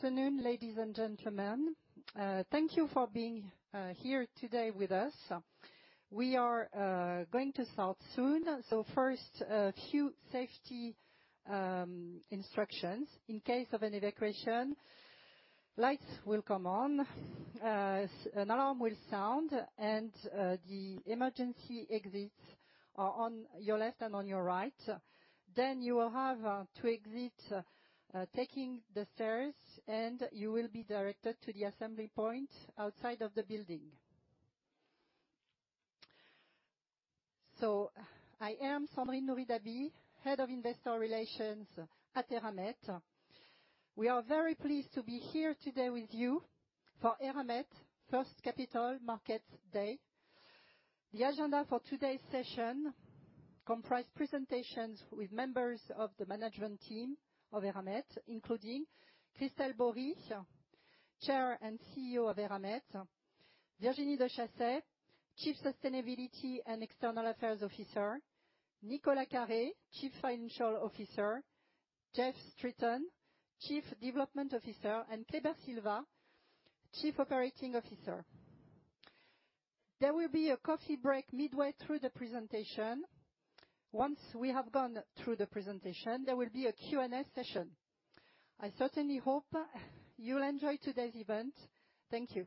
Good afternoon, ladies and gentlemen. Thank you for being here today with us. We are going to start soon, so first, a few safety instructions. In case of an evacuation, lights will come on, an alarm will sound, and the emergency exits are on your left and on your right. Then you will have to exit taking the stairs, and you will be directed to the assembly point outside of the building. So I am Sandrine Nourry-Dabi, Head of Investor Relations at Eramet. We are very pleased to be here today with you for Eramet first Capital Markets Day. The agenda for today's session comprise presentations with members of the management team of Eramet, including Christel Bories, Chair and CEO of Eramet; Virginie de Chassey, Chief Sustainability and External Affairs Officer; Nicolas Carré, Chief Financial Officer; Geoff Streeton, Chief Development Officer; and Kleber Silva, Chief Operating Officer. There will be a coffee break midway through the presentation. Once we have gone through the presentation, there will be a Q&A session. I certainly hope you'll enjoy today's event. Thank you.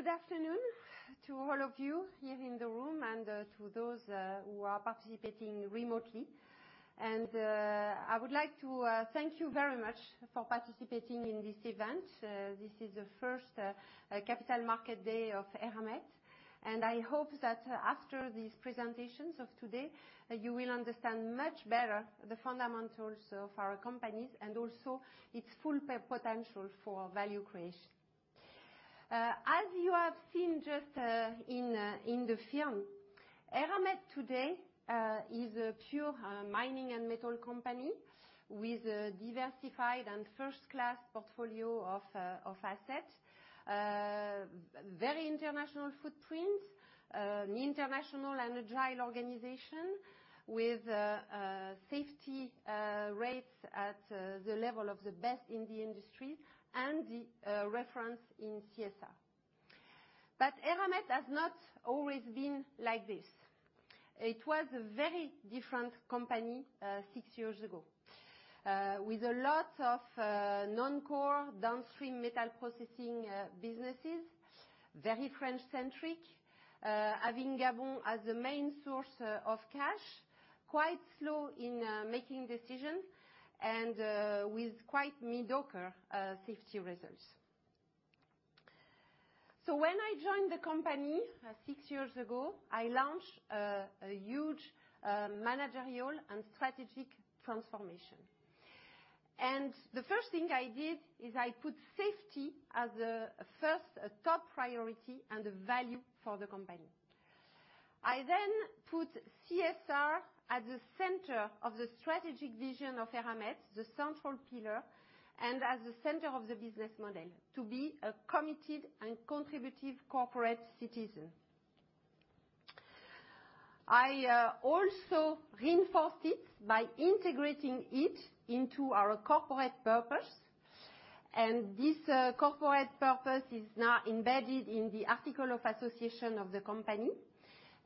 Good afternoon to all of you here in the room and to those who are participating remotely. I would like to thank you very much for participating in this event. This is the first Capital Market Day of Eramet, and I hope that after these presentations of today, you will understand much better the fundamentals of our companies and also its full potential for value creation. As you have seen just in the film, Eramet today is a pure mining and metal company with a diversified and first-class portfolio of assets. Very international footprint, an international and agile organization with safety rates at the level of the best in the industry, and the reference in CSR. But Eramet has not always been like this. It was a very different company, six years ago, with a lot of non-core downstream metal processing businesses, very French-centric, having Gabon as the main source of cash, quite slow in making decisions, and with quite mediocre safety results. So when I joined the company, six years ago, I launched a huge managerial and strategic transformation. The first thing I did is I put safety as the first top priority and a value for the company. I then put CSR at the center of the strategic vision of Eramet, the central pillar, and as the center of the business model, to be a committed and contributive corporate citizen. I also reinforced it by integrating it into our corporate purpose.... This corporate purpose is now embedded in the article of association of the company,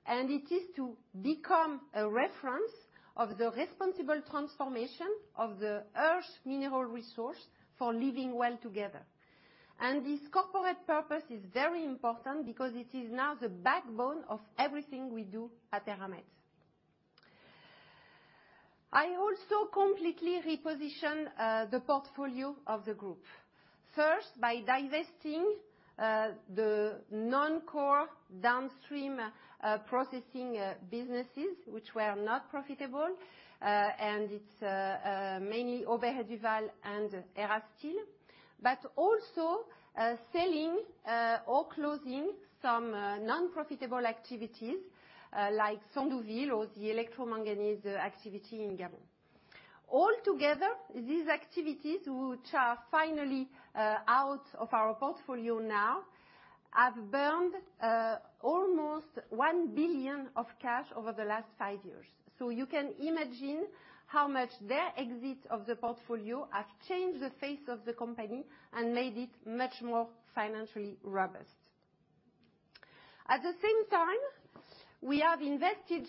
and it is to become a reference of the responsible transformation of the earth's mineral resource for living well together. This corporate purpose is very important because it is now the backbone of everything we do at Eramet. I also completely reposition the portfolio of the group. First, by divesting the non-core downstream processing businesses which were not profitable, and it's mainly Aubert & Duval and Erasteel. But also selling or closing some non-profitable activities like Sandouville or the electromanganese activity in Gabon. All together, these activities, which are finally out of our portfolio now, have burned almost 1 billion of cash over the last five years. So you can imagine how much their exit of the portfolio have changed the face of the company and made it much more financially robust. At the same time, we have invested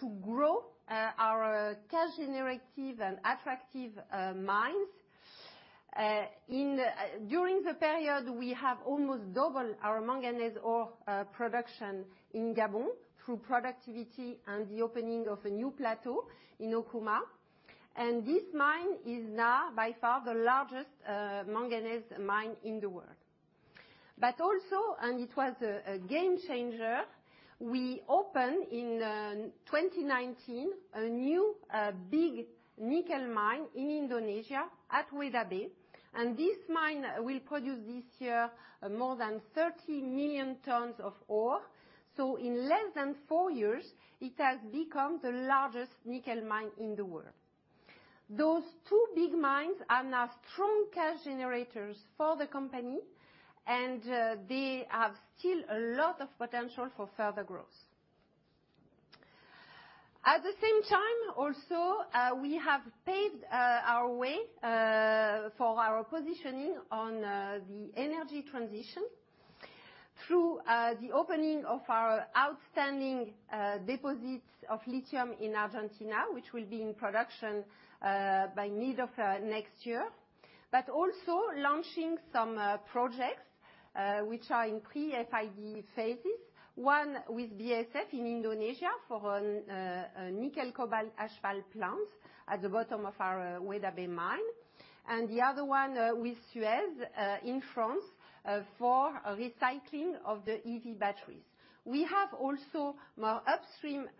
to grow our cash generative and attractive mines. During the period, we have almost doubled our manganese ore production in Gabon through productivity and the opening of a new plateau in Okouma. And this mine is now by far the largest manganese mine in the world. But also, and it was a game changer, we opened, in 2019, a new big nickel mine in Indonesia at Weda Bay, and this mine will produce this year more than 30 million tons of ore. So in less than four years, it has become the largest nickel mine in the world. Those two big mines are now strong cash generators for the company, and they have still a lot of potential for further growth. At the same time, also, we have paved our way for our positioning on the energy transition through the opening of our outstanding deposits of lithium in Argentina, which will be in production by mid of next year. But also launching some projects which are in pre-FID phases. One with BASF in Indonesia for a nickel cobalt HPAL plant at the bottom of our Weda Bay mine, and the other one with Suez in France for recycling of the EV batteries. We have also more upstream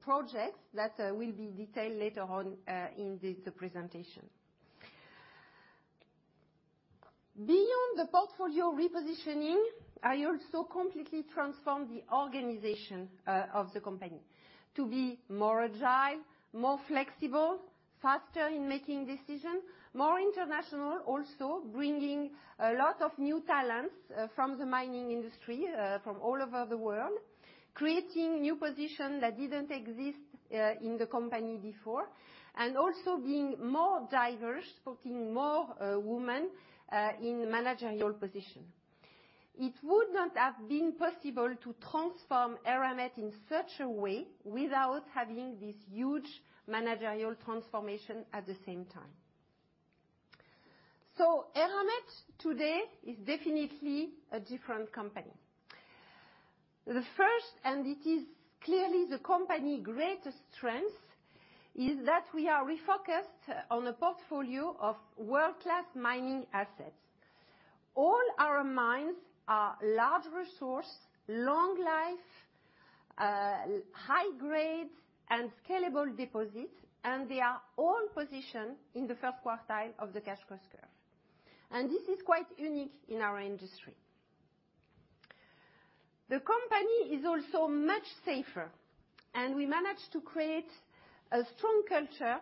projects that will be detailed later on in this presentation. Beyond the portfolio repositioning, I also completely transformed the organization of the company to be more agile, more flexible, faster in making decisions, more international, also bringing a lot of new talents from the mining industry from all over the world, creating new position that didn't exist in the company before, and also being more diverse, putting more women in managerial position. It would not have been possible to transform Eramet in such a way without having this huge managerial transformation at the same time. So Eramet today is definitely a different company. The first, and it is clearly the company's greatest strength, is that we are refocused on a portfolio of world-class mining assets. All our mines are large resource, long life, high grade, and scalable deposits, and they are all positioned in the first quartile of the cash cost curve, and this is quite unique in our industry. The company is also much safer, and we managed to create a strong culture,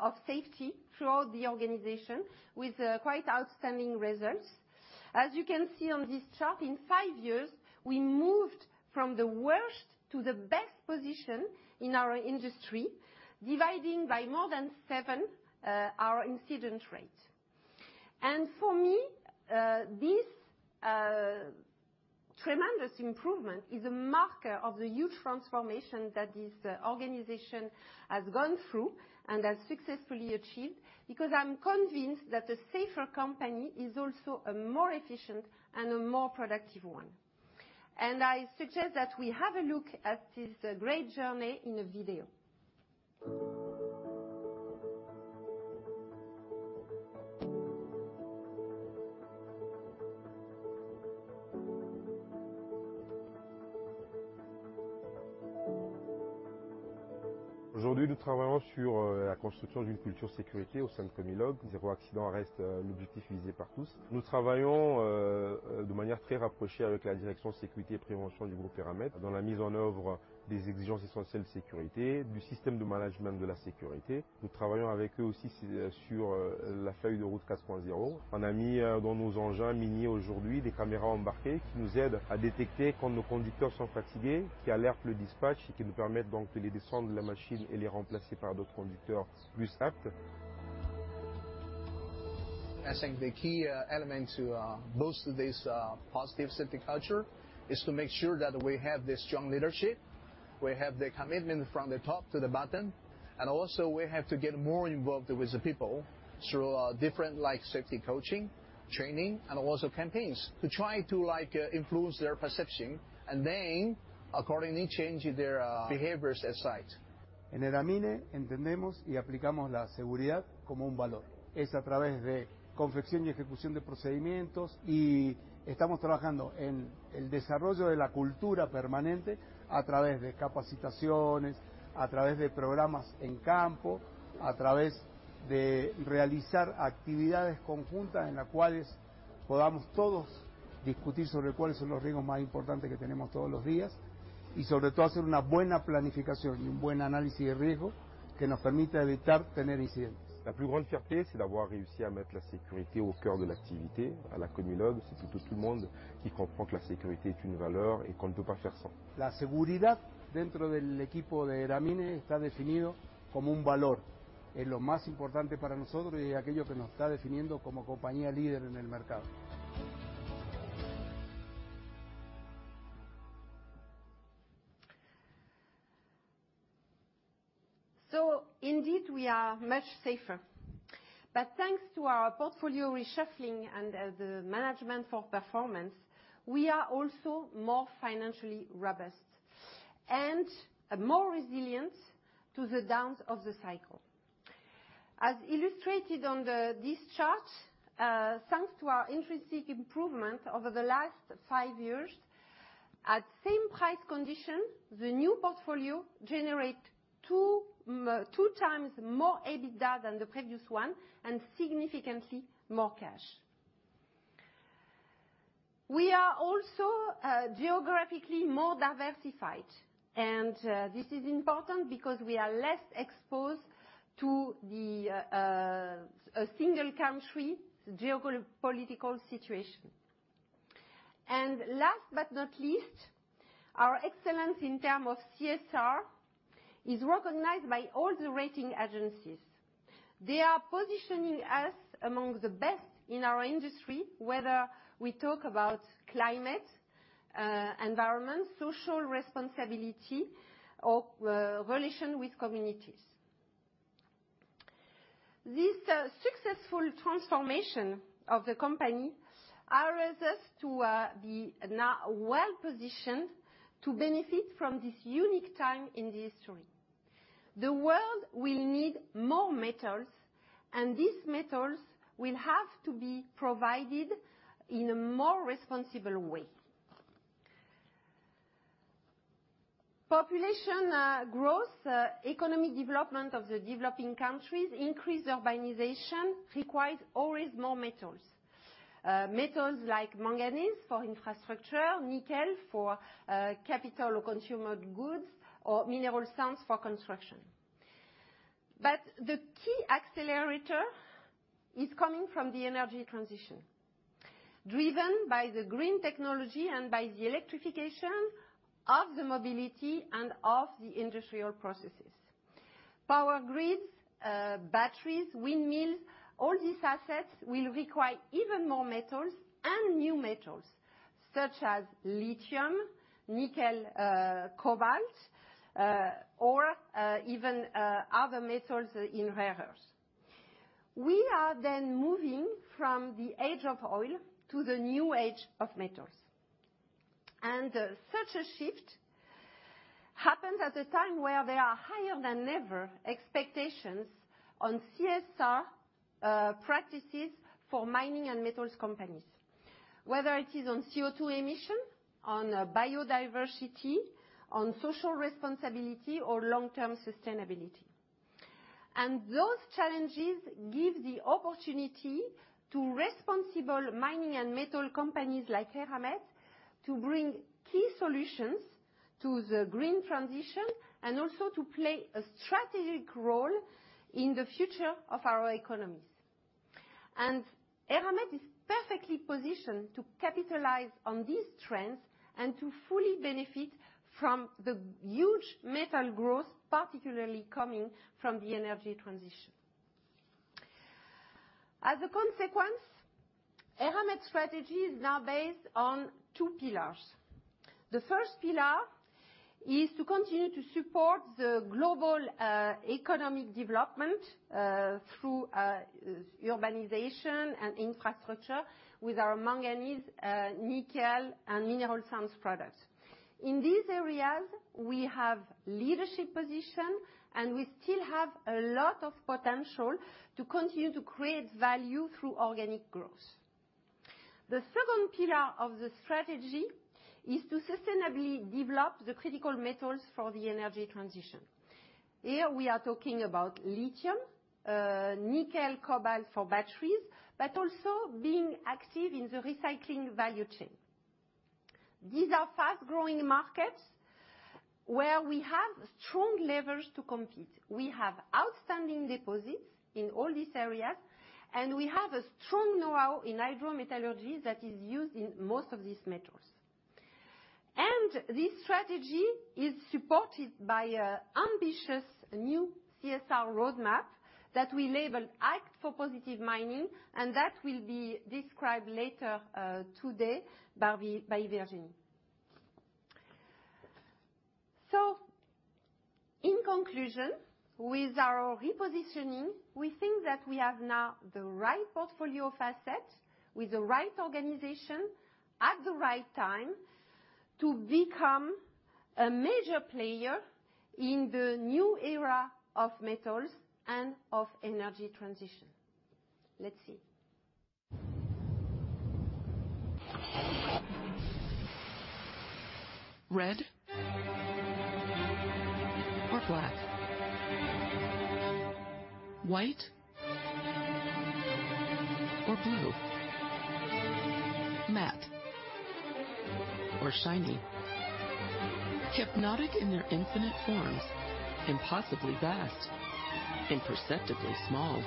of safety throughout the organization with, quite outstanding results. As you can see on this chart, in five years, we moved from the worst to the best position in our industry, dividing by more than seven, our incident rate. And for me, this, tremendous improvement is a marker of the huge transformation that this organization has gone through and has successfully achieved, because I'm convinced that a safer company is also a more efficient and a more productive one. And I suggest that we have a look at this, great journey in a video. Aujourd'hui, nous travaillons sur la construction d'une culture sécurité au sein de Comilog. 0 accident reste l'objectif visé par tous. Nous travaillons de manière très rapprochée avec la direction sécurité et prévention du groupe Eramet, dans la mise en œuvre des exigences essentielles de sécurité, du système de management de la sécurité. Nous travaillons avec eux aussi sur la feuille de route 4.0. On a mis dans nos engins miniers aujourd'hui, des caméras embarquées qui nous aident à détecter quand nos conducteurs sont fatigués, qui alertent le dispatch, et qui nous permettent donc de les descendre de la machine et les remplacer par d'autres conducteurs plus aptes.... I think the key element to boost this positive safety culture is to make sure that we have the strong leadership, we have the commitment from the top to the bottom, and also we have to get more involved with the people through different like safety coaching, training, and also campaigns to try to, like, influence their perception, and then accordingly, change their behaviors at site. En Eramet entendemos y aplicamos la seguridad como un valor. Es a través de confección y ejecución de procedimientos, y estamos trabajando en el desarrollo de la cultura permanente a través de capacitaciones, a través de programas en campo, a través de realizar actividades conjuntas, en las cuales podamos todos discutir sobre cuáles son los riesgos más importantes que tenemos todos los días y, sobre todo, hacer una buena planificación y un buen análisis de riesgo, que nos permita evitar tener incidentes. La plus grande fierté, c'est d'avoir réussi à mettre la sécurité au cœur de l'activité. À la Comilog, c'est plutôt tout le monde qui comprend que la sécurité est une valeur et qu'on ne peut pas faire sans. La seguridad dentro del equipo de Eramet está definido como un valor. Es lo más importante para nosotros y aquello que nos está definiendo como compañía líder en el mercado. So indeed, we are much safer. But thanks to our portfolio reshuffling and the management for performance, we are also more financially robust and more resilient to the downs of the cycle. As illustrated on this chart, thanks to our intrinsic improvement over the last five years, at same price condition, the new portfolio generate two times more EBITDA than the previous one, and significantly more cash. We are also geographically more diversified, and this is important because we are less exposed to a single country's geopolitical situation. And last but not least, our excellence in term of CSR is recognized by all the rating agencies. They are positioning us among the best in our industry, whether we talk about climate, environment, social responsibility, or relation with communities. This successful transformation of the company allows us to be now well positioned to benefit from this unique time in the history. The world will need more metals, and these metals will have to be provided in a more responsible way. Population growth, economic development of the developing countries, increased urbanization requires always more metals. Metals like manganese for infrastructure, nickel for capital or consumer goods, or mineral sands for construction. But the key accelerator is coming from the energy transition, driven by the green technology and by the electrification of the mobility and of the industrial processes. Power grids, batteries, windmills, all these assets will require even more metals and new metals, such as lithium, nickel, cobalt, or even other metals in rare earths. We are then moving from the age of oil to the new age of metals. Such a shift happens at a time where there are higher than never expectations on CSR practices for mining and metals companies, whether it is on CO2 emission, on biodiversity, on social responsibility or long-term sustainability. Those challenges give the opportunity to responsible mining and metal companies like Eramet to bring key solutions to the green transition, and also to play a strategic role in the future of our economies. Eramet is perfectly positioned to capitalize on these trends and to fully benefit from the huge metal growth, particularly coming from the energy transition. As a consequence, Eramet strategy is now based on two pillars. The first pillar is to continue to support the global economic development through urbanization and infrastructure with our manganese, nickel, and mineral sands products. In these areas, we have leadership position, and we still have a lot of potential to continue to create value through organic growth. The second pillar of the strategy is to sustainably develop the critical metals for the energy transition. Here, we are talking about lithium, nickel, cobalt for batteries, but also being active in the recycling value chain. These are fast-growing markets where we have strong levers to compete. We have outstanding deposits in all these areas, and we have a strong know-how in hydrometallurgy that is used in most of these metals. This strategy is supported by an ambitious new CSR roadmap that we labeled Act for Positive Mining, and that will be described later, today, by Virginie. So in conclusion, with our repositioning, we think that we have now the right portfolio of assets, with the right organization, at the right time to become a major player in the new era of metals and of energy transition. Let's see. Red or black? White or blue? Matte or shiny? Hypnotic in their infinite forms, impossibly vast, imperceptibly small.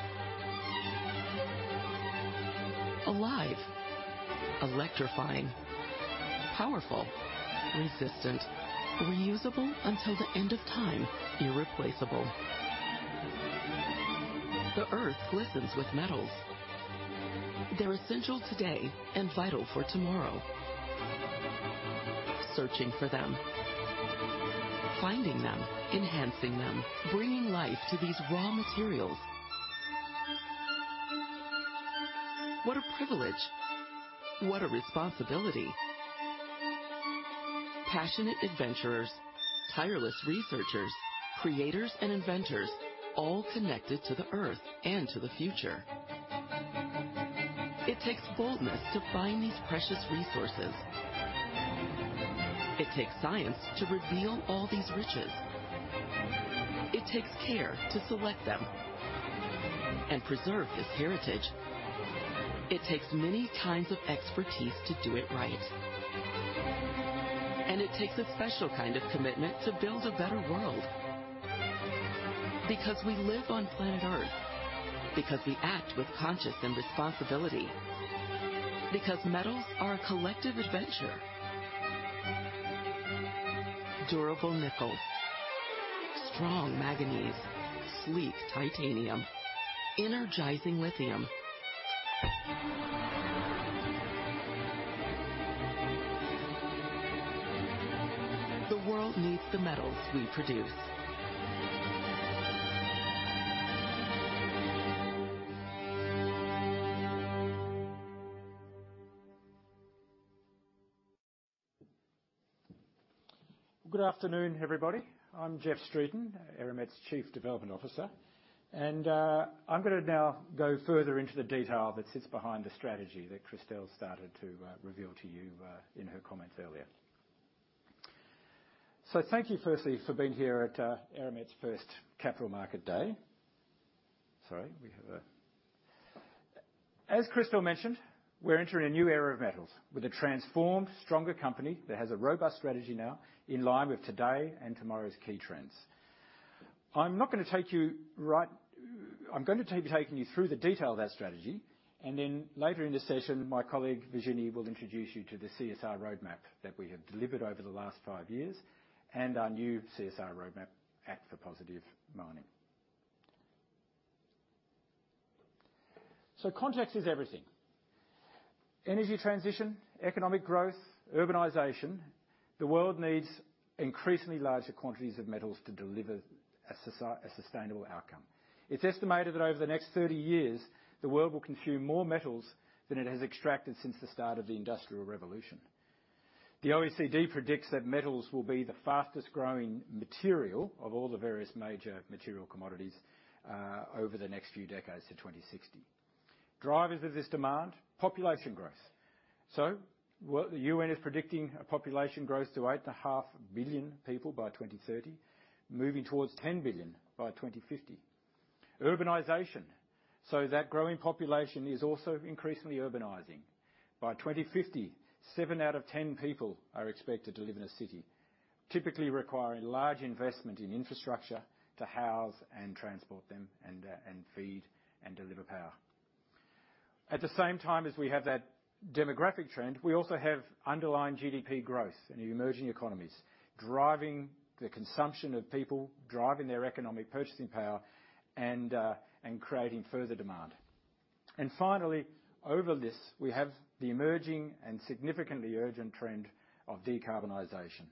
Alive, electrifying, powerful, resistant, reusable until the end of time, irreplaceable. The Earth glistens with metals. They're essential today and vital for tomorrow. Searching for them, finding them, enhancing them, bringing life to these raw materials. What a privilege! What a responsibility. Passionate adventurers, tireless researchers, creators and inventors, all connected to the earth and to the future. It takes boldness to find these precious resources. It takes science to reveal all these riches. It takes care to select them and preserve this heritage. It takes many kinds of expertise to do it right. And it takes a special kind of commitment to build a better world. Because we live on planet Earth, because we act with consciousness and responsibility, because metals are a collective adventure. Durable nickel, strong manganese, sleek titanium, energizing lithium. The world needs the metals we produce. Good afternoon, everybody. I'm Geoff Streeton, Eramet's Chief Development Officer, and I'm gonna now go further into the detail that sits behind the strategy that Christel started to reveal to you in her comments earlier. So thank you firstly for being here at Eramet's first Capital Market Day. As Christel mentioned, we're entering a new era of metals with a transformed, stronger company that has a robust strategy now in line with today and tomorrow's key trends. I'm going to be taking you through the detail of that strategy, and then later in the session, my colleague, Virginie, will introduce you to the CSR roadmap that we have delivered over the last five years, and our new CSR roadmap: Act for Positive Mining. So context is everything. Energy transition, economic growth, urbanization, the world needs increasingly larger quantities of metals to deliver a sustainable outcome. It's estimated that over the next 30 years, the world will consume more metals than it has extracted since the start of the Industrial Revolution. The OECD predicts that metals will be the fastest growing material of all the various major material commodities over the next few decades to 2060. Drivers of this demand: population growth. So what the UN is predicting, a population growth to 8.5 billion people by 2030, moving towards 10 billion by 2050. Urbanization. So that growing population is also increasingly urbanizing. By 2050, 7 out of 10 people are expected to live in a city, typically requiring large investment in infrastructure to house and transport them, and feed and deliver power. At the same time as we have that demographic trend, we also have underlying GDP growth in the emerging economies, driving the consumption of people, driving their economic purchasing power, and creating further demand. Finally, over this, we have the emerging and significantly urgent trend of decarbonization.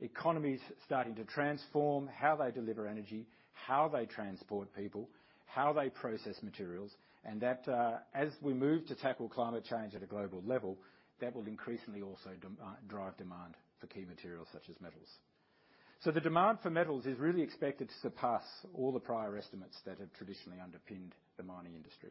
Economies starting to transform, how they deliver energy, how they transport people, how they process materials, and that, as we move to tackle climate change at a global level, that will increasingly also drive demand for key materials such as metals. The demand for metals is really expected to surpass all the prior estimates that have traditionally underpinned the mining industry.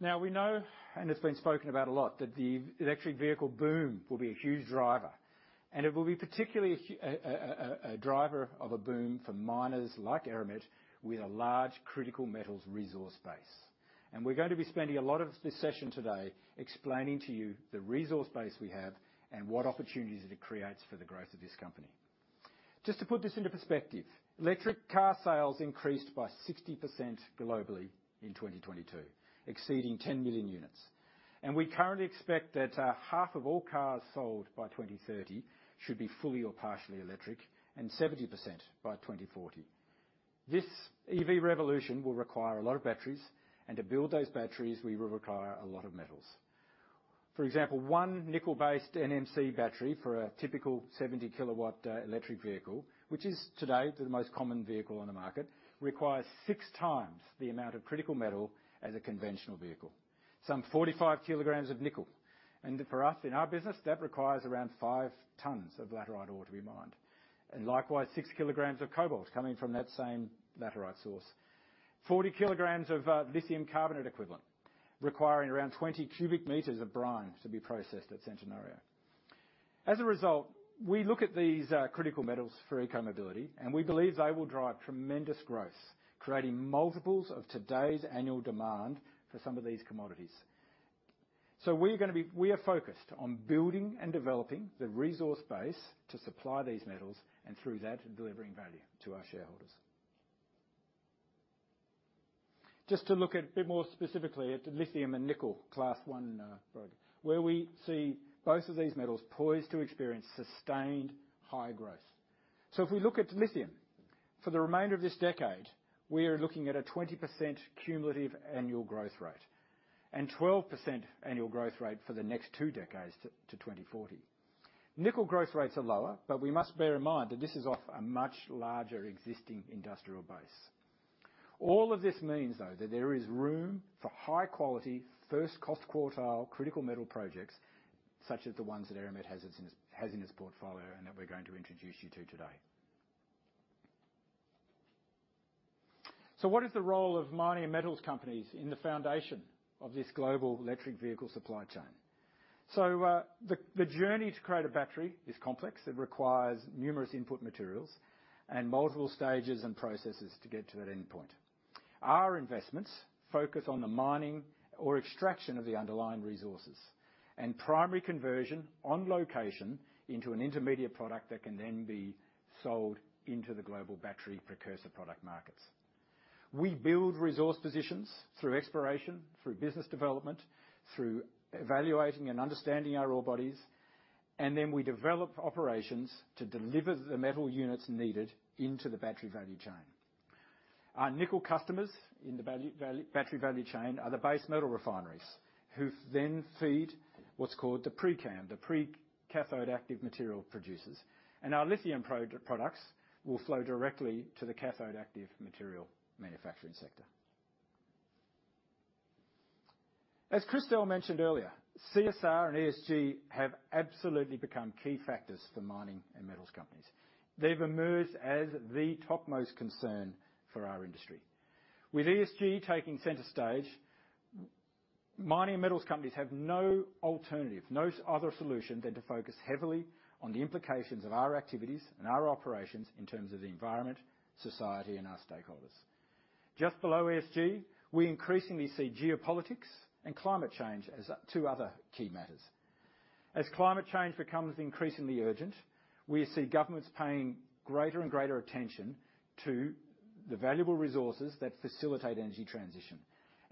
Now, we know, and it's been spoken about a lot, that the electric vehicle boom will be a huge driver, and it will be particularly a driver of a boom for miners like Eramet, with a large critical metals resource base. We're going to be spending a lot of this session today explaining to you the resource base we have and what opportunities it creates for the growth of this company. Just to put this into perspective, electric car sales increased by 60% globally in 2022, exceeding 10 million units. We currently expect that half of all cars sold by 2030 should be fully or partially electric, and 70% by 2040. This EV revolution will require a lot of batteries, and to build those batteries, we will require a lot of metals. For example, one nickel-based NMC battery for a typical 70-kilowatt electric vehicle, which is today the most common vehicle on the market, requires six times the amount of critical metal as a conventional vehicle. Some 45 kilograms of nickel, and for us, in our business, that requires around 5 tons of laterite ore to be mined, and likewise, 6 kilograms of cobalt coming from that same laterite source. 40 kilograms of lithium carbonate equivalent, requiring around 20 cubic meters of brine to be processed at Centenario. As a result, we look at these critical metals for ecomobility, and we believe they will drive tremendous growth, creating multiples of today's annual demand for some of these commodities. So we are focused on building and developing the resource base to supply these metals, and through that, delivering value to our shareholders. Just to look at, a bit more specifically, at the lithium and nickel Class 1 project, where we see both of these metals poised to experience sustained high growth. So if we look at lithium, for the remainder of this decade, we are looking at a 20% cumulative annual growth rate, and 12% annual growth rate for the next two decades to 2040. Nickel growth rates are lower, but we must bear in mind that this is off a much larger existing industrial base. All of this means, though, that there is room for high-quality, first-cost quartile, critical metal projects, such as the ones that Eramet has in its portfolio, and that we're going to introduce you to today. So what is the role of mining and metals companies in the foundation of this global electric vehicle supply chain? So, the journey to create a battery is complex. It requires numerous input materials and multiple stages and processes to get to that endpoint. Our investments focus on the mining or extraction of the underlying resources, and primary conversion on location into an intermediate product that can then be sold into the global battery precursor product markets. We build resource positions through exploration, through business development, through evaluating and understanding our ore bodies, and then we develop operations to deliver the metal units needed into the battery value chain. Our nickel customers in the battery value chain are the base metal refineries, who then feed what's called the Pre-CAM, the pre-cathode active material producers. And our lithium products will flow directly to the cathode active material manufacturing sector. As Christel mentioned earlier, CSR and ESG have absolutely become key factors for mining and metals companies. They've emerged as the topmost concern for our industry. With ESG taking center stage, mining and metals companies have no alternative, no other solution than to focus heavily on the implications of our activities and our operations in terms of the environment, society, and our stakeholders. Just below ESG, we increasingly see geopolitics and climate change as two other key matters. As climate change becomes increasingly urgent, we see governments paying greater and greater attention to the valuable resources that facilitate energy transition.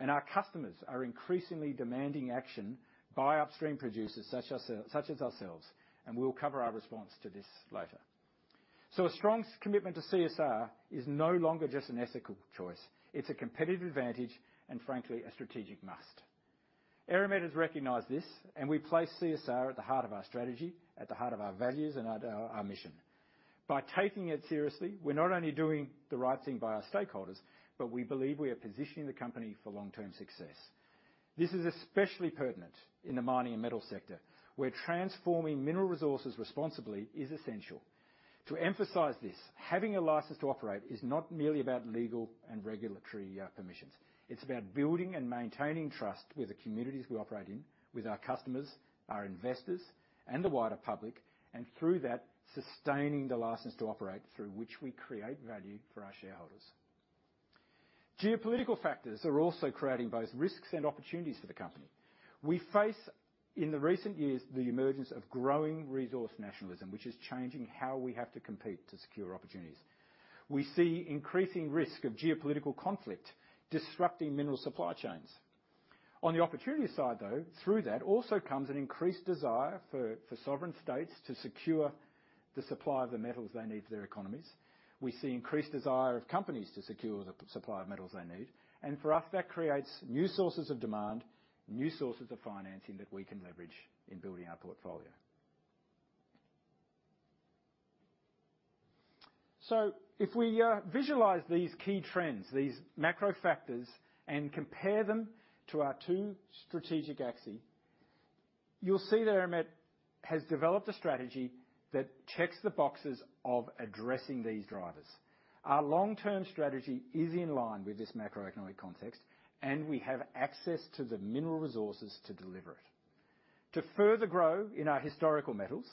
And our customers are increasingly demanding action by upstream producers, such as ourselves, and we'll cover our response to this later. So a strong commitment to CSR is no longer just an ethical choice. It's a competitive advantage, and frankly, a strategic must. Eramet has recognized this, and we place CSR at the heart of our strategy, at the heart of our values, and at our mission. By taking it seriously, we're not only doing the right thing by our stakeholders, but we believe we are positioning the company for long-term success. This is especially pertinent in the mining and metals sector, where transforming mineral resources responsibly is essential. To emphasize this, having a license to operate is not merely about legal and regulatory permissions. It's about building and maintaining trust with the communities we operate in, with our customers, our investors and the wider public, and through that, sustaining the license to operate, through which we create value for our shareholders. Geopolitical factors are also creating both risks and opportunities for the company. We face, in the recent years, the emergence of growing resource nationalism, which is changing how we have to compete to secure opportunities. We see increasing risk of geopolitical conflict disrupting mineral supply chains. On the opportunity side, though, through that also comes an increased desire for sovereign states to secure the supply of the metals they need for their economies. We see increased desire of companies to secure the supply of metals they need, and for us, that creates new sources of demand, new sources of financing that we can leverage in building our portfolio. So if we visualize these key trends, these macro factors, and compare them to our two strategic axes, you'll see that Eramet has developed a strategy that checks the boxes of addressing these drivers. Our long-term strategy is in line with this macroeconomic context, and we have access to the mineral resources to deliver it. To further grow in our historical metals,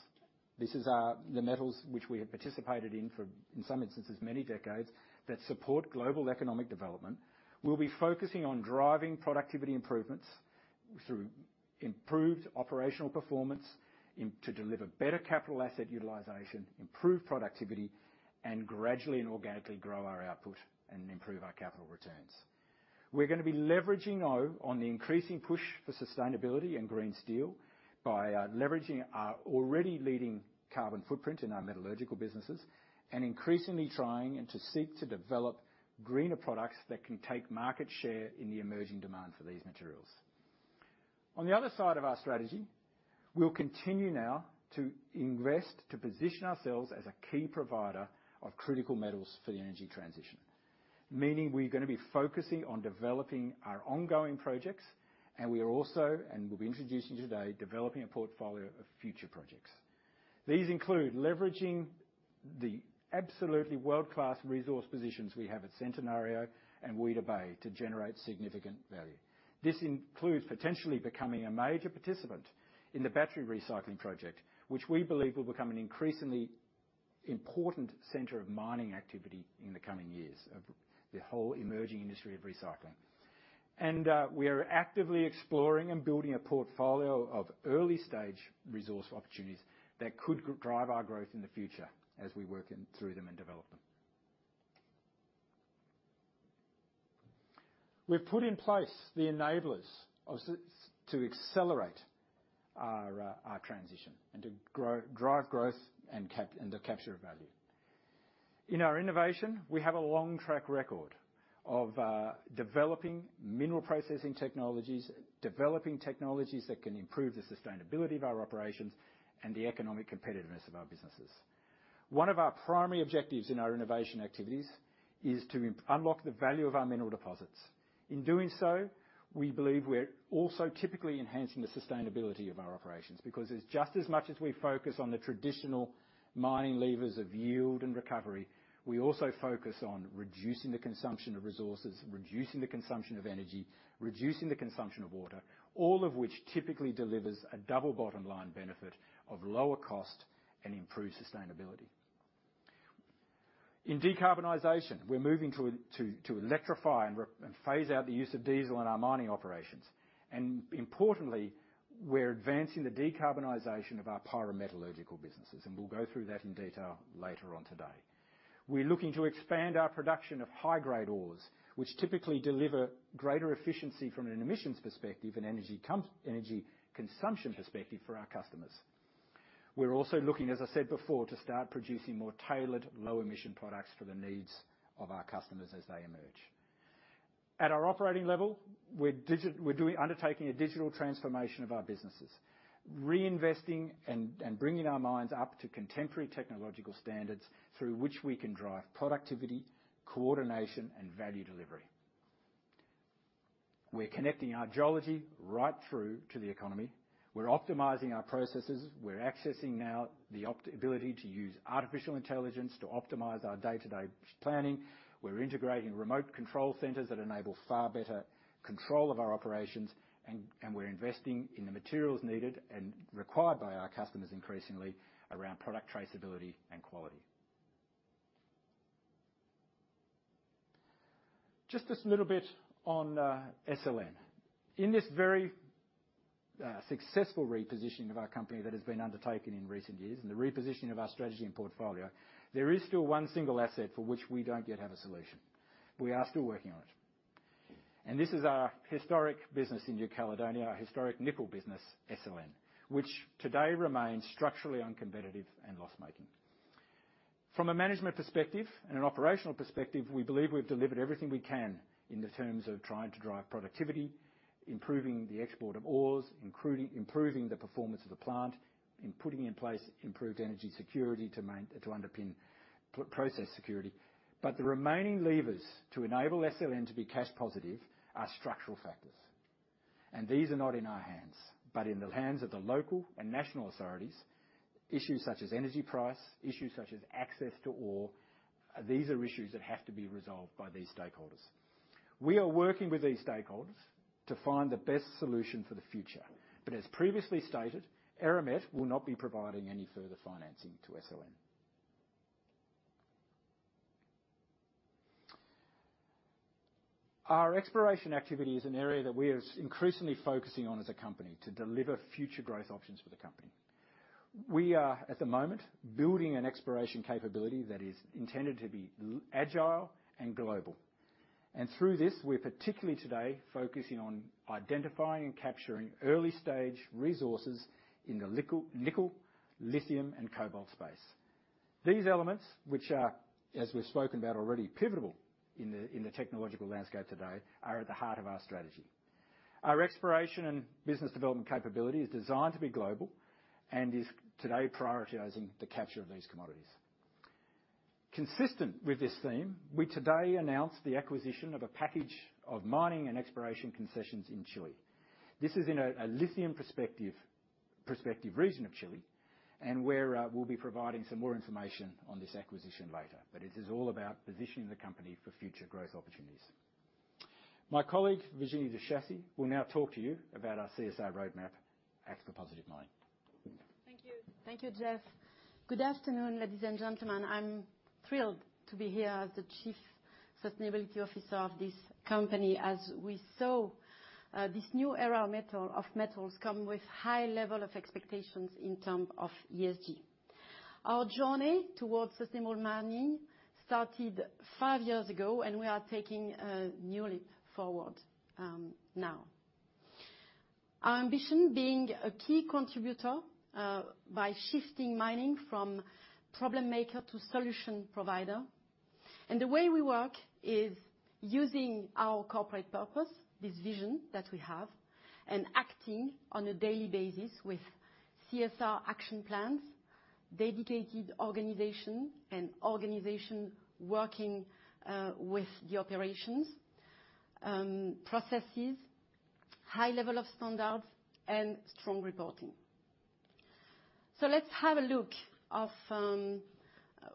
the metals which we have participated in, in some instances, many decades, that support global economic development. We'll be focusing on driving productivity improvements through improved operational performance and to deliver better capital asset utilization, improve productivity, and gradually and organically grow our output and improve our capital returns. We're gonna be leveraging now on the increasing push for sustainability and green steel by leveraging our already leading carbon footprint in our metallurgical businesses, and increasingly trying and to seek to develop greener products that can take market share in the emerging demand for these materials. On the other side of our strategy, we'll continue now to invest, to position ourselves as a key provider of critical metals for the energy transition, meaning we're gonna be focusing on developing our ongoing projects, and we are also, and we'll be introducing today, developing a portfolio of future projects. These include leveraging the absolutely world-class resource positions we have at Centenario and Weda Bay to generate significant value. This includes potentially becoming a major participant in the battery recycling project, which we believe will become an increasingly important center of mining activity in the coming years of the whole emerging industry of recycling. And, we are actively exploring and building a portfolio of early-stage resource opportunities that could drive our growth in the future as we work in, through them and develop them. We've put in place the enablers to accelerate our our transition and to drive growth and the capture of value. In our innovation, we have a long track record of developing mineral processing technologies, developing technologies that can improve the sustainability of our operations and the economic competitiveness of our businesses. One of our primary objectives in our innovation activities is to unlock the value of our mineral deposits. In doing so, we believe we're also typically enhancing the sustainability of our operations, because as just as much as we focus on the traditional mining levers of yield and recovery, we also focus on reducing the consumption of resources, reducing the consumption of energy, reducing the consumption of water, all of which typically delivers a double bottom line benefit of lower cost and improved sustainability. In decarbonization, we're moving to electrify and phase out the use of diesel in our mining operations. Importantly, we're advancing the decarbonization of our pyrometallurgical businesses, and we'll go through that in detail later on today. We're looking to expand our production of high-grade ores, which typically deliver greater efficiency from an emissions perspective and energy consumption perspective for our customers. We're also looking, as I said before, to start producing more tailored, low-emission products for the needs of our customers as they emerge. At our operating level, we're undertaking a digital transformation of our businesses, reinvesting and bringing our mines up to contemporary technological standards through which we can drive productivity, coordination, and value delivery. We're connecting our geology right through to the economy. We're optimizing our processes. We're accessing now the opportunity to use artificial intelligence to optimize our day-to-day planning. We're integrating remote control centers that enable far better control of our operations, and we're investing in the materials needed and required by our customers increasingly around product traceability and quality. Just this little bit on SLN. In this very successful repositioning of our company that has been undertaken in recent years, and the repositioning of our strategy and portfolio, there is still one single asset for which we don't yet have a solution. We are still working on it. This is our historic business in New Caledonia, our historic nickel business, SLN, which today remains structurally uncompetitive and loss-making. From a management perspective and an operational perspective, we believe we've delivered everything we can in terms of trying to drive productivity, improving the export of ores, including improving the performance of the plant, and putting in place improved energy security to underpin process security. But the remaining levers to enable SLN to be cash positive are structural factors, and these are not in our hands, but in the hands of the local and national authorities, issues such as energy price, issues such as access to ore, these are issues that have to be resolved by these stakeholders. We are working with these stakeholders to find the best solution for the future. But as previously stated, Eramet will not be providing any further financing to SLN. Our exploration activity is an area that we are increasingly focusing on as a company to deliver future growth options for the company. We are, at the moment, building an exploration capability that is intended to be agile and global. Through this, we're particularly today focusing on identifying and capturing early-stage resources in the critical nickel, lithium, and cobalt space. These elements, which are, as we've spoken about already, pivotal in the, in the technological landscape today, are at the heart of our strategy. Our exploration and business development capability is designed to be global and is today prioritizing the capture of these commodities. Consistent with this theme, we today announced the acquisition of a package of mining and exploration concessions in Chile. This is in a lithium prospective region of Chile, and where we'll be providing some more information on this acquisition later. But it is all about positioning the company for future growth opportunities. ...My colleague, Virginie de Chassey, will now talk to you about our CSR roadmap, Act for Positive Mining. Thank you. Thank you, Geoff. Good afternoon, ladies and gentlemen. I'm thrilled to be here as the Chief Sustainability Officer of this company. As we saw, this new era of metal, of metals come with high level of expectations in term of ESG. Our journey towards sustainable mining started five years ago, and we are taking a new leap forward now. Our ambition being a key contributor by shifting mining from problem maker to solution provider, and the way we work is using our corporate purpose, this vision that we have, and acting on a daily basis with CSR action plans, dedicated organization and organization working with the operations, processes, high level of standards and strong reporting. So let's have a look at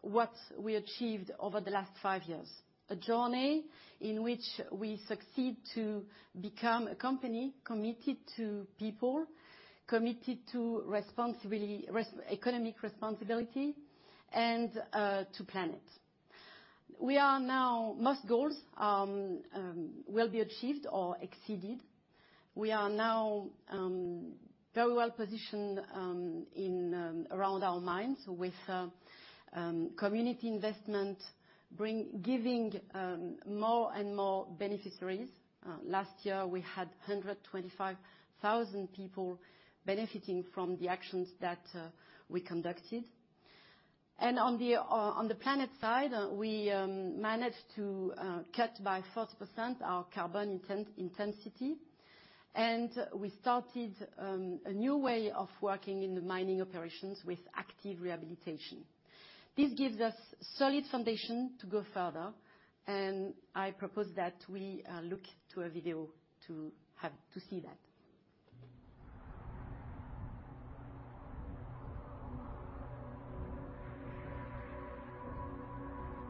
what we achieved over the last five years, a journey in which we succeed to become a company committed to people, committed to responsibility, economic responsibility, and to planet. Most goals will be achieved or exceeded. We are now very well positioned in around our mines with community investment, giving more and more beneficiaries. Last year, we had 125,000 people benefiting from the actions that we conducted. And on the planet side, we managed to cut by 40% our carbon intensity, and we started a new way of working in the mining operations with active rehabilitation. This gives us solid foundation to go further, and I propose that we look to a video to have, to see that.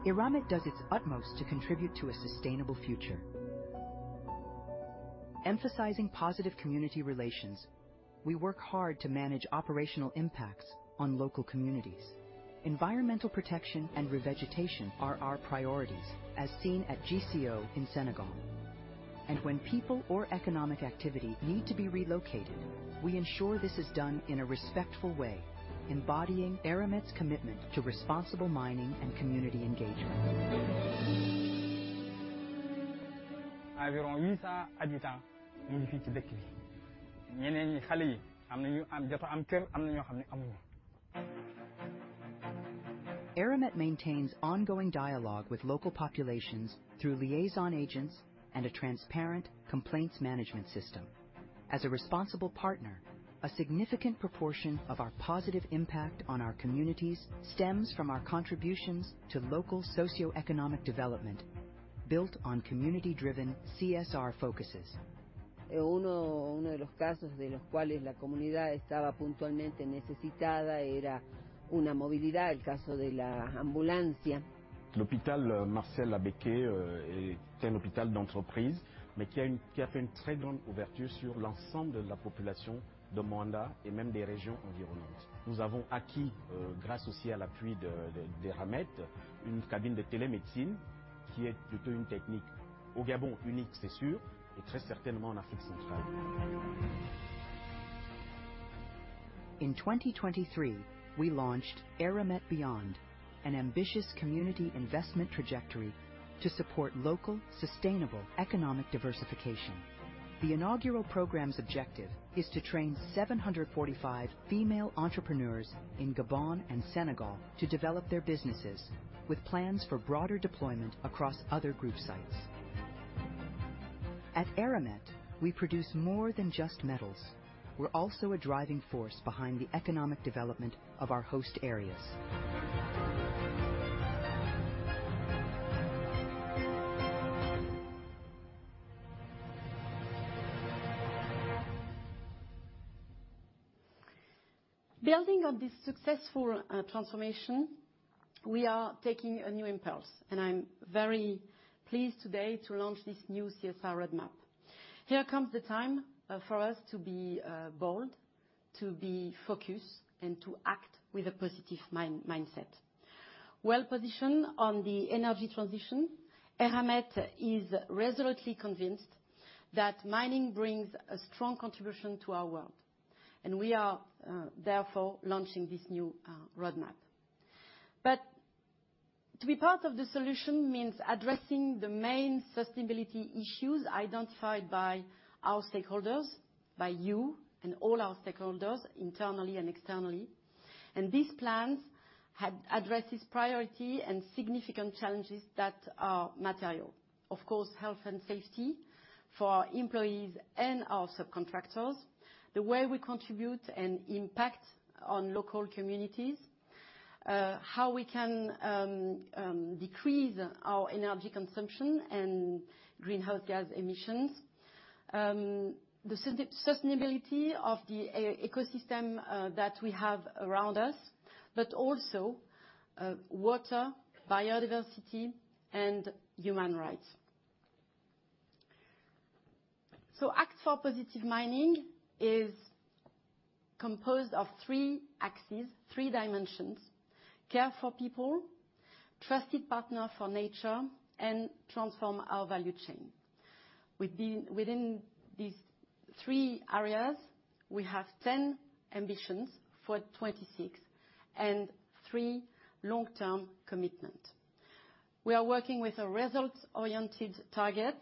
Eramet does its utmost to contribute to a sustainable future. Emphasizing positive community relations, we work hard to manage operational impacts on local communities. Environmental protection and revegetation are our priorities, as seen at GCO in Senegal. And when people or economic activity need to be relocated, we ensure this is done in a respectful way, embodying Eramet's commitment to responsible mining and community engagement. Eramet maintains ongoing dialogue with local populations through liaison agents and a transparent complaints management system. As a responsible partner, a significant proportion of our positive impact on our communities stems from our contributions to local socioeconomic development, built on community-driven CSR focuses. In 2023, we launched Eramet Beyond, an ambitious community investment trajectory to support local, sustainable economic diversification. The inaugural program's objective is to train 745 female entrepreneurs in Gabon and Senegal to develop their businesses with plans for broader deployment across other group sites. At Eramet, we produce more than just metals. We're also a driving force behind the economic development of our host areas. Building on this successful transformation, we are taking a new impulse, and I'm very pleased today to launch this new CSR roadmap. Here comes the time for us to be bold, to be focused, and to act with a positive mindset. Well-positioned on the energy transition, Eramet is resolutely convinced that mining brings a strong contribution to our world, and we are therefore launching this new roadmap. But to be part of the solution means addressing the main sustainability issues identified by our stakeholders, by you, and all our stakeholders, internally and externally. And these plans address priority and significant challenges that are material. Of course, health and safety for our employees and our subcontractors, the way we contribute and impact on local communities, how we can decrease our energy consumption and greenhouse gas emissions.... The sustainability of the ecosystem we have around us, but also water, biodiversity, and human rights. So Act for Positive Mining is composed of three axes, three dimensions: care for people, trusted partner for nature, and transform our value chain. Within these three areas, we have ten ambitions for 2026, and three long-term commitment. We are working with a results-oriented target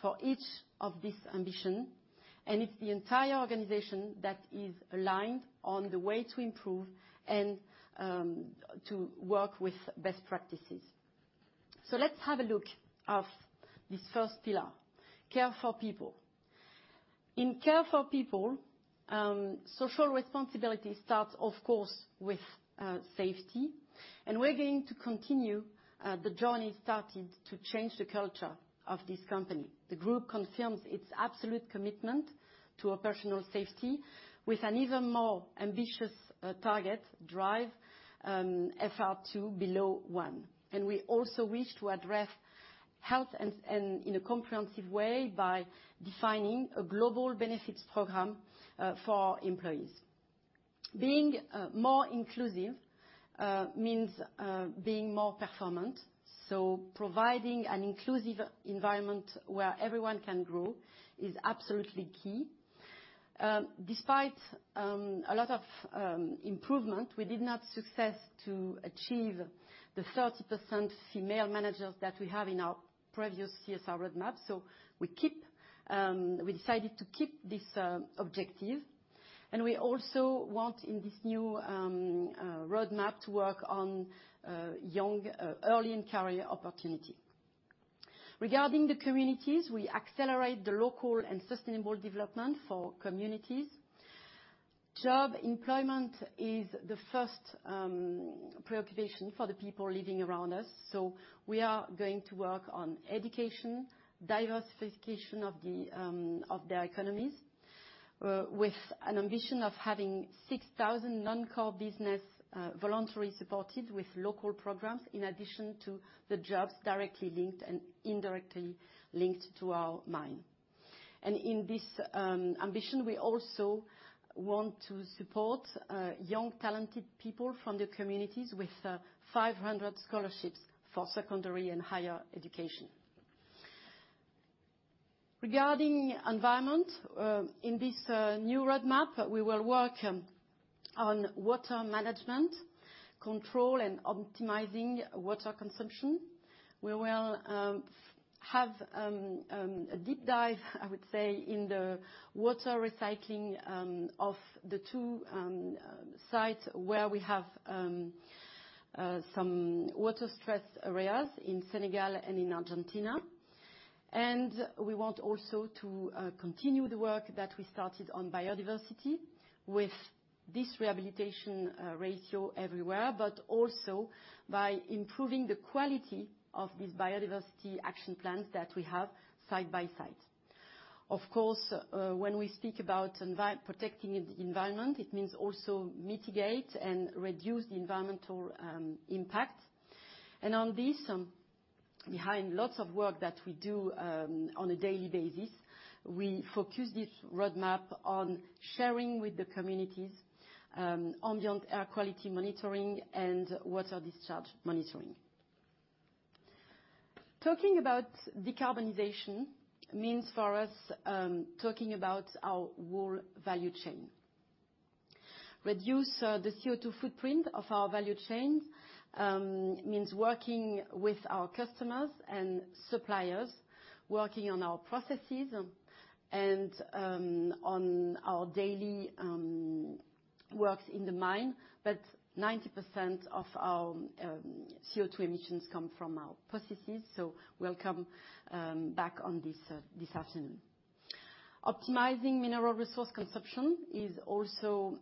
for each of these ambition, and it's the entire organization that is aligned on the way to improve and to work with best practices. So let's have a look of this first pillar, care for people. In care for people, social responsibility starts, of course, with safety, and we're going to continue the journey started to change the culture of this company. The group confirms its absolute commitment to operational safety with an even more ambitious target, drive, FR2 below 1. We also wish to address health and in a comprehensive way by defining a global benefits program for employees. Being more inclusive means being more performant, so providing an inclusive environment where everyone can grow is absolutely key. Despite a lot of improvement, we did not success to achieve the 30% female managers that we have in our previous CSR roadmap. We keep, we decided to keep this objective, and we also want, in this new roadmap, to work on young early in career opportunity. Regarding the communities, we accelerate the local and sustainable development for communities. Job employment is the first preoccupation for the people living around us, so we are going to work on education, diversification of their economies, with an ambition of having 6,000 non-core business voluntarily supported with local programs, in addition to the jobs directly linked and indirectly linked to our mine. In this ambition, we also want to support young, talented people from the communities with 500 scholarships for secondary and higher education. Regarding environment, in this new roadmap, we will work on water management, control, and optimizing water consumption. We will have a deep dive, I would say, in the water recycling of the two sites where we have some water-stressed areas in Senegal and in Argentina. And we want also to continue the work that we started on biodiversity with this rehabilitation ratio everywhere, but also by improving the quality of these biodiversity action plans that we have side by side. Of course, when we speak about protecting the environment, it means also mitigate and reduce the environmental impact. On this, behind lots of work that we do on a daily basis, we focus this roadmap on sharing with the communities ambient air quality monitoring and water discharge monitoring. Talking about decarbonization means, for us, talking about our whole value chain. Reduce the CO2 footprint of our value chain means working with our customers and suppliers, working on our processes, and on our daily works in the mine, but 90% of our CO2 emissions come from our processes, so we'll come back on this this afternoon. Optimizing mineral resource consumption is also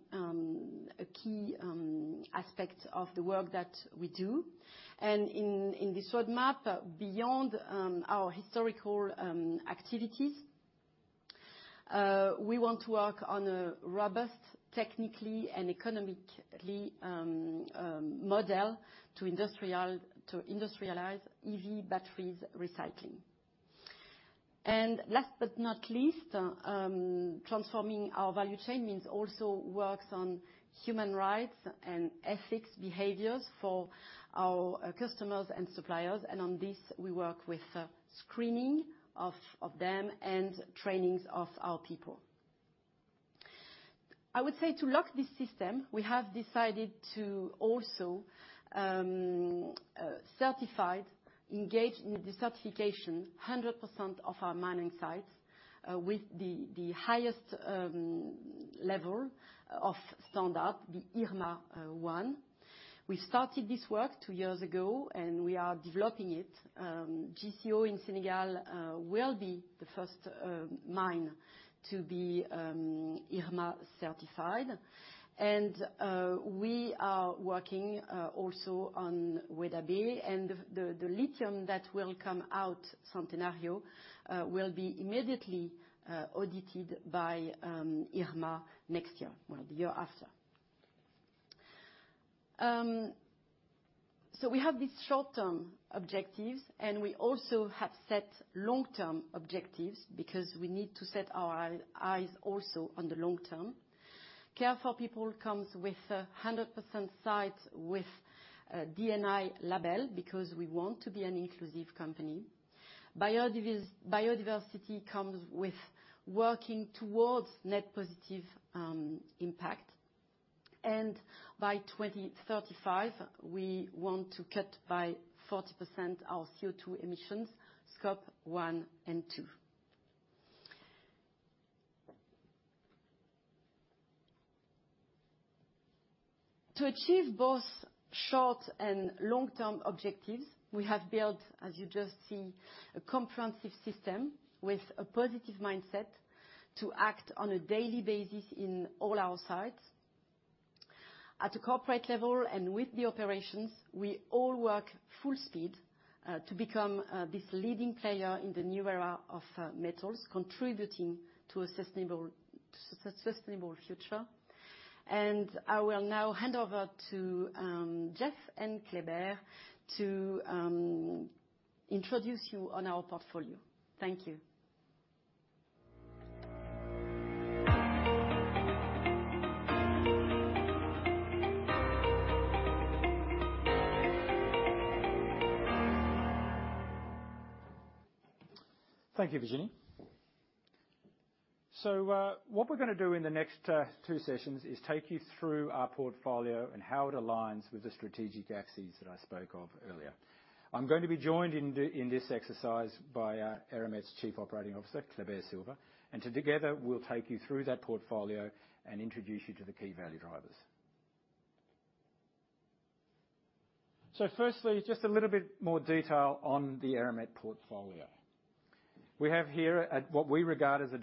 a key aspect of the work that we do. In this roadmap, beyond our historical activities, we want to work on a robust, technically and economically model to industrialize EV batteries recycling. Last but not least, transforming our value chain means also works on human rights and ethics behaviors for our customers and suppliers, and on this, we work with screening of them and trainings of our people. I would say to lock this system, we have decided to also engage in the certification 100% of our mining sites with the highest level of standard, the IRMA one. We started this work two years ago, and we are developing it. GCO in Senegal will be the first mine to be IRMA certified. And we are working also on with Weda Bay, and the lithium that will come out from Centenario will be immediately audited by IRMA next year, well, the year after. So we have these short-term objectives, and we also have set long-term objectives because we need to set our eyes also on the long term. Care for people comes with 100% sites with D&I label, because we want to be an inclusive company. Biodiversity comes with working towards net positive impact. By 2035, we want to cut by 40% our CO2 emissions, Scope 1 and 2. To achieve both short and long-term objectives, we have built, as you just see, a comprehensive system with a positive mindset to act on a daily basis in all our sites. At a corporate level, and with the operations, we all work full speed to become this leading player in the new era of metals, contributing to a sustainable future. I will now hand over to Geoff and Kleber to introduce you on our portfolio. Thank you. Thank you, Virginie. So, what we're gonna do in the next two sessions is take you through our portfolio and how it aligns with the strategic axes that I spoke of earlier. I'm going to be joined in this exercise by our Eramet's Chief Operating Officer, Kleber Silva, and together, we'll take you through that portfolio and introduce you to the key value drivers. So firstly, just a little bit more detail on the Eramet portfolio. We have here what we regard as a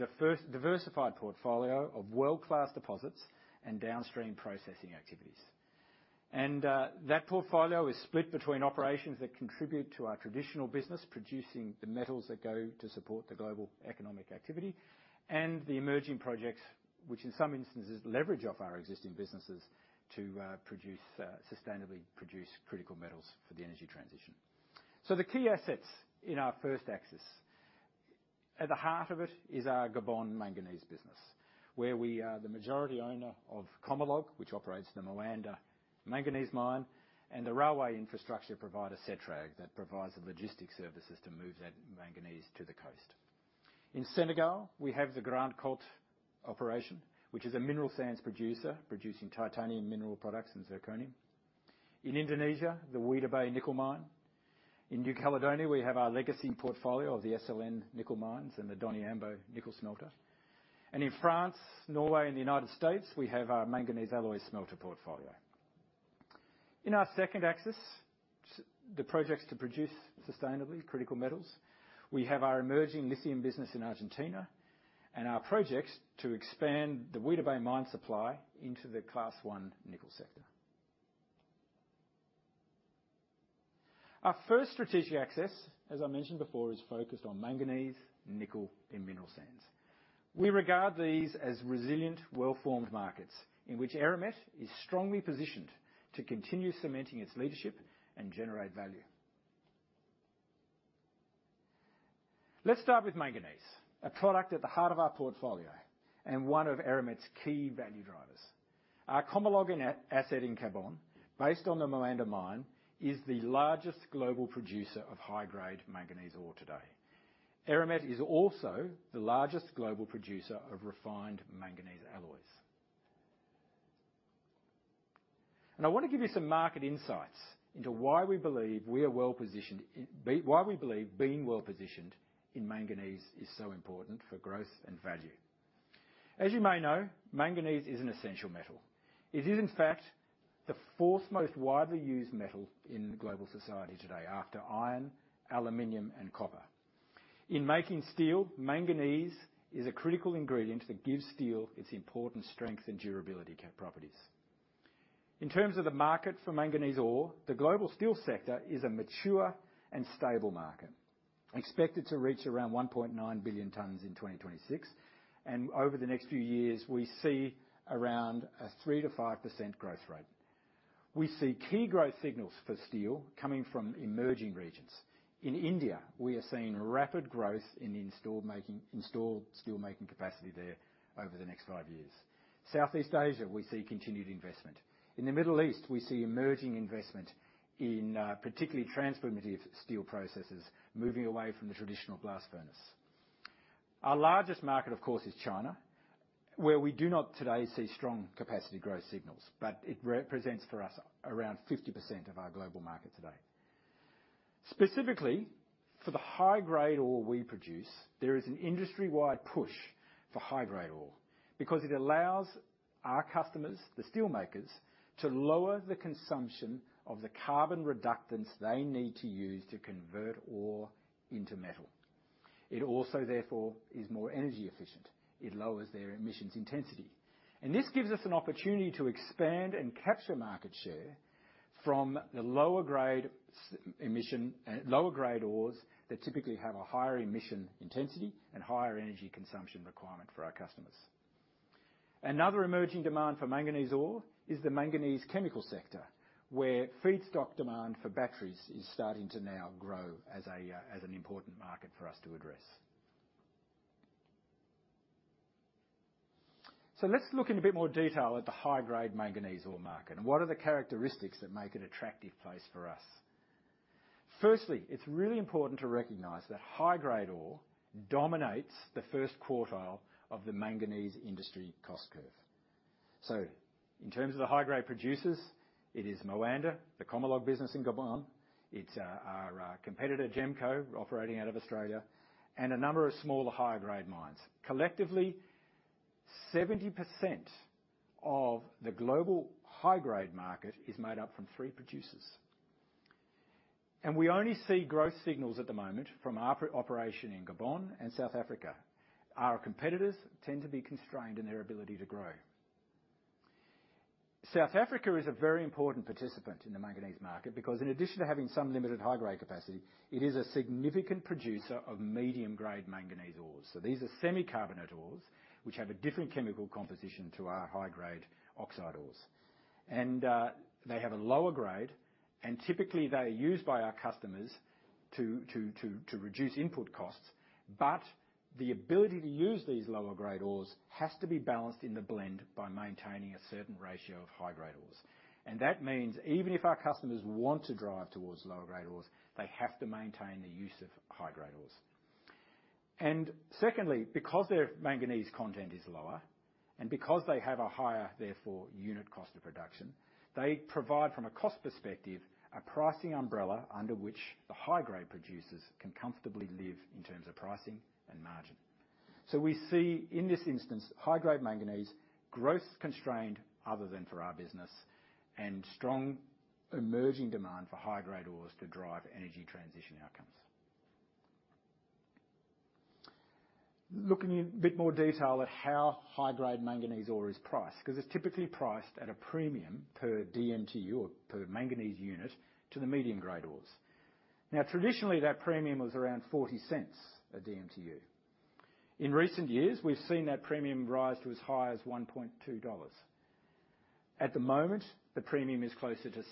diversified portfolio of world-class deposits and downstream processing activities. That portfolio is split between operations that contribute to our traditional business, producing the metals that go to support the global economic activity, and the emerging projects, which in some instances, leverage off our existing businesses to sustainably produce critical metals for the energy transition. The key assets in our first axis, at the heart of it is our Gabon manganese business, where we are the majority owner of Comilog, which operates the Moanda manganese mine, and the railway infrastructure provider, Setrag, that provides the logistics services to move that manganese to the coast. In Senegal, we have the Grande Côte operation, which is a mineral sands producer, producing titanium mineral products and zircon. In Indonesia, the Weda Bay nickel mine. In New Caledonia, we have our legacy portfolio of the SLN nickel mines and the Doniambo nickel smelter. In France, Norway, and the United States, we have our manganese alloy smelter portfolio. In our second axis, the projects to produce sustainably critical metals, we have our emerging lithium business in Argentina, and our projects to expand the Weda Bay mine supply into the Class One nickel sector. Our first strategic axis, as I mentioned before, is focused on manganese, nickel, and mineral sands. We regard these as resilient, well-formed markets in which Eramet is strongly positioned to continue cementing its leadership and generate value. Let's start with manganese, a product at the heart of our portfolio and one of Eramet's key value drivers. Our Comilog asset in Gabon, based on the Moanda mine, is the largest global producer of high-grade manganese ore today. Eramet is also the largest global producer of refined manganese alloys. I want to give you some market insights into why we believe we are well positioned in, why we believe being well-positioned in manganese is so important for growth and value. As you may know, manganese is an essential metal. It is, in fact, the fourth most widely used metal in global society today, after iron, aluminum, and copper. In making steel, manganese is a critical ingredient that gives steel its important strength and durability properties. In terms of the market for manganese ore, the global steel sector is a mature and stable market, expected to reach around 1.9 billion tons in 2026, and over the next few years, we see around a 3%-5% growth rate. We see key growth signals for steel coming from emerging regions. In India, we are seeing rapid growth in the installed making, installed steelmaking capacity there over the next five years. Southeast Asia, we see continued investment. In the Middle East, we see emerging investment in, particularly transformative steel processes, moving away from the traditional blast furnace. Our largest market, of course, is China, where we do not today see strong capacity growth signals, but it represents for us around 50% of our global market today. Specifically, for the high-grade ore we produce, there is an industry-wide push for high-grade ore, because it allows our customers, the steelmakers, to lower the consumption of the carbon reductants they need to use to convert ore into metal. It also, therefore, is more energy efficient. It lowers their emissions intensity. And this gives us an opportunity to expand and capture market share from the lower grade ores that typically have a higher emission intensity and higher energy consumption requirement for our customers. Another emerging demand for manganese ore is the manganese chemical sector, where feedstock demand for batteries is starting to now grow as an important market for us to address. So let's look in a bit more detail at the high-grade manganese ore market, and what are the characteristics that make it attractive place for us? Firstly, it's really important to recognize that high-grade ore dominates the first quartile of the manganese industry cost curve. So in terms of the high-grade producers, it is Moanda, the Comilog business in Gabon. It's our competitor, GEMCO, operating out of Australia, and a number of smaller high-grade mines. Collectively, 70% of the global high-grade market is made up from three producers. And we only see growth signals at the moment from operation in Gabon and South Africa. Our competitors tend to be constrained in their ability to grow. South Africa is a very important participant in the manganese market because in addition to having some limited high-grade capacity, it is a significant producer of medium-grade manganese ores. So these are semi-carbonate ores, which have a different chemical composition to our high-grade oxide ores. And, they have a lower grade, and typically, they are used by our customers to reduce input costs. But the ability to use these lower-grade ores has to be balanced in the blend by maintaining a certain ratio of high-grade ores. And that means even if our customers want to drive towards lower-grade ores, they have to maintain the use of high-grade ores. And secondly, because their manganese content is lower, and because they have a higher, therefore, unit cost of production, they provide, from a cost perspective, a pricing umbrella under which the high-grade producers can comfortably live in terms of pricing and margin. So we see in this instance, high-grade manganese, growth is constrained other than for our business, and strong emerging demand for high-grade ores to drive energy transition outcomes. Looking in a bit more detail at how high-grade manganese ore is priced, because it's typically priced at a premium per DMTU or per manganese unit to the medium-grade ores. Now, traditionally, that premium was around $0.40 per DMTU. In recent years, we've seen that premium rise to as high as $1.2. At the moment, the premium is closer to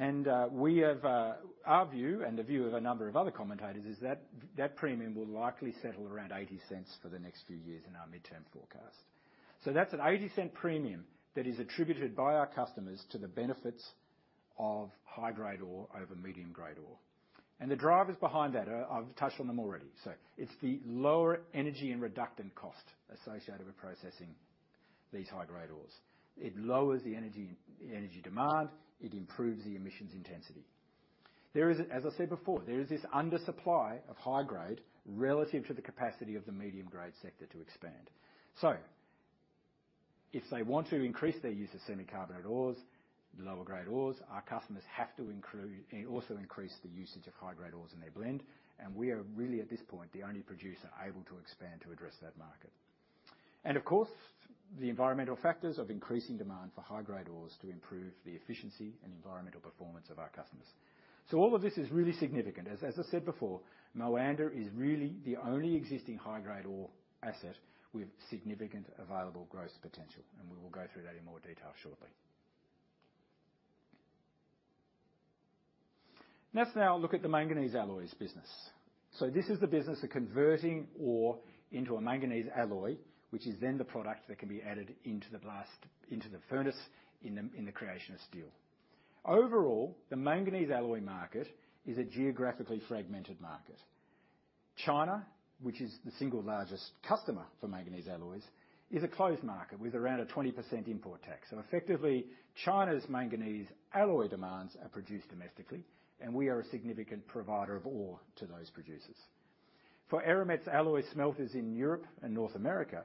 $0.60. Our view and the view of a number of other commentators is that that premium will likely settle around $0.80 for the next few years in our midterm forecast. So that's an 80-cent premium that is attributed by our customers to the benefits of high-grade ore over medium-grade ore. The drivers behind that are, I've touched on them already. So it's the lower energy and reductant cost associated with processing these high-grade ores. It lowers the energy, the energy demand, it improves the emissions intensity. There is, as I said before, there is this undersupply of high-grade relative to the capacity of the medium-grade sector to expand. So if they want to increase their use of semi-carbonate ores, lower-grade ores, our customers have to also increase the usage of high-grade ores in their blend, and we are really, at this point, the only producer able to expand to address that market. And of course, the environmental factors of increasing demand for high-grade ores to improve the efficiency and environmental performance of our customers. So all of this is really significant. As I said before, Moanda is really the only existing high-grade ore asset with significant available growth potential, and we will go through that in more detail shortly. Let's now look at the manganese alloys business. So this is the business of converting ore into a manganese alloy, which is then the product that can be added into the blast, into the furnace, in the creation of steel. Overall, the manganese alloy market is a geographically fragmented market. China, which is the single largest customer for manganese alloys, is a closed market with around a 20% import tax. So effectively, China's manganese alloy demands are produced domestically, and we are a significant provider of ore to those producers. For Eramet's alloy smelters in Europe and North America,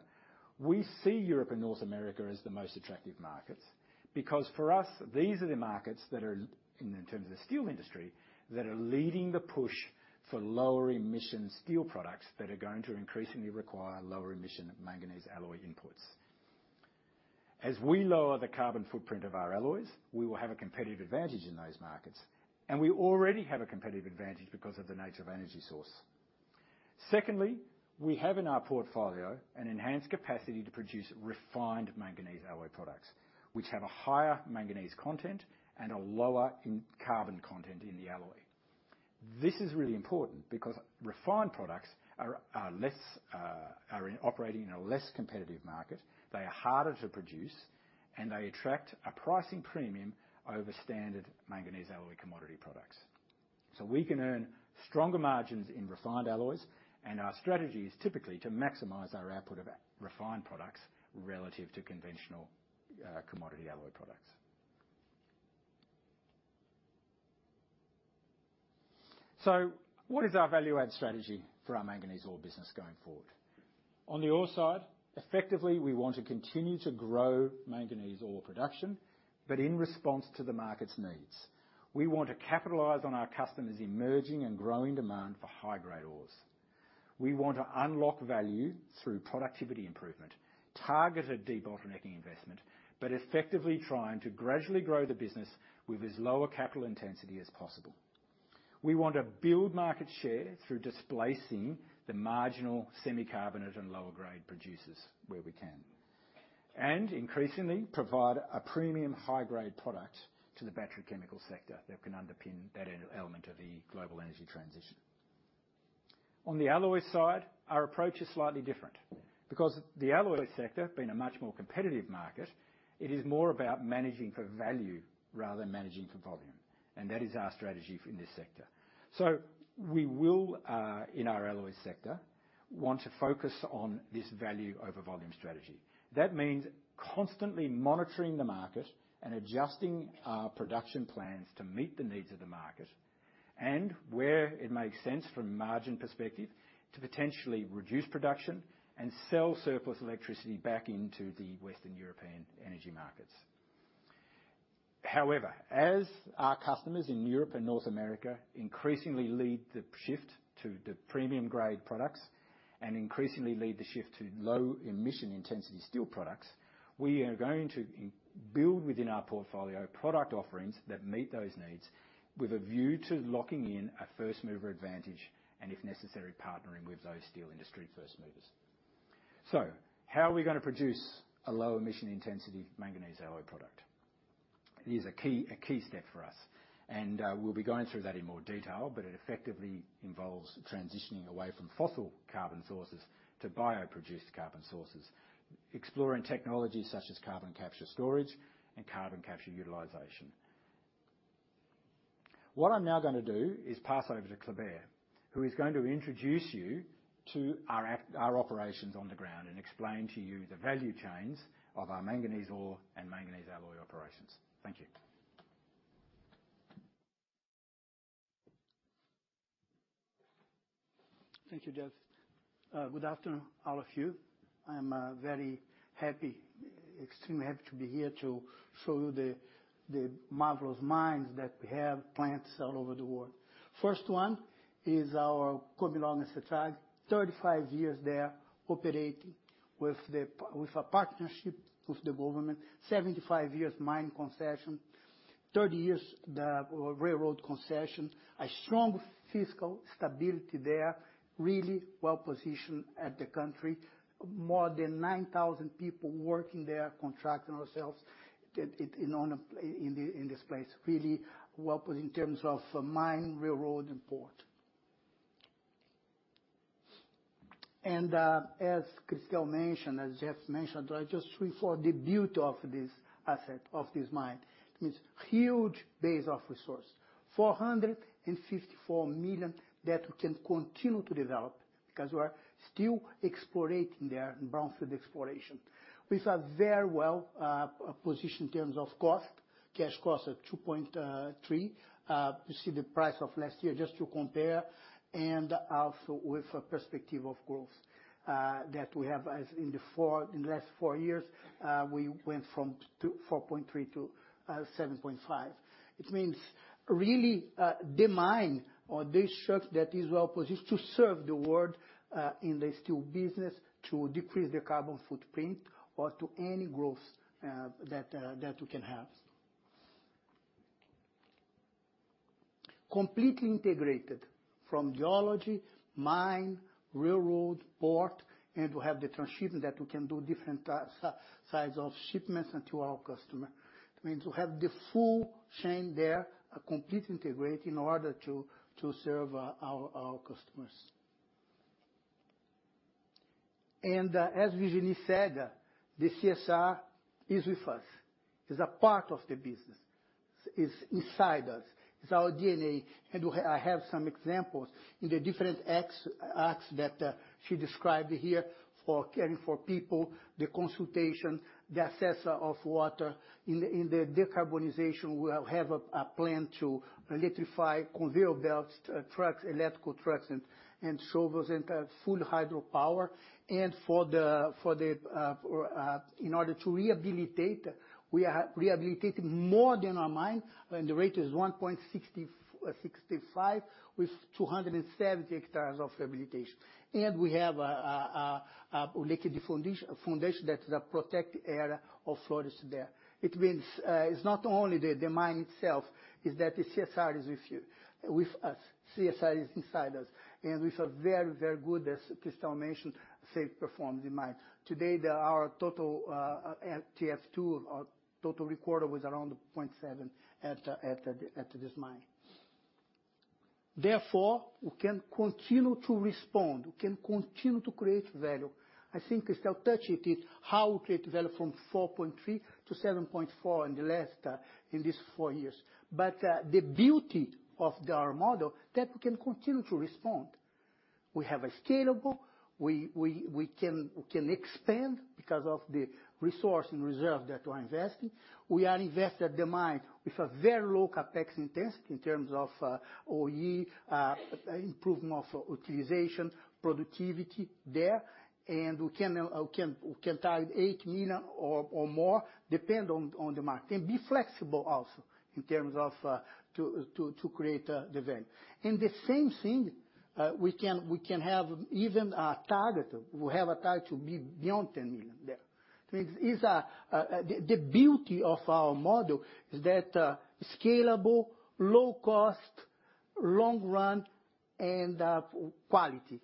we see Europe and North America as the most attractive markets. Because for us, these are the markets that are in terms of the steel industry, that are leading the push for lower-emission steel products that are going to increasingly require lower-emission manganese alloy inputs. As we lower the carbon footprint of our alloys, we will have a competitive advantage in those markets, and we already have a competitive advantage because of the nature of energy source. Secondly, we have in our portfolio an enhanced capacity to produce refined manganese alloy products, which have a higher manganese content and a lower in-carbon content in the alloy. This is really important because refined products are operating in a less competitive market, they are harder to produce, and they attract a pricing premium over standard manganese alloy commodity products. So we can earn stronger margins in refined alloys, and our strategy is typically to maximize our output of refined products relative to conventional, commodity alloy products. So what is our value-add strategy for our manganese ore business going forward? On the ore side, effectively, we want to continue to grow manganese ore production, but in response to the market's needs. We want to capitalize on our customers' emerging and growing demand for high-grade ores. We want to unlock value through productivity improvement, targeted debottlenecking investment, but effectively trying to gradually grow the business with as lower capital intensity as possible. We want to build market share through displacing the marginal semi-carbonate and lower-grade producers where we can, and increasingly provide a premium, high-grade product to the battery chemical sector that can underpin that element of the global energy transition. On the alloy side, our approach is slightly different. Because the alloy sector being a much more competitive market, it is more about managing for value rather than managing for volume, and that is our strategy in this sector. So we will, in our alloy sector, want to focus on this value-over-volume strategy. That means constantly monitoring the market and adjusting our production plans to meet the needs of the market, and where it makes sense from a margin perspective, to potentially reduce production and sell surplus electricity back into the Western European energy markets. However, as our customers in Europe and North America increasingly lead the shift to the premium-grade products and increasingly lead the shift to low emission intensity steel products, we are going to in-build within our portfolio product offerings that meet those needs with a view to locking in a first-mover advantage, and if necessary, partnering with those steel industry first movers. So how are we gonna produce a low emission intensity manganese alloy product? It is a key, a key step for us, and we'll be going through that in more detail, but it effectively involves transitioning away from fossil carbon sources to bioproduced carbon sources, exploring technologies such as carbon capture storage and carbon capture utilization. What I'm now gonna do is pass over to Kleber, who is going to introduce you to our operations on the ground and explain to you the value chains of our manganese ore and manganese alloy operations. Thank you. Thank you, Geoff. Good afternoon, all of you. I'm very happy, extremely happy to be here to show you the marvelous mines that we have, plants all over the world. First one is our Comilog Setrag. 35 years there operating with a partnership with the government, 75 years mine concession, 30 years the railroad concession, a strong fiscal stability there, really well-positioned in the country. More than 9,000 people working there, contracting ourselves in this place. Really well-positioned in terms of mine, railroad, and port. And, as Christel mentioned, as Geoff mentioned, I just refer to the beauty of this asset, of this mine. It means huge base of resource, 454 million that we can continue to develop because we are still exploring there in brownfield exploration. We are very well positioned in terms of cost, cash cost at $2.3. You see the price of last year, just to compare, and also with a perspective of growth that we have as in the last four years, we went from 4.3 to 7.5. It means really the mine or this structure that is well-positioned to serve the world in the steel business, to decrease the carbon footprint or to any growth that we can have. Completely integrated from geology, mine, railroad, port, and we have the transshipment that we can do different size of shipments and to our customer. It means we have the full chain there, a completely integrated in order to serve our customers. As Virginie said, the CSR is with us. It's a part of the business. It's inside us. It's our DNA, and I have some examples in the different axes that she described here for caring for people, the consultation, the assessment of water. In the decarbonization, we have a plan to electrify conveyor belts, trucks, electric trucks, and shovels, and full hydropower. In order to rehabilitate, we are rehabilitating more than our mine, and the rate is 1.65, with 270 hectares of rehabilitation. And we have a Lac de Fondation, a foundation that is a protected area of forest there. It means, it's not only the mine itself, it's that the CSR is with us. CSR is inside us, and we feel very, very good, as Christel mentioned, safe performance in mind. Today, our total FR2, our total recordable was around 0.7 at this mine. Therefore, we can continue to respond. We can continue to create value. I think Christel touched it, how we create value from 4.3 to 7.4 in the last four years. But the beauty of our model, that we can continue to respond. We have a scalable, we can expand because of the resource and reserve that we are investing. We are invested at the mine with a very low CapEx intensity in terms of OE improvement of utilization, productivity there. And we can target 8 million or more, depend on the market, and be flexible also in terms of to create the value. And the same thing, we can have even a target. We have a target to be beyond 10 million there. So it is the beauty of our model is that scalable, low cost, long run, and quality.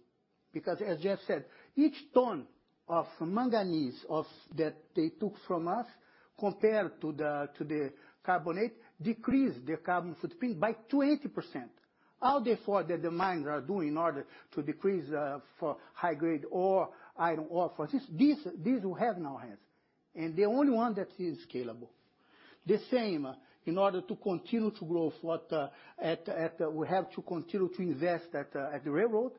Because as Geoff said, each ton of manganese of that they took from us, compared to the carbonate, decreased their carbon footprint by 20%. All the effort that the mines are doing in order to decrease for high grade ore, iron ore, for instance, this we have in our hands, and the only one that is scalable. The same, in order to continue to grow what at at. We have to continue to invest at at the railroad.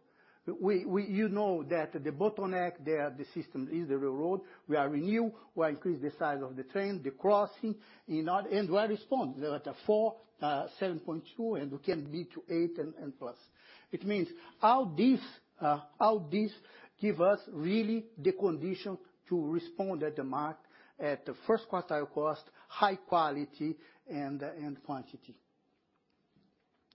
We you know that the bottleneck there, the system is the railroad. We are renew, we are increase the size of the train, the crossing, in order. And we are responding. We are at a 4.72, and we can be to 8 and plus. It means all this all this give us really the condition to respond at the market at the first quartile cost, high quality, and quantity.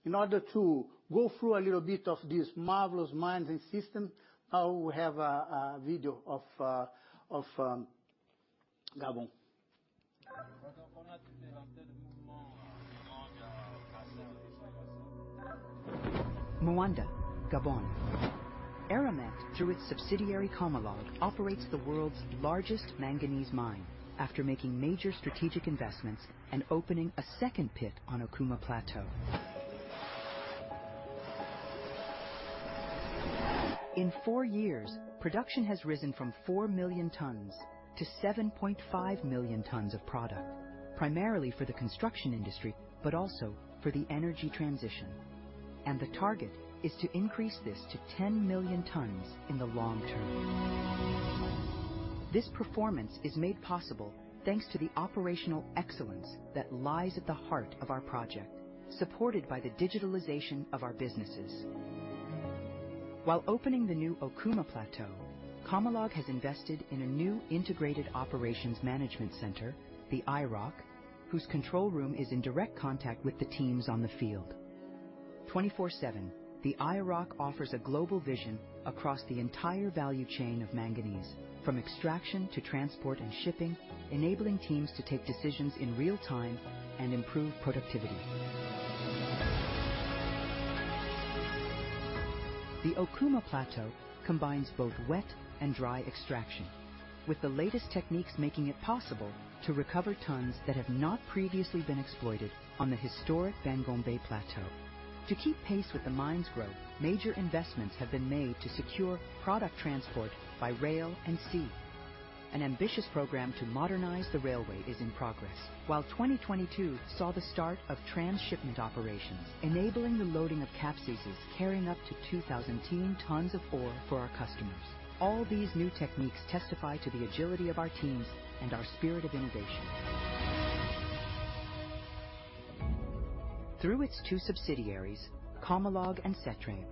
In order to go through a little bit of this marvelous mining system, now we have a video of of Gabon. Moanda, Gabon. Eramet, through its subsidiary Comilog, operates the world's largest manganese mine, after making major strategic investments and opening a second pit on Okouma Plateau. In four years, production has risen from 4 million tons to 7.5 million tons of product, primarily for the construction industry, but also for the energy transition. The target is to increase this to 10 million tons in the long term. This performance is made possible, thanks to the operational excellence that lies at the heart of our project, supported by the digitalization of our businesses. While opening the new Okouma Plateau, Comilog has invested in a new integrated operations management center, the IROC, whose control room is in direct contact with the teams on the field. 24/7, the IROC offers a global vision across the entire value chain of manganese, from extraction to transport and shipping, enabling teams to take decisions in real time and improve productivity. The Okouma Plateau combines both wet and dry extraction, with the latest techniques making it possible to recover tons that have not previously been exploited on the historic Bangombé Plateau. To keep pace with the mine's growth, major investments have been made to secure product transport by rail and sea. An ambitious program to modernize the railway is in progress, while 2022 saw the start of trans-shipment operations, enabling the loading of capesize carrying up to 200,000 tons of ore for our customers. All these new techniques testify to the agility of our teams and our spirit of innovation. Through its two subsidiaries, Comilog and Setrag,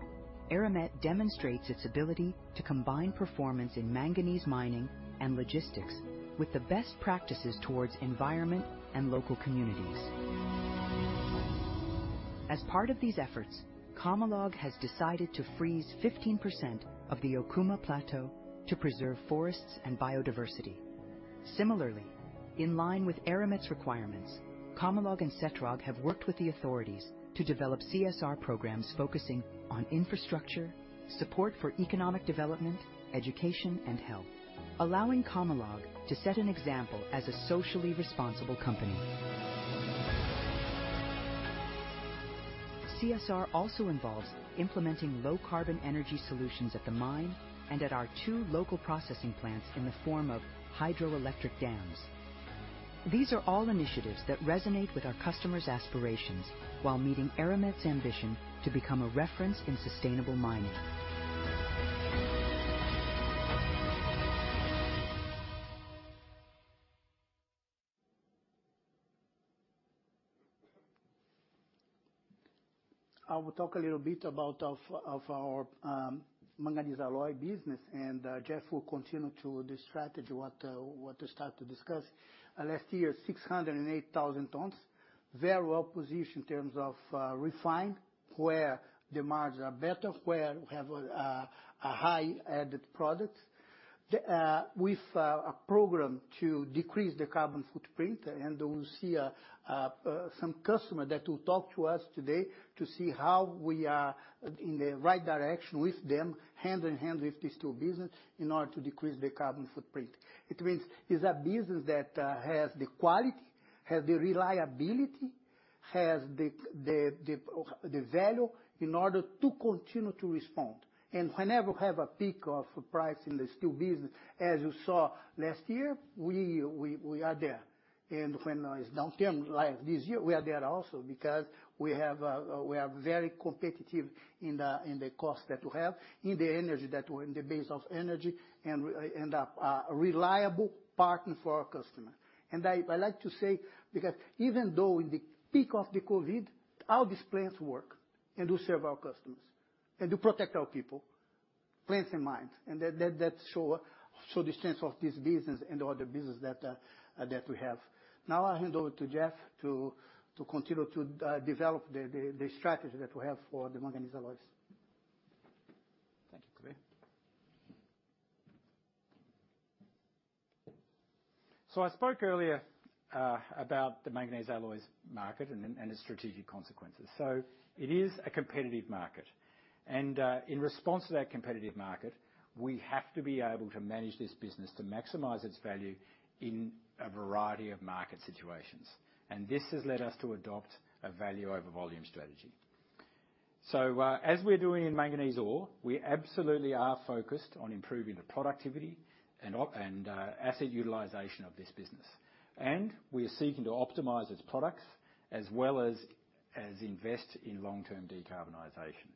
Eramet demonstrates its ability to combine performance in manganese mining and logistics with the best practices towards environment and local communities. As part of these efforts, Comilog has decided to freeze 15% of the Okouma Plateau to preserve forests and biodiversity. Similarly, in line with Eramet's requirements, Comilog and Setrag have worked with the authorities to develop CSR programs focusing on infrastructure, support for economic development, education, and health, allowing Comilog to set an example as a socially responsible company. CSR also involves implementing low-carbon energy solutions at the mine and at our two local processing plants in the form of hydroelectric dams. These are all initiatives that resonate with our customers' aspirations, while meeting Eramet's ambition to become a reference in sustainable mining. I will talk a little bit about our manganese alloy business, and Geoff will continue to the strategy to start to discuss. Last year, 608,000 tons. Very well positioned in terms of refining, where the margins are better, where we have a high added products. With a program to decrease the carbon footprint, and we'll see some customer that will talk to us today to see how we are in the right direction with them, hand in hand with these two business, in order to decrease the carbon footprint. It means it's a business that has the quality, has the reliability, has the value in order to continue to respond. And whenever we have a peak of price in the steel business, as you saw last year, we are there. And when it's downturn, like this year, we are there also, because we have, we are very competitive in the cost that we have, in the energy that we're in the base of energy, and a reliable partner for our customer. And I like to say, because even though in the peak of the COVID, all these plants work and do serve our customers and do protect our people, plants in mind, and that show the strength of this business and all the business that we have. Now I'll hand over to Geoff to continue to develop the strategy that we have for the manganese alloys. Thank you, Kleber. I spoke earlier about the manganese alloys market and its strategic consequences. It is a competitive market, and in response to that competitive market, we have to be able to manage this business to maximize its value in a variety of market situations. This has led us to adopt a value over volume strategy. As we're doing in manganese ore, we absolutely are focused on improving the productivity and asset utilization of this business. We are seeking to optimize its products as well as invest in long-term decarbonization.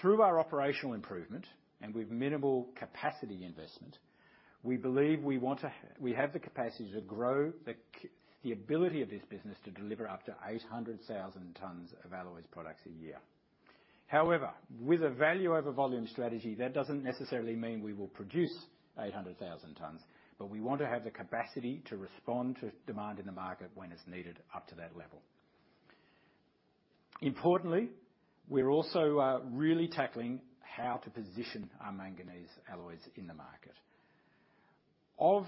Through our operational improvement and with minimal capacity investment, we believe we have the capacity to grow the ability of this business to deliver up to 800,000 tons of alloys products a year. However, with a value over volume strategy, that doesn't necessarily mean we will produce 800,000 tons, but we want to have the capacity to respond to demand in the market when it's needed up to that level. Importantly, we're also really tackling how to position our manganese alloys in the market. Of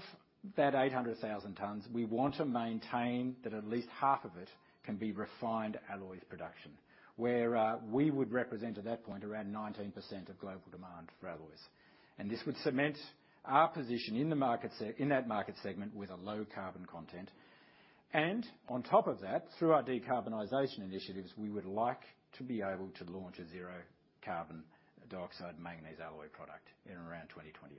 that 800,000 tons, we want to maintain that at least half of it can be refined alloys production, where we would represent, at that point, around 19% of global demand for alloys. And this would cement our position in the market seg- in that market segment with a low carbon content. And on top of that, through our decarbonization initiatives, we would like to be able to launch a zero carbon dioxide manganese alloy product in around 2028.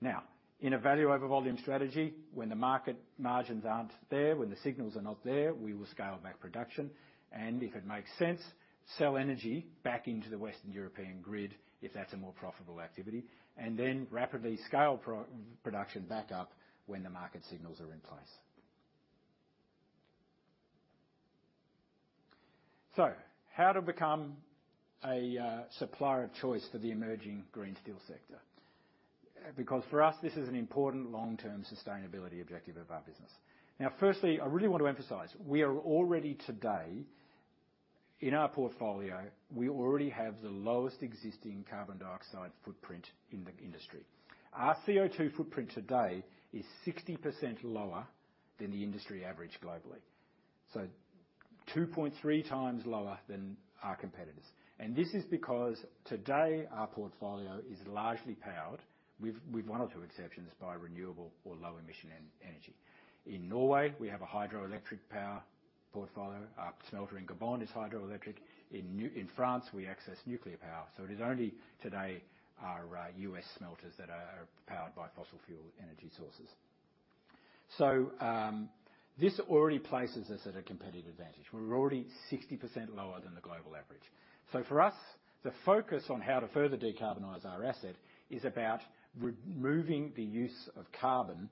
Now, in a value over volume strategy, when the market margins aren't there, when the signals are not there, we will scale back production, and if it makes sense, sell energy back into the Western European grid, if that's a more profitable activity, and then rapidly scale production back up when the market signals are in place. So how to become a supplier of choice for the emerging green steel sector? Because for us, this is an important long-term sustainability objective of our business. Now, firstly, I really want to emphasize, we are already today, in our portfolio, we already have the lowest existing carbon dioxide footprint in the industry. Our CO2 footprint today is 60% lower than the industry average globally, so 2.3 times lower than our competitors. This is because today, our portfolio is largely powered, with one or two exceptions, by renewable or low-emission energy. In Norway, we have a hydroelectric power portfolio. Our smelter in Gabon is hydroelectric. In France, we access nuclear power, so it is only today, our U.S. smelters that are powered by fossil fuel energy sources. This already places us at a competitive advantage. We're already 60% lower than the global average. For us, the focus on how to further decarbonize our asset is about removing the use of carbon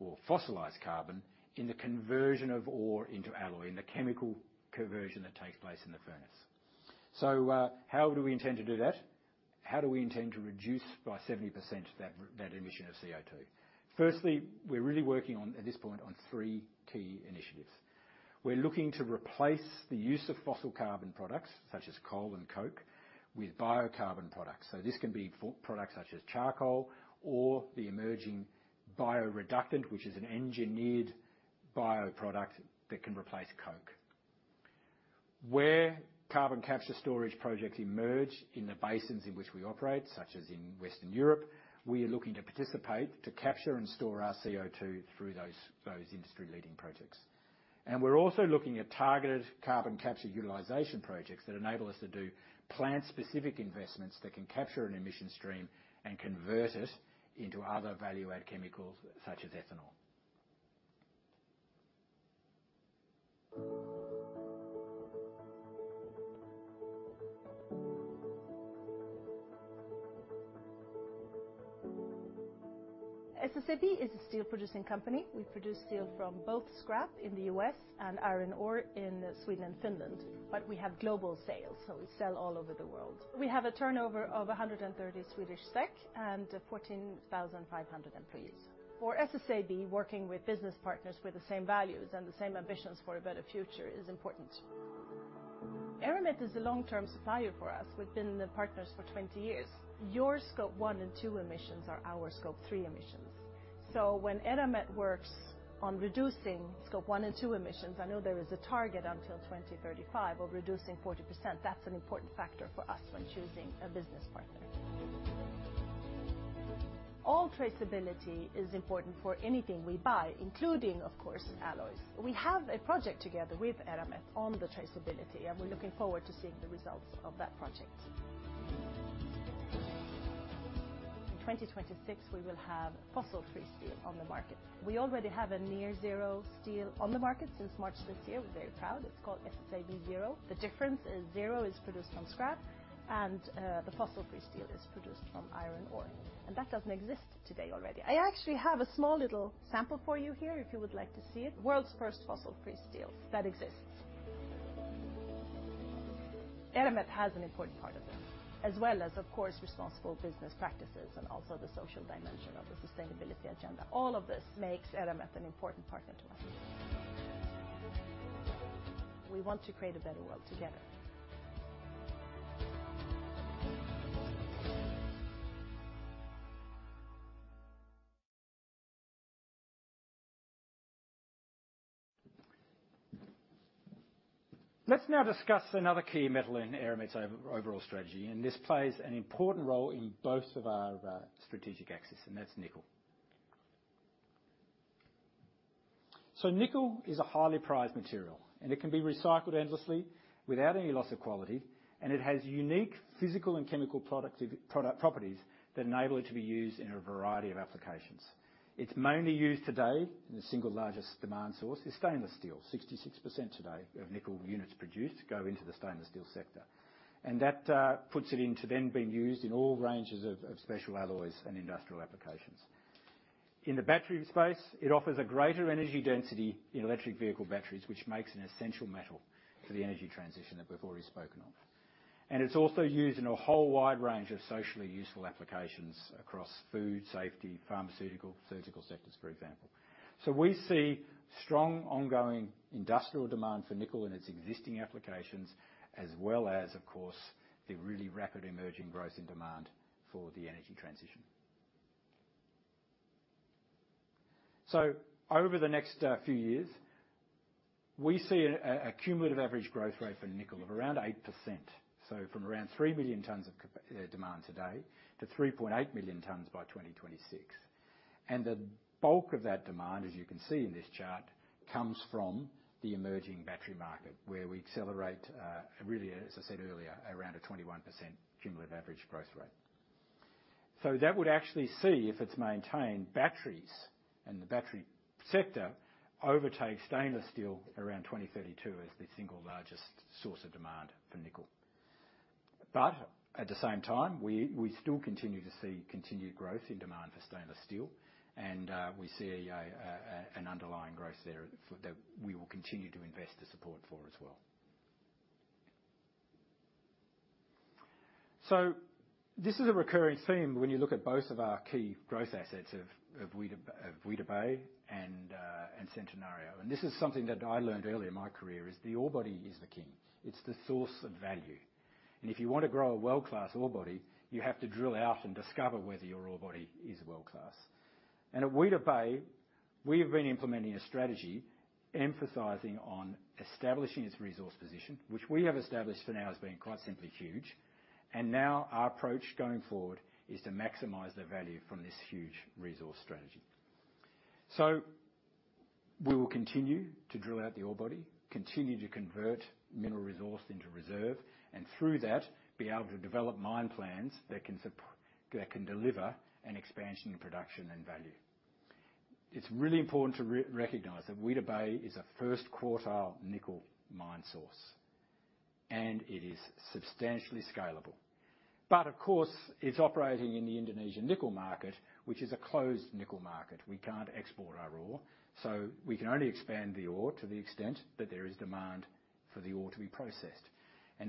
or fossilized carbon in the conversion of ore into alloy, in the chemical conversion that takes place in the furnace. How do we intend to do that? How do we intend to reduce by 70% that emission of CO2? Firstly, we're really working on, at this point, on three key initiatives. We're looking to replace the use of fossil carbon products, such as coal and coke, with biocarbon products. So this can be for products such as charcoal or the emerging bioreductant, which is an engineered bioproduct that can replace coke. Where carbon capture storage projects emerge in the basins in which we operate, such as in Western Europe, we are looking to participate to capture and store our CO2 through those industry-leading projects. We're also looking at targeted carbon capture utilization projects that enable us to do plant-specific investments that can capture an emission stream and convert it into other value-add chemicals, such as ethanol. SSAB is a steel-producing company. We produce steel from both scrap in the U.S. and iron ore in Sweden and Finland, but we have global sales, so we sell all over the world. We have a turnover of 130 Swedish SEK and 14,500 employees. For SSAB, working with business partners with the same values and the same ambitions for a better future is important. Eramet is a long-term supplier for us. We've been partners for 20 years. Your Scope 1 and 2 emissions are our Scope 3 emissions. So when Eramet works on reducing Scope 1 and 2 emissions, I know there is a target until 2035 of reducing 40%. That's an important factor for us when choosing a business partner. All traceability is important for anything we buy, including, of course, alloys. We have a project together with Eramet on the traceability, and we're looking forward to seeing the results of that project.... In 2026, we will have fossil-free steel on the market. We already have a near-zero steel on the market since March this year. We're very proud. It's called SSAB Zero. The difference is Zero is produced from scrap, and, the fossil-free steel is produced from iron ore, and that doesn't exist today already. I actually have a small little sample for you here if you would like to see it. World's first fossil-free steel that exists. Eramet has an important part of this, as well as, of course, responsible business practices and also the social dimension of the sustainability agenda. All of this makes Eramet an important partner to us. We want to create a better world together. Let's now discuss another key metal in Eramet's overall strategy, and this plays an important role in both of our strategic axis, and that's nickel. So nickel is a highly prized material, and it can be recycled endlessly without any loss of quality, and it has unique physical and chemical product properties that enable it to be used in a variety of applications. It's mainly used today, and the single largest demand source is stainless steel. 66% today of nickel units produced go into the stainless steel sector, and that puts it into then being used in all ranges of special alloys and industrial applications. In the battery space, it offers a greater energy density in electric vehicle batteries, which makes an essential metal for the energy transition that we've already spoken of. It's also used in a whole wide range of socially useful applications across food, safety, pharmaceutical, surgical sectors, for example. So we see strong, ongoing industrial demand for nickel in its existing applications, as well as, of course, the really rapid emerging growth in demand for the energy transition. So over the next few years, we see a cumulative average growth rate for nickel of around 8%. So from around 3 million tons of demand today to 3.8 million tons by 2026. And the bulk of that demand, as you can see in this chart, comes from the emerging battery market, where we accelerate really, as I said earlier, around a 21% cumulative average growth rate. So that would actually see, if it's maintained, batteries and the battery sector overtake stainless steel around 2032 as the single largest source of demand for nickel. But at the same time, we still continue to see continued growth in demand for stainless steel, and we see an underlying growth there for—that we will continue to invest to support for as well. So this is a recurring theme when you look at both of our key growth assets of Weda Bay and Centenario. And this is something that I learned early in my career, is the orebody is the king. It's the source of value. And if you want to grow a world-class ore body, you have to drill out and discover whether your ore body is world-class. At Weda Bay, we have been implementing a strategy emphasizing on establishing its resource position, which we have established for now as being quite simply huge. Now our approach going forward is to maximize the value from this huge resource strategy. We will continue to drill out the ore body, continue to convert mineral resource into reserve, and through that, be able to develop mine plans that can that can deliver an expansion in production and value. It's really important to re-recognize that Weda Bay is a first quartile nickel mine source, and it is substantially scalable. But of course, it's operating in the Indonesian nickel market, which is a closed nickel market. We can't export our ore, so we can only expand the ore to the extent that there is demand for the ore to be processed.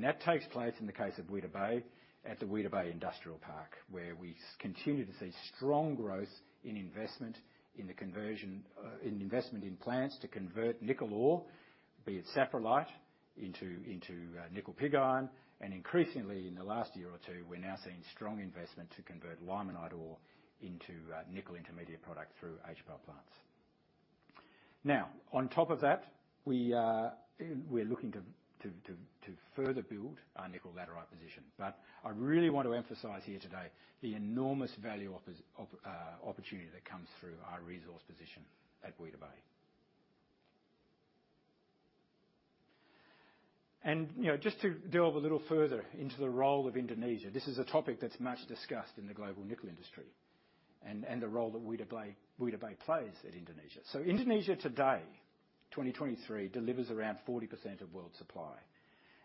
That takes place, in the case of Weda Bay, at the Weda Bay Industrial Park, where we continue to see strong growth in investment in the conversion, in investment in plants to convert nickel ore, be it saprolite, into nickel pig iron. And increasingly, in the last year or two, we're now seeing strong investment to convert limonite ore into nickel intermediate product through HPAL plants. Now, on top of that, we're looking to further build our nickel laterite position. But I really want to emphasize here today the enormous value opportunity that comes through our resource position at Weda Bay. You know, just to delve a little further into the role of Indonesia, this is a topic that's much discussed in the global nickel industry, and the role that Weda Bay plays at Indonesia. So Indonesia today, 2023, delivers around 40% of world supply,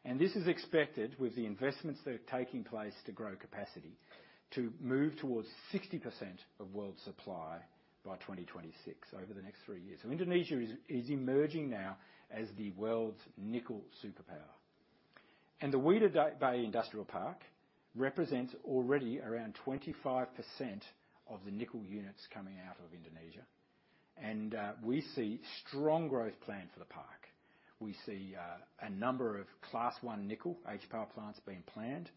and this is expected, with the investments that are taking place to grow capacity, to move towards 60% of world supply by 2026, over the next three years. So Indonesia is emerging now as the world's nickel superpower. And the Weda Bay Industrial Park represents already around 25% of the nickel units coming out of Indonesia, and we see strong growth plan for the park. We see a number of Class 1 nickel HPAL plants being planned,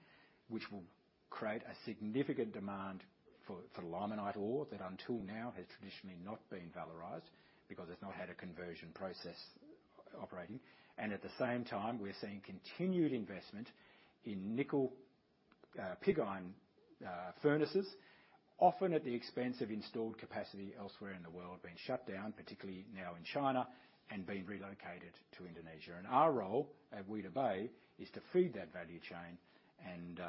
which will create a significant demand for limonite ore that, until now, has traditionally not been valorized because it's not had a conversion process operating. At the same time, we're seeing continued investment in nickel pig iron furnaces, often at the expense of installed capacity elsewhere in the world being shut down, particularly now in China, and being relocated to Indonesia. Our role at Weda Bay is to feed that value chain and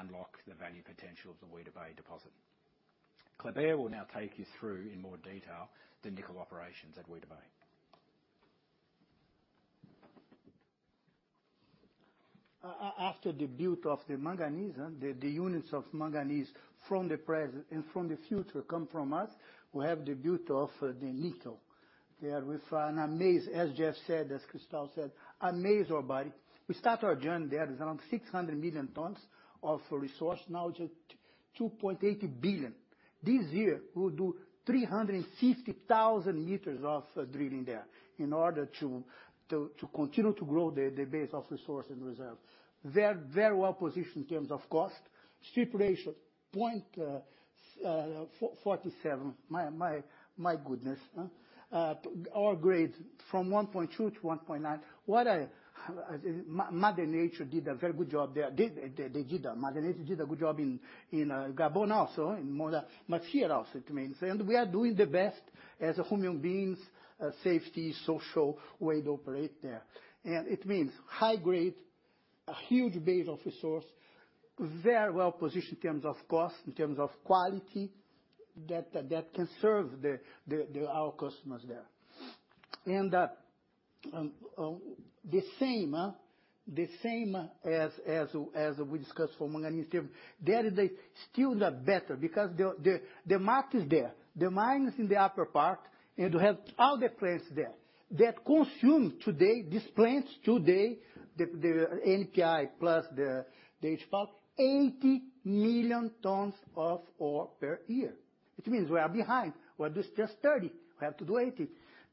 unlock the value potential of the Weda Bay deposit....Clibaire will now take you through in more detail the nickel operations at Weda Bay. After the beauty of the manganese, the units of manganese from the present and from the future come from us, we have the beauty of the nickel. There, Weda Bay, as Geoff said, as Christel said, Weda Bay. We start our journey there is around 600 million tons of resource, now just 2.8 billion. This year, we'll do 350,000 meters of drilling there in order to continue to grow the base of resource and reserve. Very, very well positioned in terms of cost. Strip ratio 0.447. My, my, my goodness? Our grade from 1.2 to 1.9. What Mother Nature did a very good job there. They did. Mother Nature did a good job in Gabon also, in Moanda, but here also, it means. And we are doing the best as human beings, safety, social way to operate there. And it means high grade, a huge base of resource, very well positioned in terms of cost, in terms of quality, that can serve our customers there. And the same as we discussed for manganese term, there they still look better because the market is there, the mine is in the upper part, and you have all the plants there that consume today. These plants today, the NPI plus the HPAL, 80 million tons of ore per year. It means we are behind. We do just 30, we have to do 80.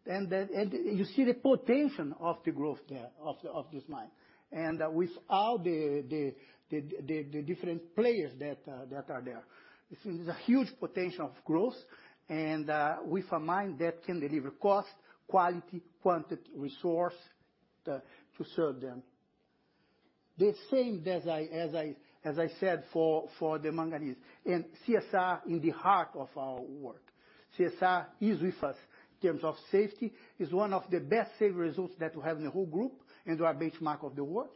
Then you see the potential of the growth there, of this mine, and with all the different players that are there. This is a huge potential of growth and with a mine that can deliver cost, quality, quantity, resource to serve them. The same as I said for the manganese and CSR in the heart of our work. CSR is with us in terms of safety, is one of the best safety results that we have in the whole group and our benchmark of the world.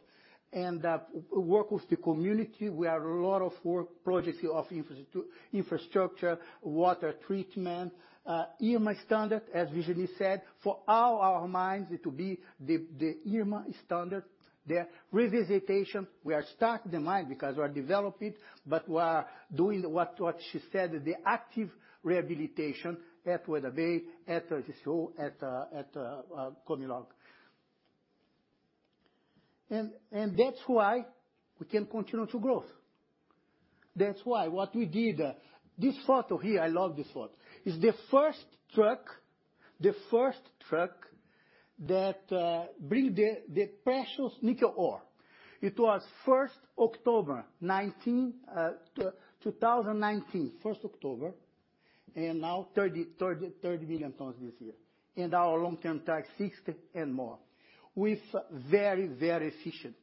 And work with the community, we have a lot of work projects of infrastructure, water treatment, IRMA standard, as Virginie said, for all our mines to be the IRMA standard there. Revisitation, we are starting the mine because we are developing, but we are doing what, what she said, the active rehabilitation at Weda Bay, at GCO, at Comilog. And that's why we can continue to growth. That's why what we did. This photo here, I love this photo. It's the first truck, the first truck that bring the, the precious nickel ore. It was first October 2019, first October, and now 30 million tons this year. And our long-term target, 60 and more, with very, very efficient.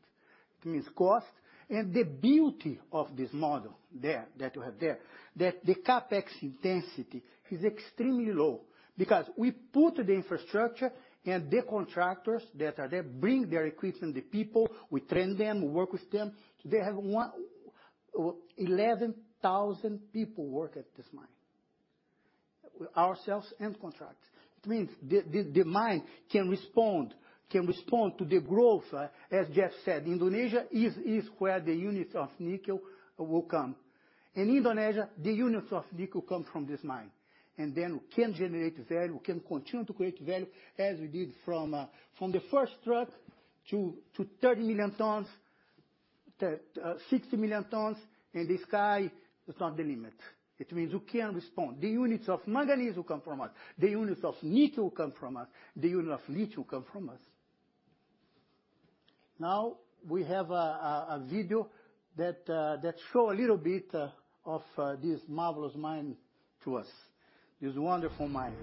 It means cost and the beauty of this model there, that we have there, that the CapEx intensity is extremely low because we put the infrastructure and the contractors that are there, bring their equipment, the people, we train them, we work with them. They have 11,000 people work at this mine, ourselves and contractors. It means the mine can respond to the growth, as Geoff said, Indonesia is where the units of nickel will come. In Indonesia, the units of nickel come from this mine, and then we can generate value, we can continue to create value as we did from the first truck to 30 million tons, 60 million tons, and the sky is not the limit. It means we can respond. The units of manganese will come from us, the units of nickel come from us, the unit of lithium come from us. Now, we have a video that show a little bit of this marvelous mine to us, this wonderful mine.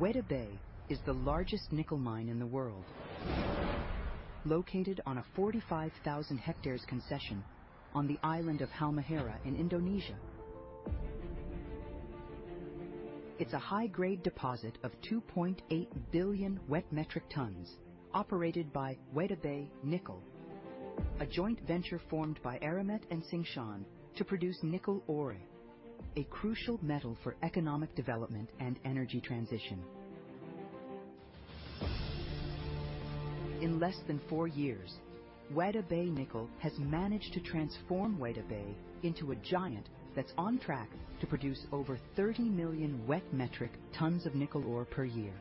Weda Bay is the largest nickel mine in the world, located on a 45,000 hectares concession on the island of Halmahera in Indonesia. It's a high-grade deposit of 2.8 billion wet metric tons, operated by Weda Bay Nickel, a joint venture formed by Eramet and Tsingshan to produce nickel ore, a crucial metal for economic development and energy transition. In less than four years, Weda Bay Nickel has managed to transform Weda Bay into a giant that's on track to produce over 30 million wet metric tons of nickel ore per year.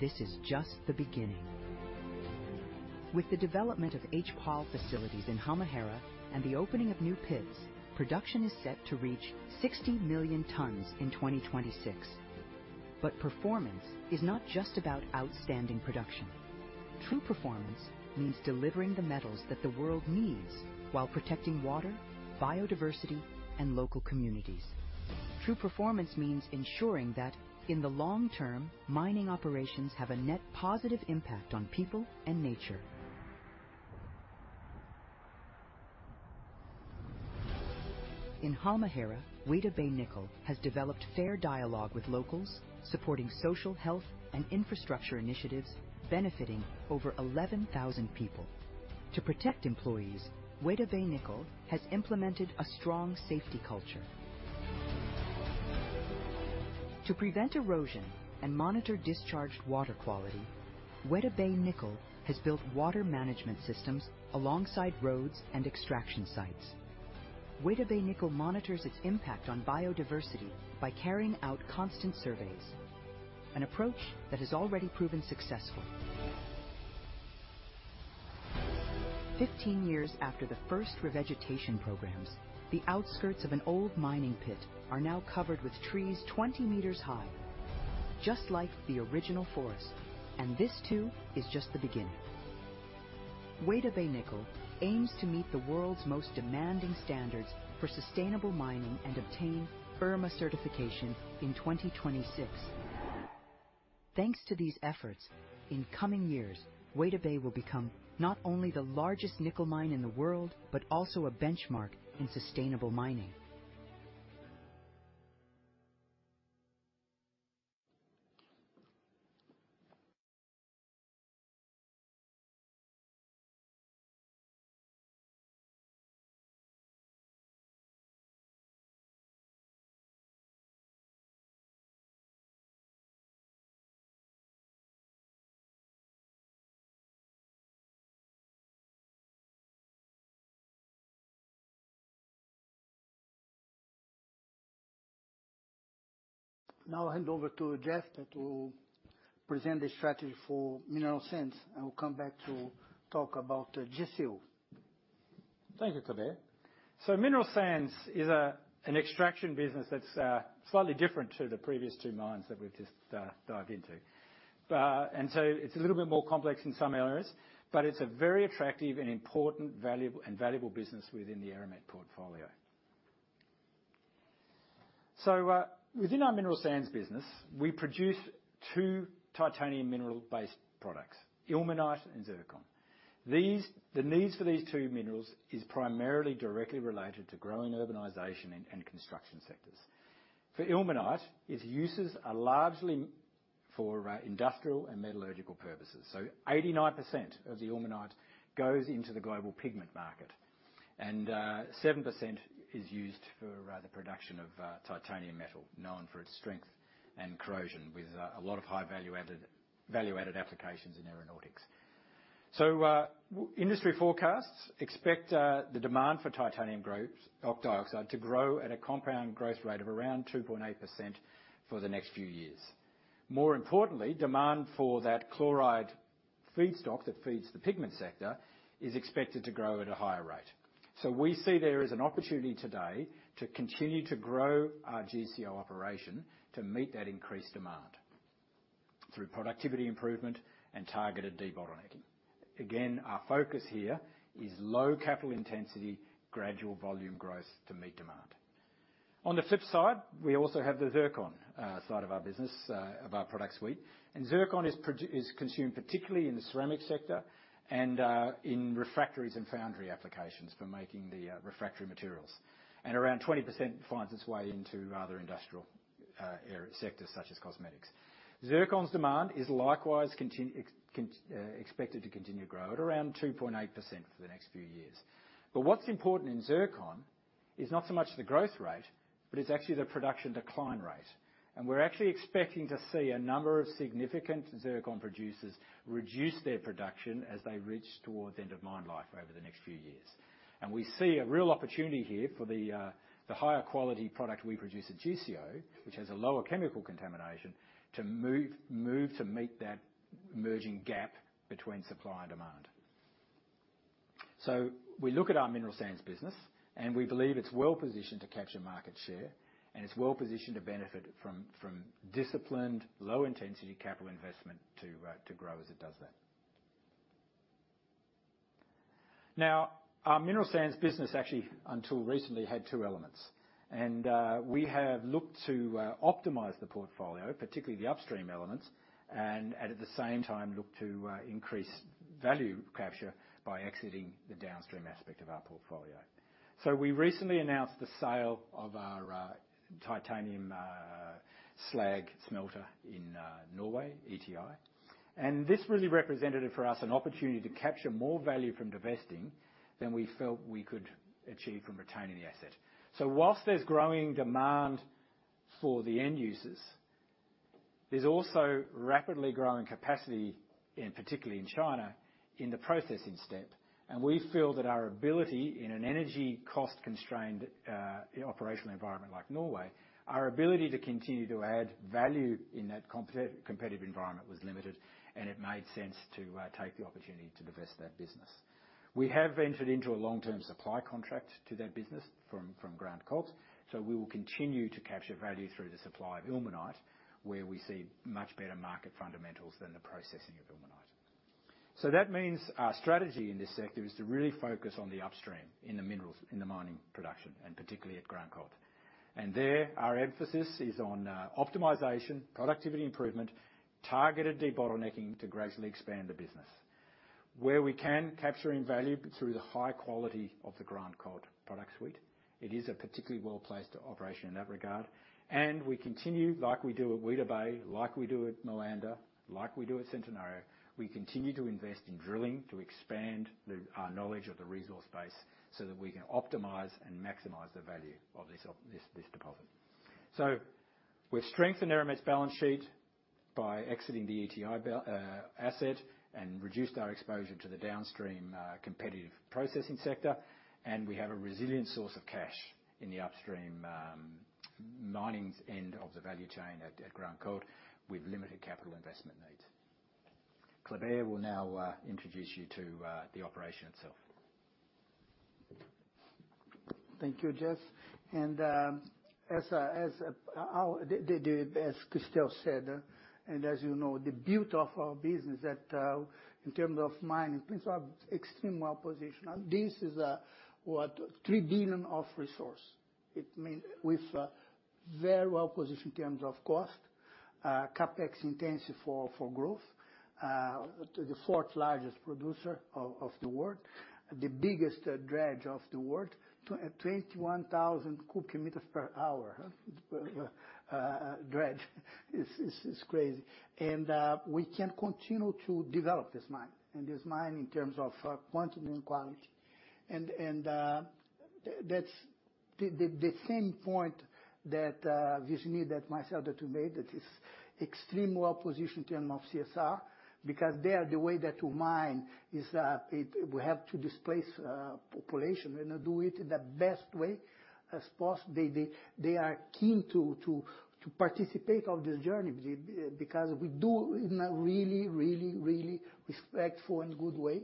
This is just the beginning. With the development of HPAL facilities in Halmahera and the opening of new pits, production is set to reach 60 million tons in 2026. Performance is not just about outstanding production. True performance means delivering the metals that the world needs while protecting water, biodiversity, and local communities. True performance means ensuring that in the long term, mining operations have a net positive impact on people and nature.... In Halmahera, Weda Bay Nickel has developed fair dialogue with locals, supporting social, health, and infrastructure initiatives benefiting over 11,000 people. To protect employees, Weda Bay Nickel has implemented a strong safety culture. To prevent erosion and monitor discharged water quality, Weda Bay Nickel has built water management systems alongside roads and extraction sites. Weda Bay Nickel monitors its impact on biodiversity by carrying out constant surveys, an approach that has already proven successful. 15 years after the first revegetation programs, the outskirts of an old mining pit are now covered with trees 20 meters high, just like the original forest. And this, too, is just the beginning. Weda Bay Nickel aims to meet the world's most demanding standards for sustainable mining and obtain IRMA certification in 2026. Thanks to these efforts, in coming years, Weda Bay will become not only the largest nickel mine in the world, but also a benchmark in sustainable mining. Now I hand over to Geoff to present the strategy for mineral sands, and we'll come back to talk about GCO. Thank you, Kleber. So mineral sands is an extraction business that's slightly different to the previous two mines that we've just dived into. And so it's a little bit more complex in some areas, but it's a very attractive and important, valuable, and valuable business within the Eramet portfolio. So within our mineral sands business, we produce two titanium mineral-based products, ilmenite and zircon. The needs for these two minerals is primarily directly related to growing urbanization and construction sectors. For ilmenite, its uses are largely for industrial and metallurgical purposes. So 89% of the ilmenite goes into the global pigment market, and 7% is used for the production of titanium metal, known for its strength and corrosion, with a lot of high value-added, value-added applications in aeronautics. So, industry forecasts expect the demand for titanium dioxide to grow at a compound growth rate of around 2.8% for the next few years. More importantly, demand for that chloride feedstock that feeds the pigment sector is expected to grow at a higher rate. So we see there is an opportunity today to continue to grow our GCO operation to meet that increased demand through productivity improvement and targeted debottlenecking. Again, our focus here is low capital intensity, gradual volume growth to meet demand. On the flip side, we also have the Zircon side of our business, of our product suite. And Zircon is consumed particularly in the ceramic sector and in refractories and foundry applications for making the refractory materials. Around 20% finds its way into other industrial areas, sectors such as cosmetics. Zircon's demand is likewise expected to continue to grow at around 2.8% for the next few years. But what's important in zircon is not so much the growth rate, but it's actually the production decline rate. And we're actually expecting to see a number of significant zircon producers reduce their production as they reach towards the end of mine life over the next few years. And we see a real opportunity here for the higher quality product we produce at GCO, which has a lower chemical contamination, to move to meet that emerging gap between supply and demand. So we look at our mineral sands business, and we believe it's well-positioned to capture market share, and it's well-positioned to benefit from from disciplined, low-intensity capital investment to to grow as it does that. Now, our mineral sands business, actually, until recently, had two elements. We have looked to optimize the portfolio, particularly the upstream elements, and at the same time, look to increase value capture by exiting the downstream aspect of our portfolio. We recently announced the sale of our titanium slag smelter in Norway, ETI. This really represented for us an opportunity to capture more value from divesting than we felt we could achieve from retaining the asset. While there's growing demand for the end users, there's also rapidly growing capacity, and particularly in China, in the processing step. We feel that our ability in an energy cost-constrained operational environment like Norway, our ability to continue to add value in that competitive environment was limited, and it made sense to take the opportunity to divest that business. We have entered into a long-term supply contract to that business from Grande Côte, so we will continue to capture value through the supply of ilmenite, where we see much better market fundamentals than the processing of ilmenite. That means our strategy in this sector is to really focus on the upstream, in the minerals, in the mining production, and particularly at Grande Côte. And there, our emphasis is on optimization, productivity improvement, targeted debottlenecking to gradually expand the business. Where we can, capturing value through the high quality of the Grande Côte product suite. It is a particularly well-placed operation in that regard, and we continue, like we do at Weda Bay, like we do at Moanda, like we do at Centenario. We continue to invest in drilling to expand the knowledge of the resource base, so that we can optimize and maximize the value of this deposit. So we've strengthened Eramet's balance sheet by exiting the ETI asset and reduced our exposure to the downstream competitive processing sector, and we have a resilient source of cash in the upstream mining end of the value chain at Grande Côte, with limited capital investment needs. Carr`e will now introduce you to the operation itself. Thank you, Geoff. As Christel said, and as you know, the beauty of our business that in terms of mining, things are extremely well-positioned. And this is 3 billion of resource. It means with very well-positioned in terms of cost, CapEx intensity for growth. The fourth largest producer of the world. The biggest dredge of the world, 21,000 cubic meters per hour. Dredge. It's crazy. And we can continue to develop this mine, and this mine in terms of quantity and quality. That's the same point that Virginie, that myself, that we made, that is extremely well-positioned in terms of CSR, because there, the way that you mine is, it will have to displace population and do it in the best way as possible. They are keen to participate on this journey be- because we do in a really, really, really respectful and good way.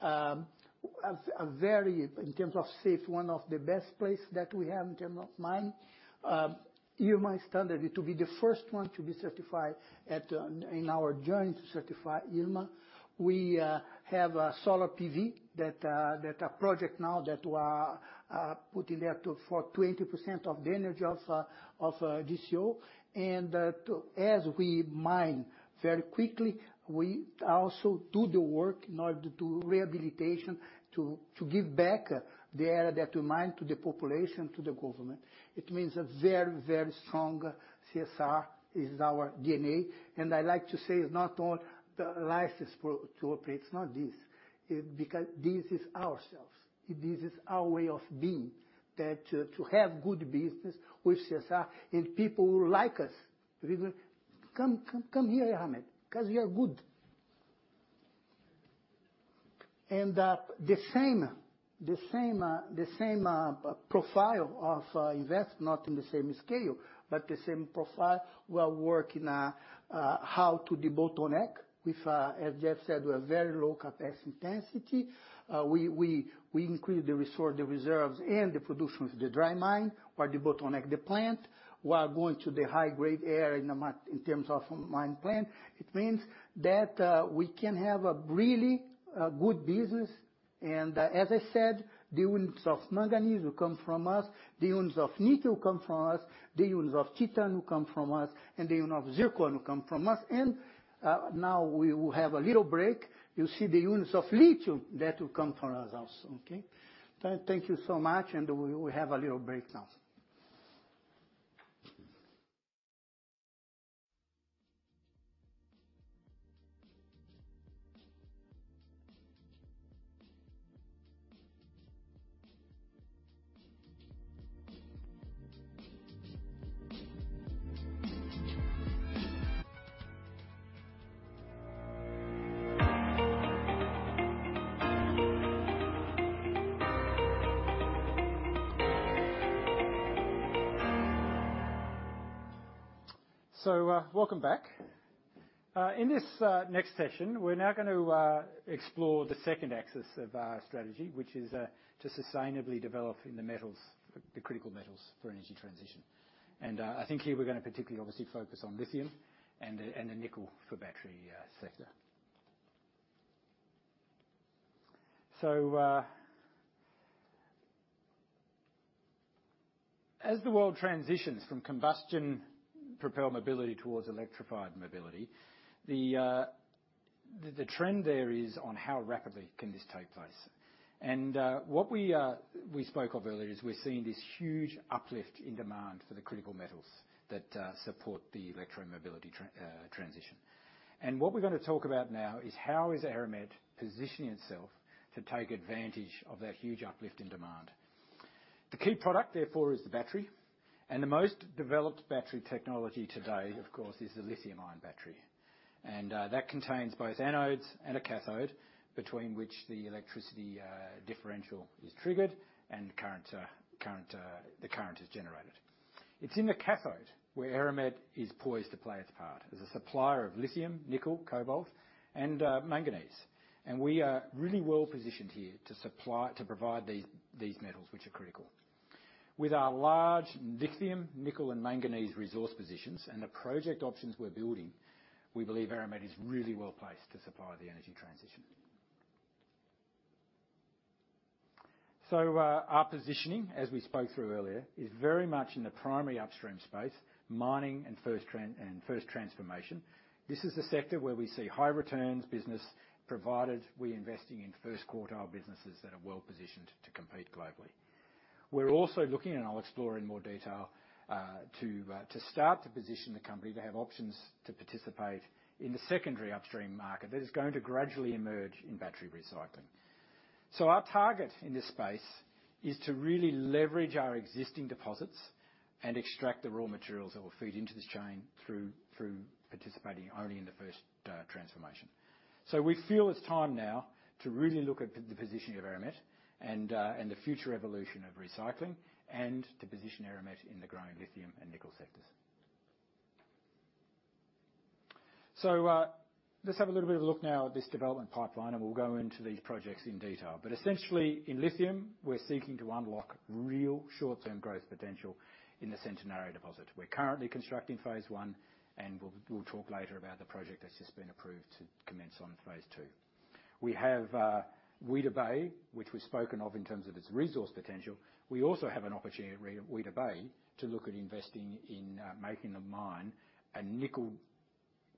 A very, in terms of safe, one of the best place that we have in terms of mine. IRMA standard, it to be the first one to be certified at, in our joint certified IRMA. We have a solar PV that a project now that we are putting there to, for 20% of the energy of GCO. And, to... As we mine very quickly, we also do the work in order to do rehabilitation, to give back the area that we mine to the population, to the government. It means a very, very strong CSR is our DNA. And I like to say it's not only the license to operate, it's not this. Because this is ourselves. This is our way of being, to have good business with CSR and people will like us. People, "Come, come, come here, Ahmed, because we are good." And the same profile of investment, not in the same scale, but the same profile. We are working how to debottleneck with, as Geoff said, with very low CapEx intensity. We increase the resource, the reserves, and the production of the dry mine, while debottleneck the plant. We are going to the high-grade area in the mine, in terms of mine plan. It means that we can have a really good business, and as I said, the units of manganese will come from us, the units of nickel come from us, the units of titanium will come from us, and the unit of zircon will come from us. Now we will have a little break. You'll see the units of lithium that will come from us also, okay? Thank you so much, and we will have a little break now. Welcome back. In this next session, we're now going to explore the second axis of our strategy, which is to sustainably develop in the metals, the critical metals for energy transition. And I think here we're gonna particularly obviously focus on lithium and the, and the nickel for battery sector. As the world transitions from combustion-propelled mobility towards electrified mobility, the trend there is on how rapidly can this take place. And what we spoke of earlier is we're seeing this huge uplift in demand for the critical metals that support the electromobility transition. And what we're gonna talk about now is how is Eramet positioning itself to take advantage of that huge uplift in demand? The key product, therefore, is the battery, and the most developed battery technology today, of course, is the lithium-ion battery. And that contains both anodes and a cathode, between which the electricity differential is triggered and current, the current is generated. It's in the cathode where Eramet is poised to play its part as a supplier of lithium, nickel, cobalt, and manganese. And we are really well-positioned here to supply to provide these, these metals, which are critical. With our large lithium, nickel, and manganese resource positions and the project options we're building, we believe Eramet is really well-placed to supply the energy transition. So, our positioning, as we spoke through earlier, is very much in the primary upstream space, mining and first transformation. This is the sector where we see high returns business, provided we're investing in first quartile businesses that are well positioned to compete globally. We're also looking, and I'll explore in more detail, to start to position the company to have options to participate in the secondary upstream market that is going to gradually emerge in battery recycling. So our target in this space is to really leverage our existing deposits and extract the raw materials that will feed into this chain through participating only in the first transformation. So we feel it's time now to really look at the positioning of Eramet and the future evolution of recycling, and to position Eramet in the growing lithium and nickel sectors. So, let's have a little bit of a look now at this development pipeline, and we'll go into these projects in detail. But essentially, in lithium, we're seeking to unlock real short-term growth potential in the Centenario deposit. We're currently constructing phase one, and we'll talk later about the project that's just been approved to commence on phase two. We have Weda Bay, which we've spoken of in terms of its resource potential. We also have an opportunity at Weda Bay to look at investing in making the mine a nickel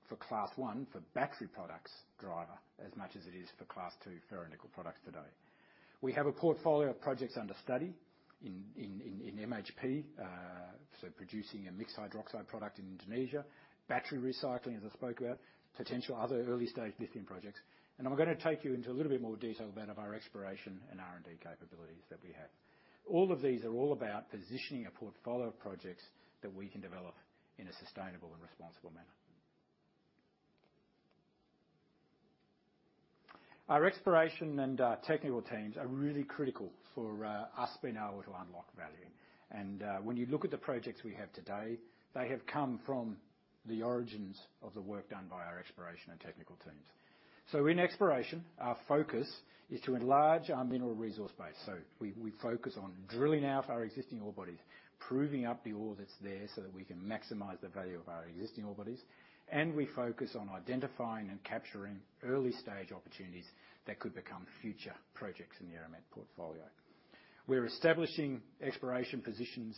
for class one, for battery products driver, as much as it is for class two ferronickel products today. We have a portfolio of projects under study in MHP. So producing a mixed hydroxide product in Indonesia, battery recycling, as I spoke about, potential other early-stage lithium projects. I'm gonna take you into a little bit more detail about our exploration and R&D capabilities that we have. All of these are all about positioning a portfolio of projects that we can develop in a sustainable and responsible manner. Our exploration and technical teams are really critical for us being able to unlock value. And when you look at the projects we have today, they have come from the origins of the work done by our exploration and technical teams. So in exploration, our focus is to enlarge our mineral resource base. So we focus on drilling out our existing ore bodies, proving up the ore that's there, so that we can maximize the value of our existing ore bodies. And we focus on identifying and capturing early-stage opportunities that could become future projects in the Eramet portfolio. We're establishing exploration positions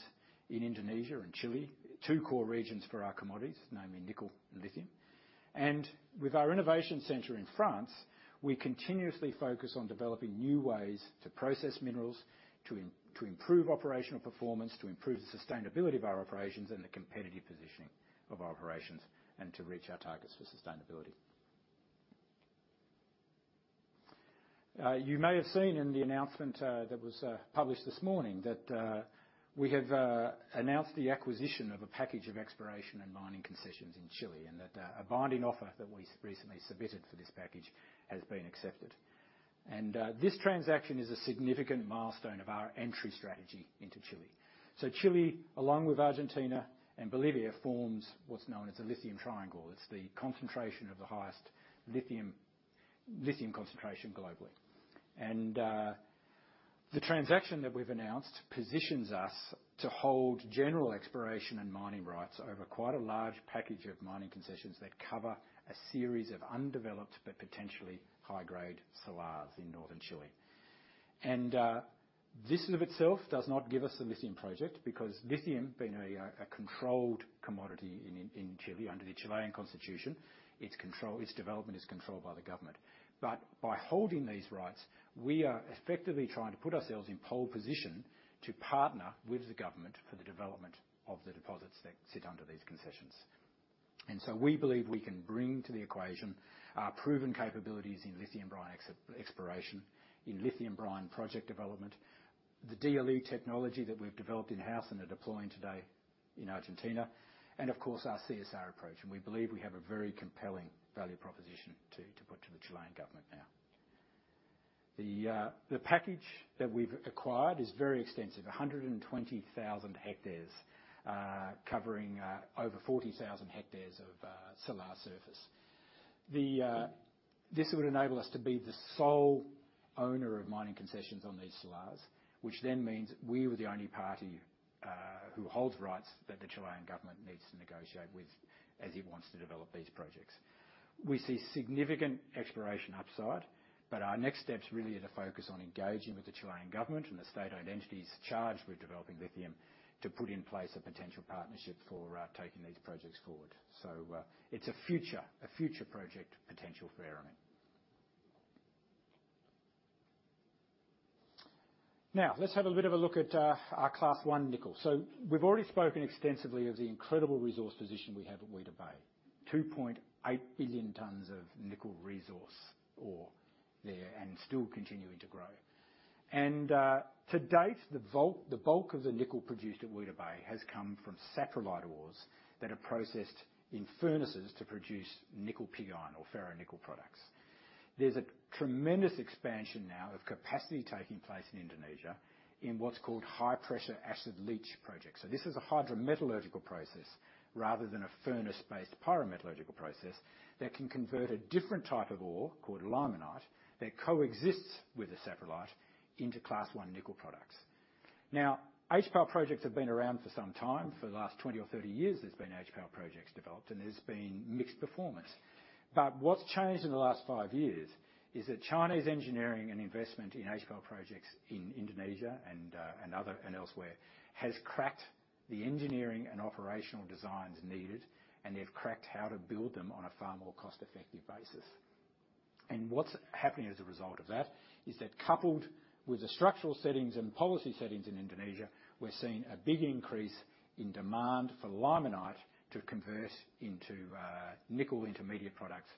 in Indonesia and Chile, two core regions for our commodities, namely nickel and lithium. And with our innovation center in France, we continuously focus on developing new ways to process minerals, to improve operational performance, to improve the sustainability of our operations, and the competitive positioning of our operations, and to reach our targets for sustainability. You may have seen in the announcement that was published this morning that we have announced the acquisition of a package of exploration and mining concessions in Chile, and that a binding offer that we recently submitted for this package has been accepted. And this transaction is a significant milestone of our entry strategy into Chile. So Chile, along with Argentina and Bolivia, forms what's known as the Lithium Triangle. It's the concentration of the highest lithium concentration globally. The transaction that we've announced positions us to hold general exploration and mining rights over quite a large package of mining concessions that cover a series of undeveloped but potentially high-grade salars in northern Chile. This in and of itself does not give us a lithium project, because lithium, being a controlled commodity in Chile under the Chilean constitution, its development is controlled by the government. But by holding these rights, we are effectively trying to put ourselves in pole position to partner with the government for the development of the deposits that sit under these concessions. So we believe we can bring to the equation our proven capabilities in lithium brine exploration, in lithium brine project development, the DLE technology that we've developed in-house and are deploying today in Argentina, and of course, our CSR approach. We believe we have a very compelling value proposition to, to put to the Chilean government now. The, the package that we've acquired is very extensive, 120,000 hectares, covering over 40,000 hectares of salar surface. The, this would enable us to be the sole owner of mining concessions on these salars, which then means we are the only party, who holds rights that the Chilean government needs to negotiate with as it wants to develop these projects. We see significant exploration upside, but our next steps really are to focus on engaging with the Chilean government and the state-owned entities charged with developing lithium, to put in place a potential partnership for taking these projects forward. It's a future project potential for Eramet. Now, let's have a bit of a look at our Class 1 nickel. So we've already spoken extensively of the incredible resource position we have at Weda Bay, 2.8 billion tons of nickel resource ore there, and still continuing to grow. To date, the bulk of the nickel produced at Weda Bay has come from saprolite ores that are processed in furnaces to produce nickel pig iron or ferronickel products. There's a tremendous expansion now of capacity taking place in Indonesia in what's called high-pressure acid leach projects. So this is a hydrometallurgical process rather than a furnace-based pyrometallurgical process that can convert a different type of ore, called limonite, that coexists with the saprolite into Class 1 nickel products. Now, HPAL projects have been around for some time. For the last 20 or 30 years, there's been HPAL projects developed, and there's been mixed performance. But what's changed in the last five years is that China's engineering and investment in HPAL projects in Indonesia and other and elsewhere has cracked the engineering and operational designs needed, and they've cracked how to build them on a far more cost-effective basis. And what's happening as a result of that is that coupled with the structural settings and policy settings in Indonesia, we're seeing a big increase in demand for limonite to convert into nickel intermediate products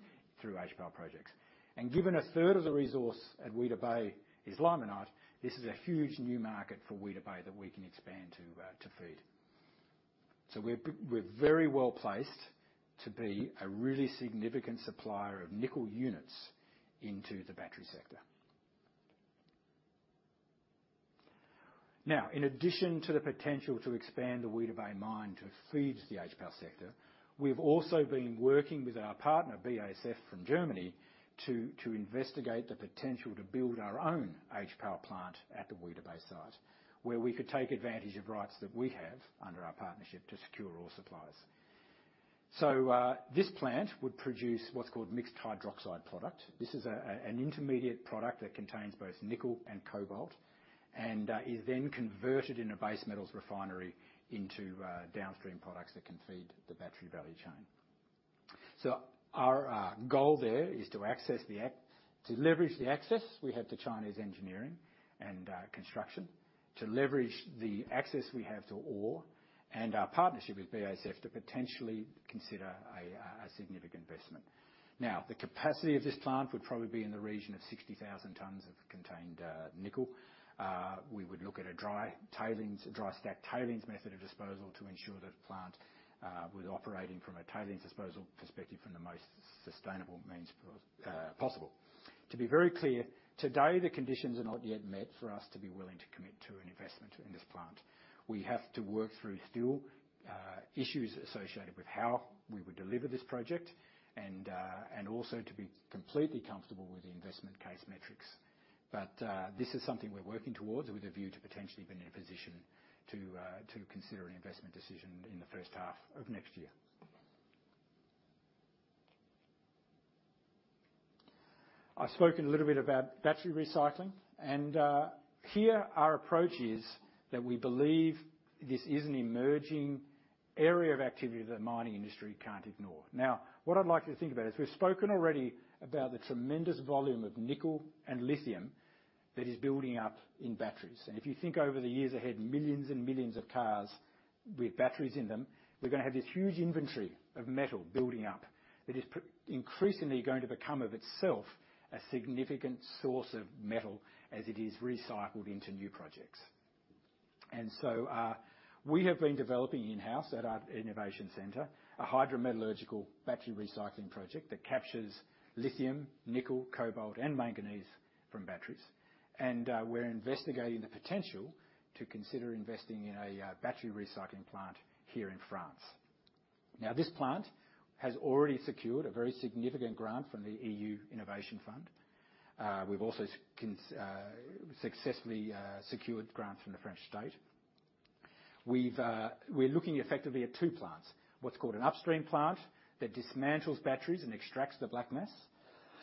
through HPAL projects. And given a third of the resource at Weda Bay is limonite, this is a huge new market for Weda Bay that we can expand to to feed. So we're very well placed to be a really significant supplier of nickel units into the battery sector. Now, in addition to the potential to expand the Weda Bay mine to feed the HPAL sector, we've also been working with our partner, BASF, from Germany, to investigate the potential to build our own HPAL plant at the Weda Bay site, where we could take advantage of rights that we have under our partnership to secure ore supplies. So, this plant would produce what's called mixed hydroxide product. This is an intermediate product that contains both nickel and cobalt, and is then converted in a base metals refinery into downstream products that can feed the battery value chain. So our goal there is to access the—to leverage the access we have to Chinese engineering and construction, to leverage the access we have to ore, and our partnership with BASF to potentially consider a significant investment. Now, the capacity of this plant would probably be in the region of 60,000 tons of contained nickel. We would look at a dry tailings, dry stack tailings method of disposal to ensure that the plant was operating from a tailings disposal perspective from the most sustainable means possible. To be very clear, today, the conditions are not yet met for us to be willing to commit to an investment in this plant. We have to work through still issues associated with how we would deliver this project and also to be completely comfortable with the investment case metrics. But this is something we're working towards with a view to potentially being in a position to consider an investment decision in the first half of next year. I've spoken a little bit about battery recycling, and here our approach is that we believe this is an emerging area of activity that the mining industry can't ignore. Now, what I'd like you to think about is we've spoken already about the tremendous volume of nickel and lithium that is building up in batteries. And if you think over the years ahead, millions and millions of cars with batteries in them, we're gonna have this huge inventory of metal building up that is increasingly going to become, of itself, a significant source of metal as it is recycled into new projects. And so, we have been developing in-house at our innovation center, a hydrometallurgical battery recycling project that captures lithium, nickel, cobalt, and manganese from batteries. And, we're investigating the potential to consider investing in a battery recycling plant here in France. Now, this plant has already secured a very significant grant from the EU Innovation Fund. We've also successfully secured grants from the French state. We're looking effectively at two plants: what's called an upstream plant that dismantles batteries and extracts the black mass,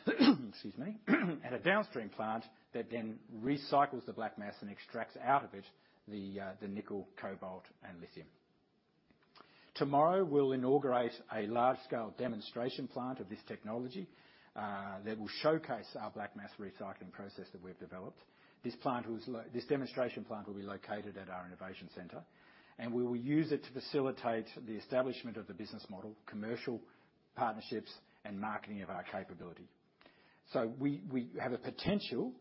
excuse me, and a downstream plant that then recycles the black mass and extracts out of it the nickel, cobalt, and lithium. Tomorrow, we'll inaugurate a large-scale demonstration plant of this technology that will showcase our black mass recycling process that we've developed. This demonstration plant will be located at our innovation center, and we will use it to facilitate the establishment of the business model, commercial partnerships, and marketing of our capability. So we have a potential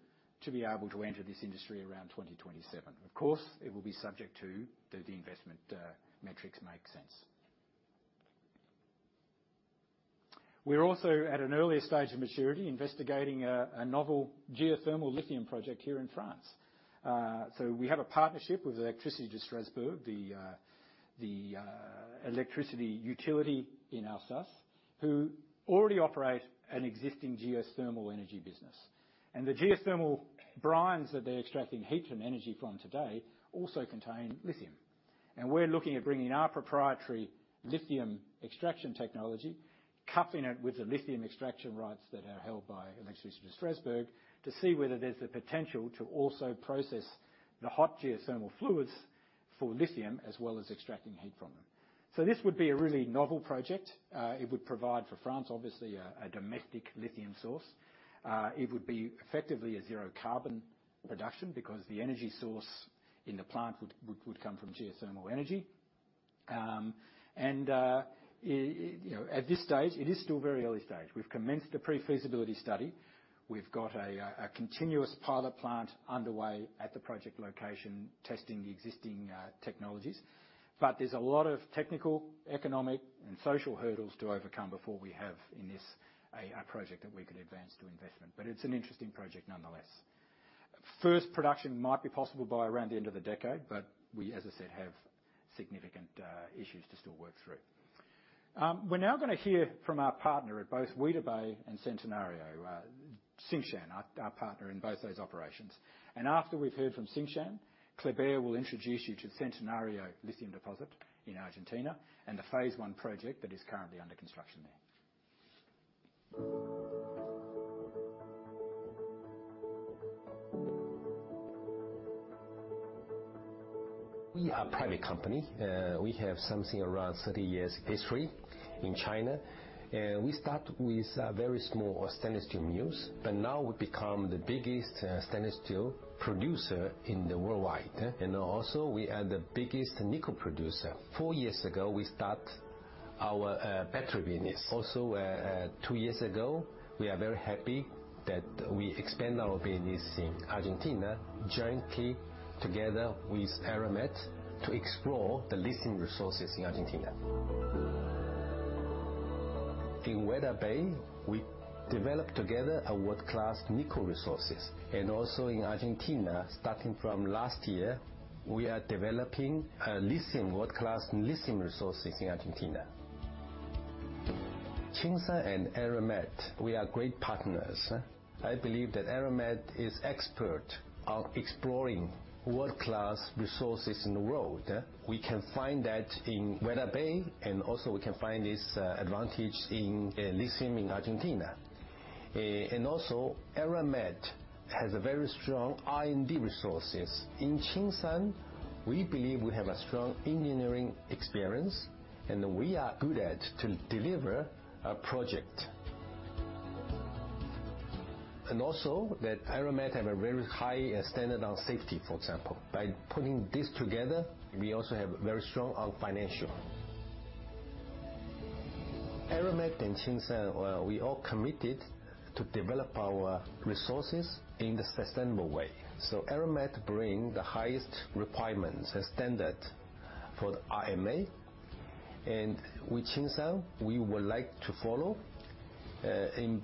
to be able to enter this industry around 2027. Of course, it will be subject to do the investment, metrics make sense. We're also, at an earlier stage of maturity, investigating a novel geothermal lithium project here in France. So we have a partnership with Électricité de Strasbourg, the electricity utility in Alsace, who already operate an existing geothermal energy business. And the geothermal brines that they're extracting heat and energy from today also contain lithium. And we're looking at bringing our proprietary lithium extraction technology, coupling it with the lithium extraction rights that are held by Électricité de Strasbourg, to see whether there's the potential to also process the hot geothermal fluids for lithium, as well as extracting heat from them. So this would be a really novel project. It would provide for France, obviously, a domestic lithium source. It would be effectively a zero carbon production because the energy source in the plant would come from geothermal energy. You know, at this stage, it is still very early stage. We've commenced a pre-feasibility study. We've got a continuous pilot plant underway at the project location, testing the existing technologies. But there's a lot of technical, economic, and social hurdles to overcome before we have a project that we could advance to investment. But it's an interesting project nonetheless. First production might be possible by around the end of the decade, but we, as I said, have significant issues to still work through. We're now gonna hear from our partner at both Weda Bay and Centenario, Tsingshan, our partner in both those operations. After we've heard from Tsingshan, Kleber will introduce you to Centenario lithium deposit in Argentina, and the phase one project that is currently under construction there. We are a private company. We have something around 30 years history in China, and we start with a very small stainless steel mills, but now we've become the biggest, stainless steel producer in the worldwide. And also, we are the biggest nickel producer. Four years ago, we start our, battery business. Also, two years ago, we are very happy that we expand our business in Argentina, jointly together with Eramet, to explore the lithium resources in Argentina. In Weda Bay, we developed together a world-class nickel resources. And also in Argentina, starting from last year, we are developing a lithium, world-class lithium resources in Argentina. Tsingshan and Eramet, we are great partners. I believe that Eramet is expert on exploring world-class resources in the world. We can find that in Weda Bay, and also we can find this advantage in lithium in Argentina. And also, Eramet has a very strong R&D resources. In Tsingshan, we believe we have a strong engineering experience, and we are good at to deliver a project. And also, that Eramet have a very high standard on safety, for example. By putting this together, we also have very strong on financial. Eramet and Tsingshan, we all committed to develop our resources in the sustainable way. So Eramet bring the highest requirements and standard for the IRMA, and with Tsingshan, we would like to follow. In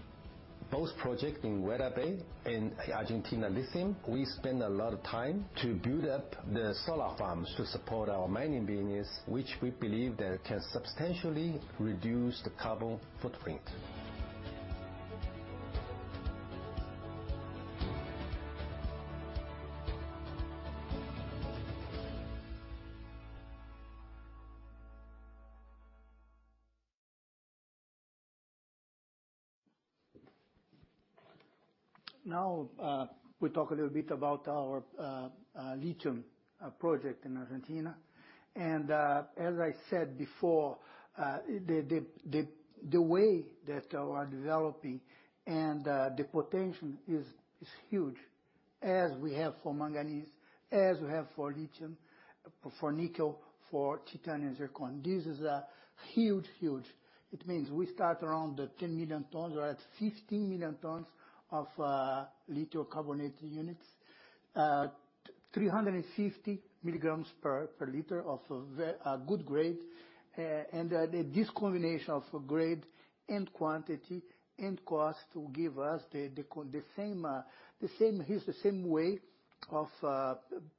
both projects, in Weda Bay and Argentina Lithium, we spend a lot of time to build up the solar farms to support our mining business, which we believe that can substantially reduce the carbon footprint. Now, we talk a little bit about our lithium project in Argentina. As I said before, the way that we are developing and the potential is huge, as we have for manganese, as we have for lithium, for nickel, for titanium, zircon. This is a huge, huge. It means we start around the 10 million tons or at 15 million tons of lithium carbonate units. 350 milligrams per liter of very good grade. And this combination of grade and quantity and cost will give us the same way of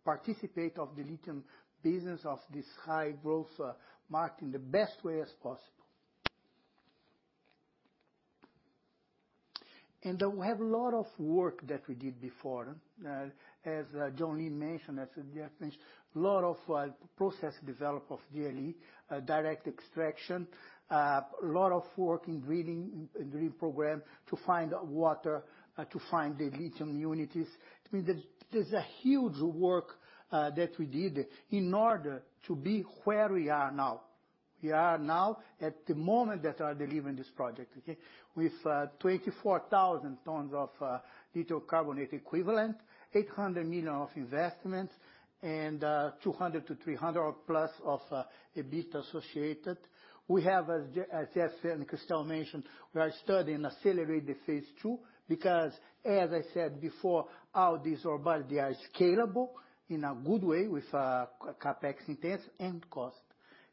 participate of the lithium business of this high growth market in the best way as possible. We have a lot of work that we did before. As John Lee mentioned, as Geoff mentioned, a lot of process development of DLE, direct extraction, a lot of work in drilling, in drilling program to find water, to find the lithium units. I mean, there's a huge work that we did in order to be where we are now. We are now at the moment that are delivering this project, okay? With 24,000 tons of lithium carbonate equivalent, 800 million of investment, and 200 million-300 million plus of EBITDA associated. We have, as Geoff said, and Christel mentioned, we are studying accelerate the phase two, because, as I said before, all these ore body, they are scalable in a good way with CapEx intense and cost.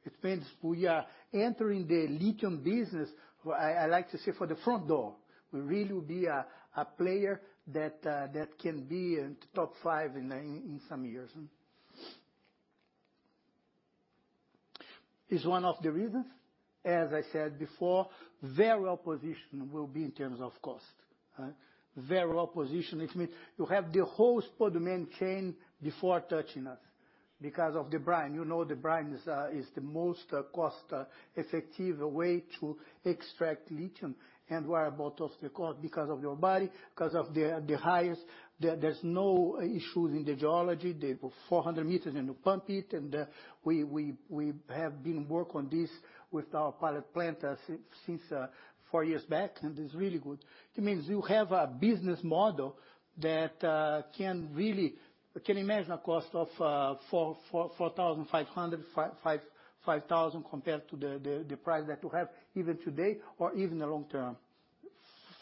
It means we are entering the lithium business. I like to say, from the front door. We really will be a player that can be in top five in some years. It's one of the reasons, as I said before, very well positioned we'll be in terms of cost. Very well positioned. It means you have the whole spodumene chain before touching us because of the brine. You know, the brine is the most cost effective way to extract lithium and viable both because of the volume, because of the highest. There's no issues in the geology. The 400 meters, and you pump it, and we have been working on this with our pilot plant since four years back, and it's really good. It means you have a business model that can really. You can imagine a cost of $4,500-$5,000 compared to the price that you have even today or even the long term.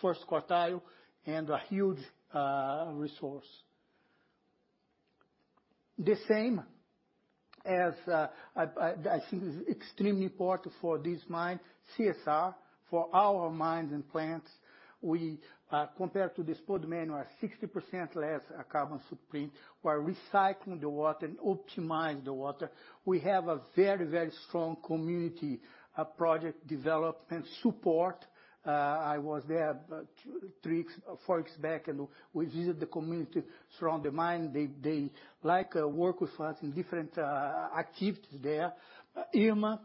First quartile and a huge resource. The same as I think is extremely important for this mine, CSR, for our mines and plants. We compared to the spodumene are 60% less carbon footprint. We're recycling the water and optimize the water. We have a very, very strong community, a project development support. I was there two to four weeks back, and we visited the community around the mine. They like work with us in different activities there. IRMA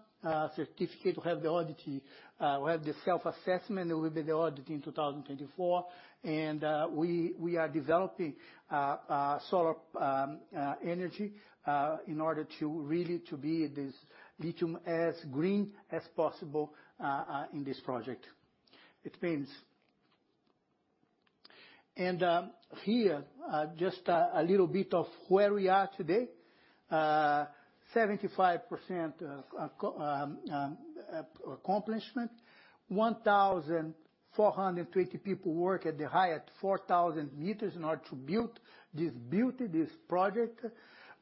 certificate, we have the audit, we have the self-assessment, there will be the audit in 2024. And we are developing solar energy in order to really to be this lithium as green as possible, in this project. It means. And here, just a little bit of where we are today. 75% accomplishment. 1,420 people work at the high, at 4,000 meters in order to build this beauty, this project.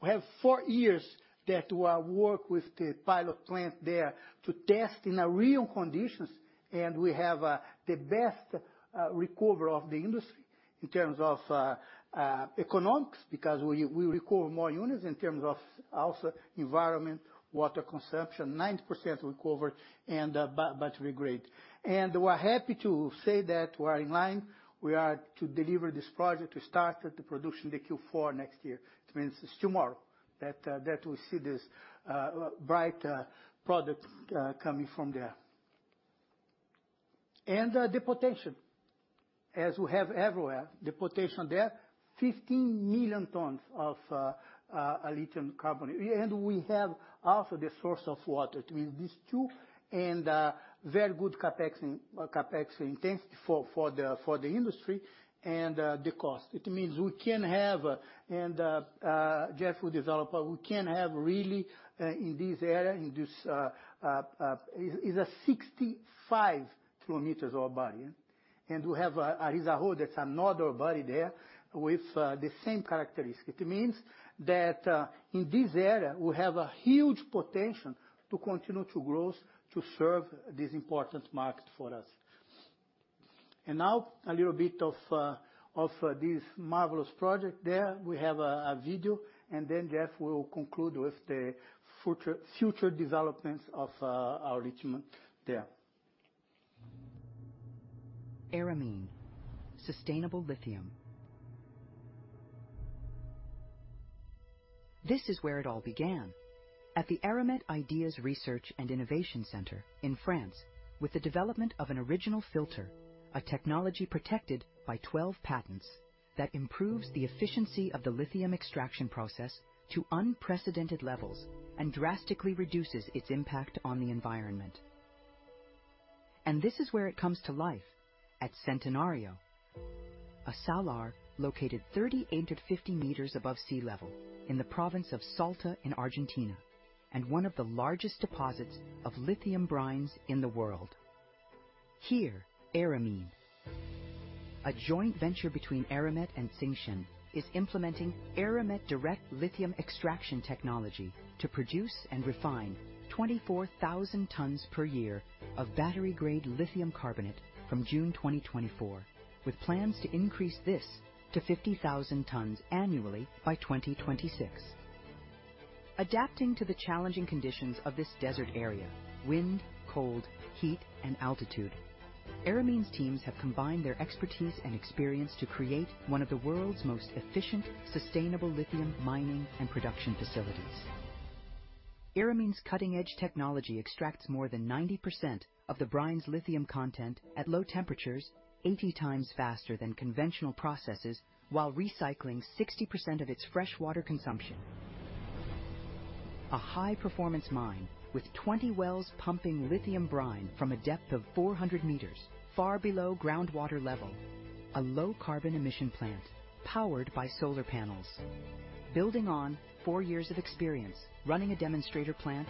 We have four years that we are work with the pilot plant there to test in real conditions, and we have the best recovery of the industry in terms of economics, because we recover more units in terms of also environment, water consumption, 90% recovery, and battery grade. And we're happy to say that we are in line. We are to deliver this project to start the production in the Q4 next year. It means it's tomorrow that we see this bright product coming from there. And the potential, as we have everywhere, the potential there, 15 million tons of a lithium carbonate. And we have also the source of water. It means these two and very good CapEx and CapEx intensity for the industry and the cost. It means we can have, and Geoff will develop. We can have really in this area. In this is a 65 km ore body, yeah. And we have Arizaro. That's another body there with the same characteristic. It means that in this area, we have a huge potential to continue to grow, to serve this important market for us. And now a little bit of this marvelous project there. We have a video, and then Geoff will conclude with the future developments of our lithium there. Eramine, sustainable lithium. This is where it all began, at the Eramet Ideas Research and Innovation Center in France, with the development of an original filter, a technology protected by 12 patents that improves the efficiency of the lithium extraction process to unprecedented levels and drastically reduces its impact on the environment. This is where it comes to life, at Centenario, a salar located 3,850 meters above sea level in the province of Salta in Argentina, and one of the largest deposits of lithium brines in the world. Here, Eramine, a joint venture between Eramet and Tsingshan, is implementing Eramet direct lithium extraction technology to produce and refine 24,000 tons per year of battery-grade lithium carbonate from June 2024, with plans to increase this to 50,000 tons annually by 2026. Adapting to the challenging conditions of this desert area: wind, cold, heat, and altitude, Eramine's teams have combined their expertise and experience to create one of the world's most efficient, sustainable lithium mining and production facilities. Eramine's cutting-edge technology extracts more than 90% of the brine's lithium content at low temperatures, 80 times faster than conventional processes, while recycling 60% of its fresh water consumption. A high-performance mine with 20 wells pumping lithium brine from a depth of 400 meters, far below groundwater level. A low carbon emission plant powered by solar panels. Building on four years of experience, running a demonstrator plant,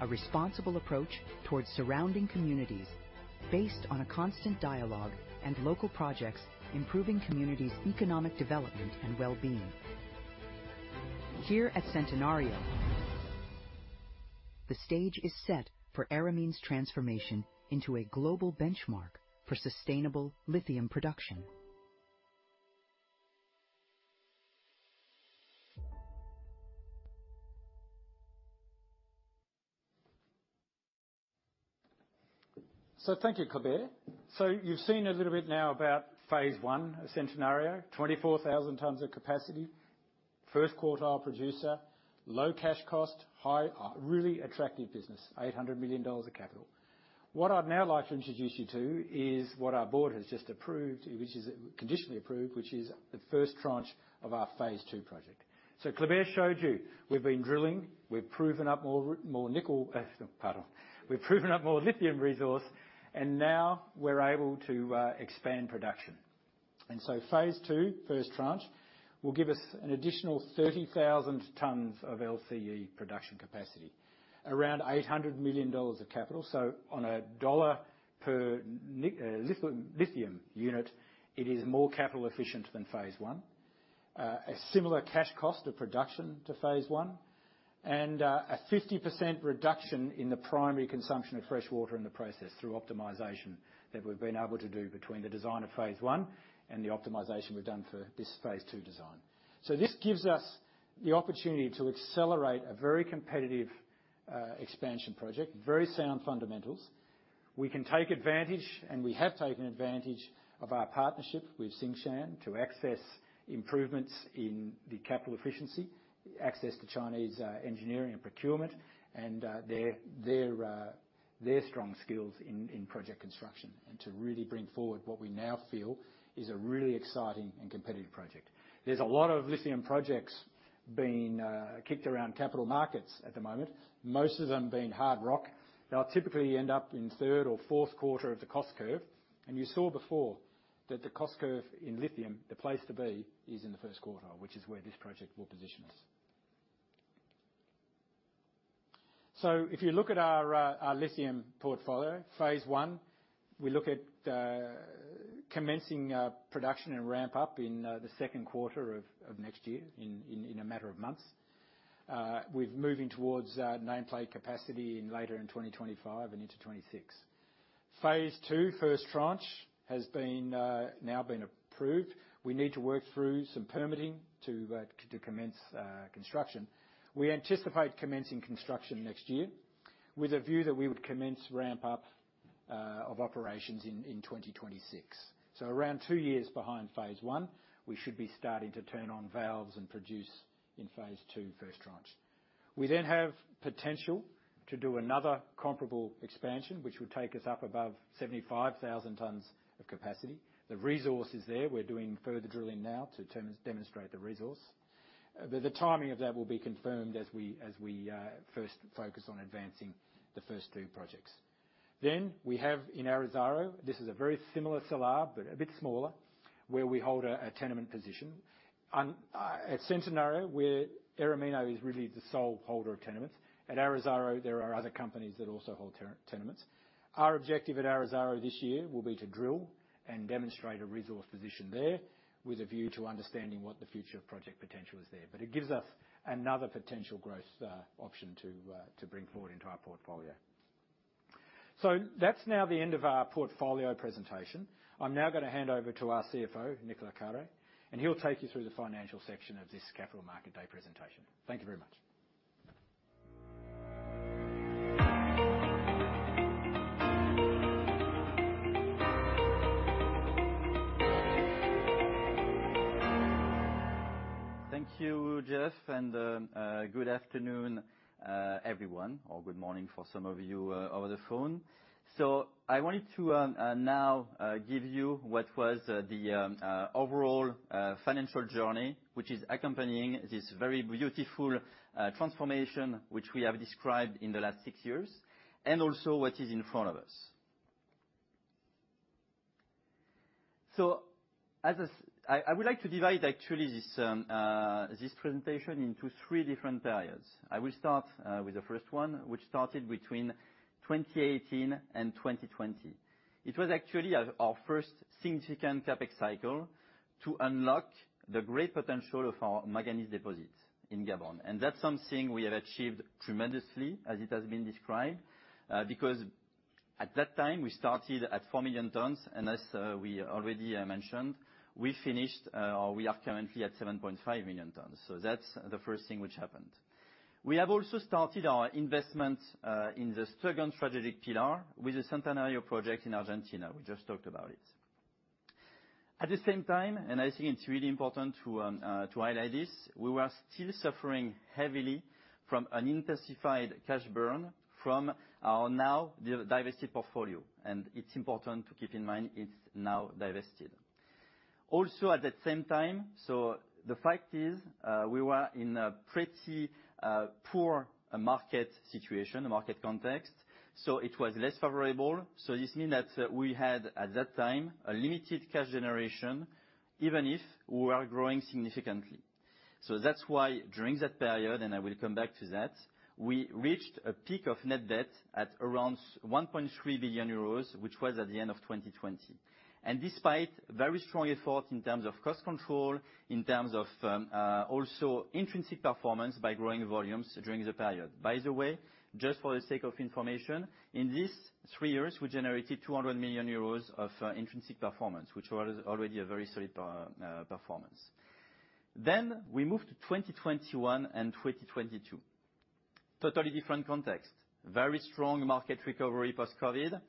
a responsible approach towards surrounding communities based on a constant dialogue and local projects, improving community's economic development and well-being. Here at Centenario, the stage is set for Eramine's transformation into a global benchmark for sustainable lithium production. So thank you, Kleber. So you've seen a little bit now about phase one of Centenario, 24,000 tons of capacity, first quartile producer, low cash cost, high, really attractive business, $800 million of capital. What I'd now like to introduce you to is what our board has just approved, which is conditionally approved, which is the first tranche of our phase two project. So Kleber showed you, we've been drilling, we've proven up more lithium resource, and now we're able to expand production. And so phase two, first tranche, will give us an additional 30,000 tons of LCE production capacity, around $800 million of capital. So on a dollar per lithium unit, it is more capital efficient than phase one. a similar cash cost of production to phase one, and a 50% reduction in the primary consumption of fresh water in the process through optimization that we've been able to do between the design of phase one and the optimization we've done for this phase two design. So this gives us the opportunity to accelerate a very competitive expansion project, very sound fundamentals. We can take advantage, and we have taken advantage of our partnership with Tsingshan to access improvements in the capital efficiency, access to Chinese engineering and procurement, and their strong skills in project construction, and to really bring forward what we now feel is a really exciting and competitive project. There's a lot of lithium projects being kicked around capital markets at the moment, most of them being hard rock. They'll typically end up in third or fourth quarter of the cost curve, and you saw before that the cost curve in lithium, the place to be, is in the first quarter, which is where this project will position us. So if you look at our lithium portfolio, phase 1, we look at commencing production and ramp up in the second quarter of next year in a matter of months. We've moving towards nameplate capacity in later in 2025 and into 2026. Phase 2, first tranche, has now been approved. We need to work through some permitting to commence construction. We anticipate commencing construction next year with a view that we would commence ramp up of operations in 2026. So around two years behind phase one, we should be starting to turn on valves and produce in phase two, first tranche. We then have potential to do another comparable expansion, which would take us up above 75,000 tons of capacity. The resource is there. We're doing further drilling now to demonstrate the resource. But the timing of that will be confirmed as we first focus on advancing the first two projects. Then, we have in Arizaro, this is a very similar salar, but a bit smaller, where we hold a tenement position. At Centenario, where Eramine is really the sole holder of tenements. At Arizaro, there are other companies that also hold tenements. Our objective at Arizaro this year will be to drill and demonstrate a resource position there with a view to understanding what the future of project potential is there. But it gives us another potential growth option to bring forward into our portfolio. So that's now the end of our portfolio presentation. I'm now gonna hand over to our CFO, Nicolas Carré, and he'll take you through the financial section of this Capital Market Day presentation. Thank you very much. Thank you, Geoff, and good afternoon, everyone, or good morning for some of you over the phone. So I wanted to now give you what was the overall financial journey, which is accompanying this very beautiful transformation, which we have described in the last six years, and also what is in front of us. So as I would like to divide actually this presentation into three different periods. I will start with the first one, which started between 2018 and 2020. It was actually our first significant CapEx cycle to unlock the great potential of our manganese deposits in Gabon. That's something we have achieved tremendously, as it has been described, because at that time, we started at 4 million tons, and as we already mentioned, we finished, or we are currently at 7.5 million tons. That's the first thing which happened. We have also started our investment in the second strategic pillar with the Centenario project in Argentina. We just talked about it. At the same time, and I think it's really important to highlight this, we were still suffering heavily from an intensified cash burn from our now divested portfolio, and it's important to keep in mind, it's now divested. Also, at that same time, the fact is, we were in a pretty poor market situation, market context, so it was less favorable. So this mean that, we had, at that time, a limited cash generation, even if we were growing significantly. So that's why during that period, and I will come back to that, we reached a peak of net debt at around 1.3 billion euros, which was at the end of 2020. And despite very strong effort in terms of cost control, in terms of, also intrinsic performance by growing volumes during the period. By the way, just for the sake of information, in these three years, we generated 200 million euros of, intrinsic performance, which was already a very solid performance. Then we moved to 2021 and 2022. Totally different context. Very strong market recovery post-COVID.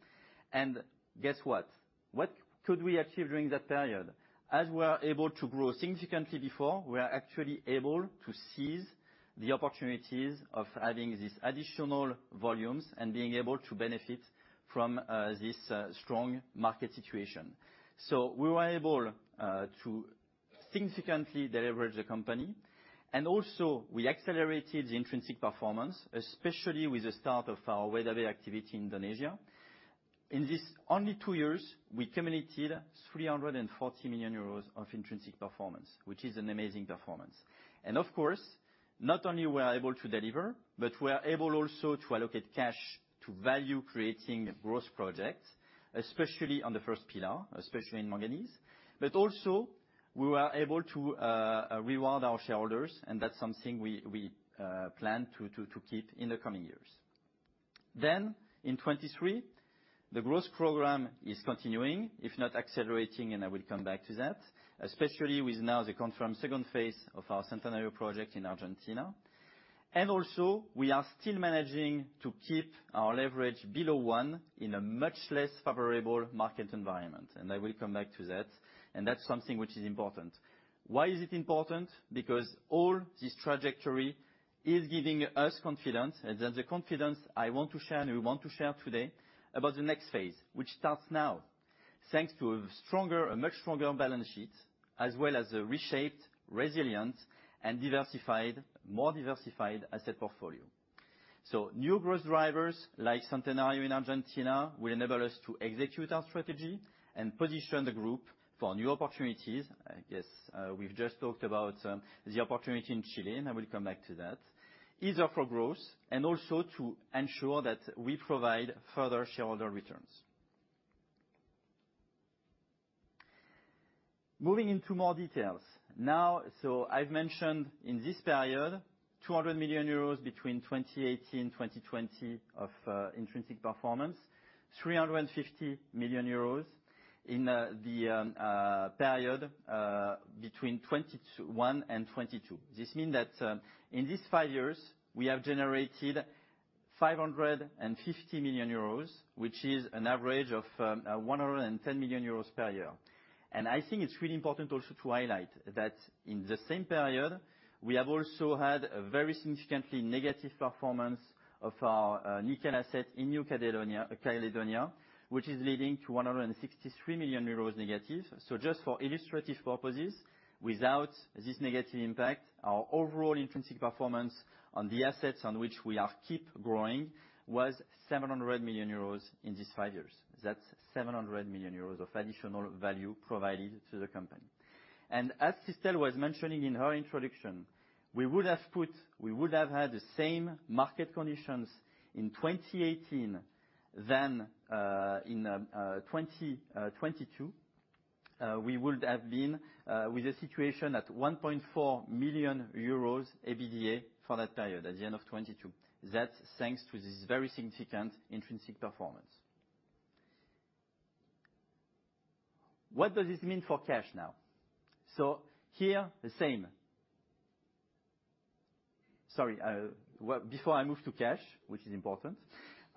And guess what? What could we achieve during that period? As we are able to grow significantly before, we are actually able to seize the opportunities of having these additional volumes and being able to benefit from this strong market situation. So we were able to significantly deleverage the company, and also we accelerated the intrinsic performance, especially with the start of our Weda Bay activity in Indonesia. In this only two years, we accumulated 340 million euros of intrinsic performance, which is an amazing performance. And of course, not only we are able to deliver, but we are able also to allocate cash to value creating growth projects, especially on the first pillar, especially in manganese. But also, we were able to reward our shareholders, and that's something we plan to keep in the coming years. Then in 2023, the growth program is continuing, if not accelerating, and I will come back to that, especially with now the confirmed second phase of our Centenario project in Argentina. And also, we are still managing to keep our leverage below one in a much less favorable market environment, and I will come back to that, and that's something which is important. Why is it important? Because all this trajectory is giving us confidence, and that's the confidence I want to share, and we want to share today about the next phase, which starts now, thanks to a stronger, a much stronger balance sheet, as well as a reshaped, resilient, and diversified, more diversified asset portfolio. So new growth drivers, like Centenario in Argentina, will enable us to execute our strategy and position the group for new opportunities. I guess, we've just talked about the opportunity in Chile, and I will come back to that. Either for growth and also to ensure that we provide further shareholder returns. Moving into more details. Now, I've mentioned in this period, 200 million euros between 2018 and 2020 of intrinsic performance, 350 million euros in the period between 2021 and 2022. This mean that, in these five years, we have generated 550 million euros, which is an average of 110 million euros per year. I think it's really important also to highlight that in the same period, we have also had a very significantly negative performance of our nickel asset in New Caledonia, which is leading to negative 163 million euros. So just for illustrative purposes, without this negative impact, our overall intrinsic performance on the assets on which we are keep growing was 700 million euros in these five years. That's 700 million euros of additional value provided to the company. And as Christel was mentioning in her introduction, we would have had the same market conditions in 2018 than in 2022, we would have been with a situation at 1.4 million euros EBITDA for that period, at the end of 2022. That's thanks to this very significant intrinsic performance. What does this mean for cash now? So here, the same. Sorry, well, before I move to cash, which is important,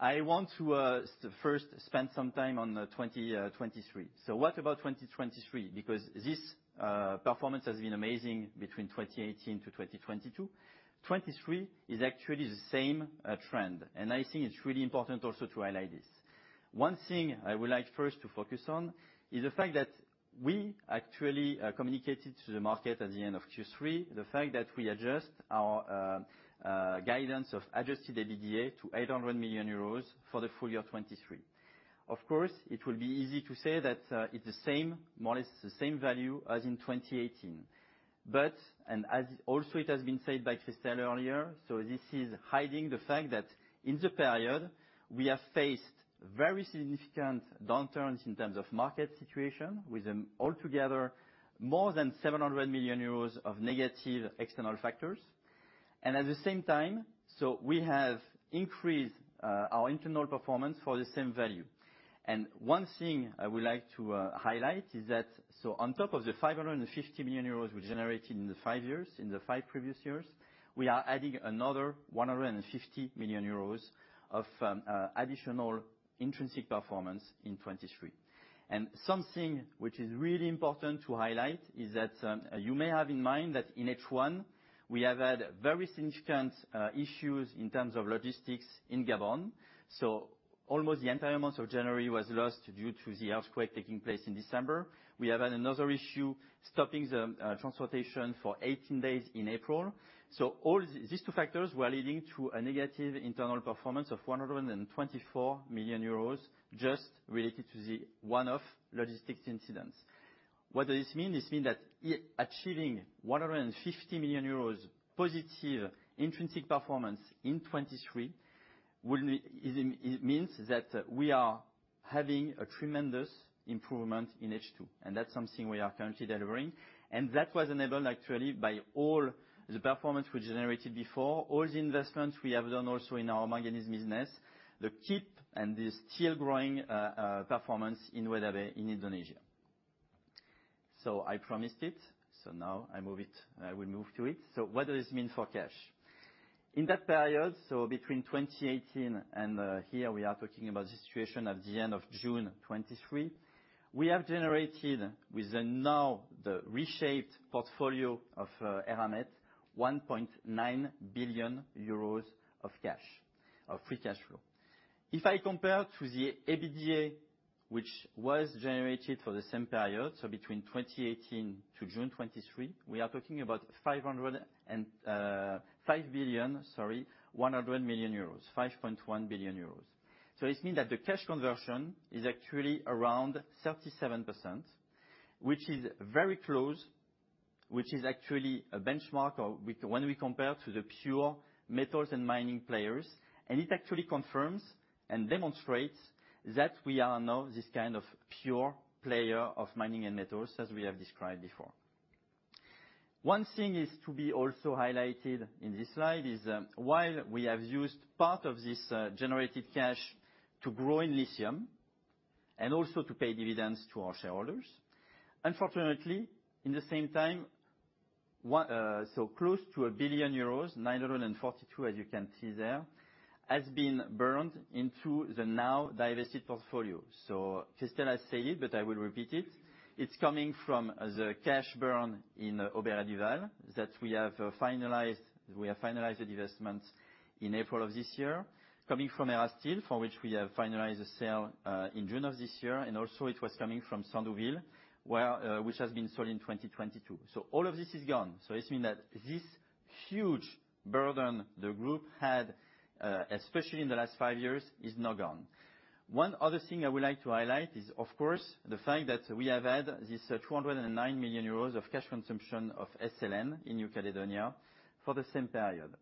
I want to first spend some time on 2023. So what about 2023? Because this performance has been amazing between 2018 to 2022. 2023 is actually the same trend, and I think it's really important also to highlight this. One thing I would like first to focus on is the fact that we actually communicated to the market at the end of Q3 the fact that we adjust our guidance of adjusted EBITDA to 800 million euros for the full year 2023. Of course, it will be easy to say that it's the same, more or less the same value as in 2018. But as also it has been said by Christel earlier, this is hiding the fact that in the period, we have faced very significant downturns in terms of market situation, with an altogether more than 700 million euros of negative external factors. At the same time, we have increased our internal performance for the same value. One thing I would like to highlight is that on top of the 550 million euros we generated in the five previous years, we are adding another 150 million euros of additional intrinsic performance in 2023. Something which is really important to highlight is that you may have in mind that in H1, we have had very significant issues in terms of logistics in Gabon. So almost the entire month of January was lost due to the earthquake taking place in December. We have had another issue stopping the transportation for 18 days in April. So all these two factors were leading to a negative internal performance of 124 million euros, just related to the one-off logistics incidents. What does this mean? This mean that achieving one hundred and fifty million euros positive intrinsic performance in 2023 will be, it, it means that we are having a tremendous improvement in H2, and that's something we are currently delivering. And that was enabled, actually, by all the performance we generated before, all the investments we have done also in our manganese business, the CapEx and the still growing performance in Weda Bay, in Indonesia. So I promised it, so now I move it, I will move to it. So what does this mean for cash? In that period, so between 2018 and here, we are talking about the situation at the end of June 2023, we have generated with the now the reshaped portfolio of Eramet, 1.9 billion euros of cash, of free cash flow. If I compare to the EBITDA, which was generated for the same period, so between 2018 to June 2023, we are talking about 505 billion, sorry, 100 million euros, 5.1 billion euros. So this mean that the cash conversion is actually around 37%... which is very close, which is actually a benchmark or with when we compare to the pure metals and mining players, and it actually confirms and demonstrates that we are now this kind of pure player of mining and metals, as we have described before. One thing is to be also highlighted in this slide is, while we have used part of this generated cash to grow in lithium and also to pay dividends to our shareholders, unfortunately, in the same time, 942 million so close to a billion euros, as you can see there, has been burned into the now divested portfolio. So Christel has said it, but I will repeat it: it's coming from the cash burn in Aubert & Duval, that we have finalized the divestment in April of this year, coming from Erasteel, for which we have finalized the sale in June of this year, and also it was coming from Sandouville, which has been sold in 2022. So all of this is gone. So it means that this huge burden the group had, especially in the last five years, is now gone. One other thing I would like to highlight is, of course, the fact that we have had this 209 million euros of cash consumption of SLN in New Caledonia for the same period.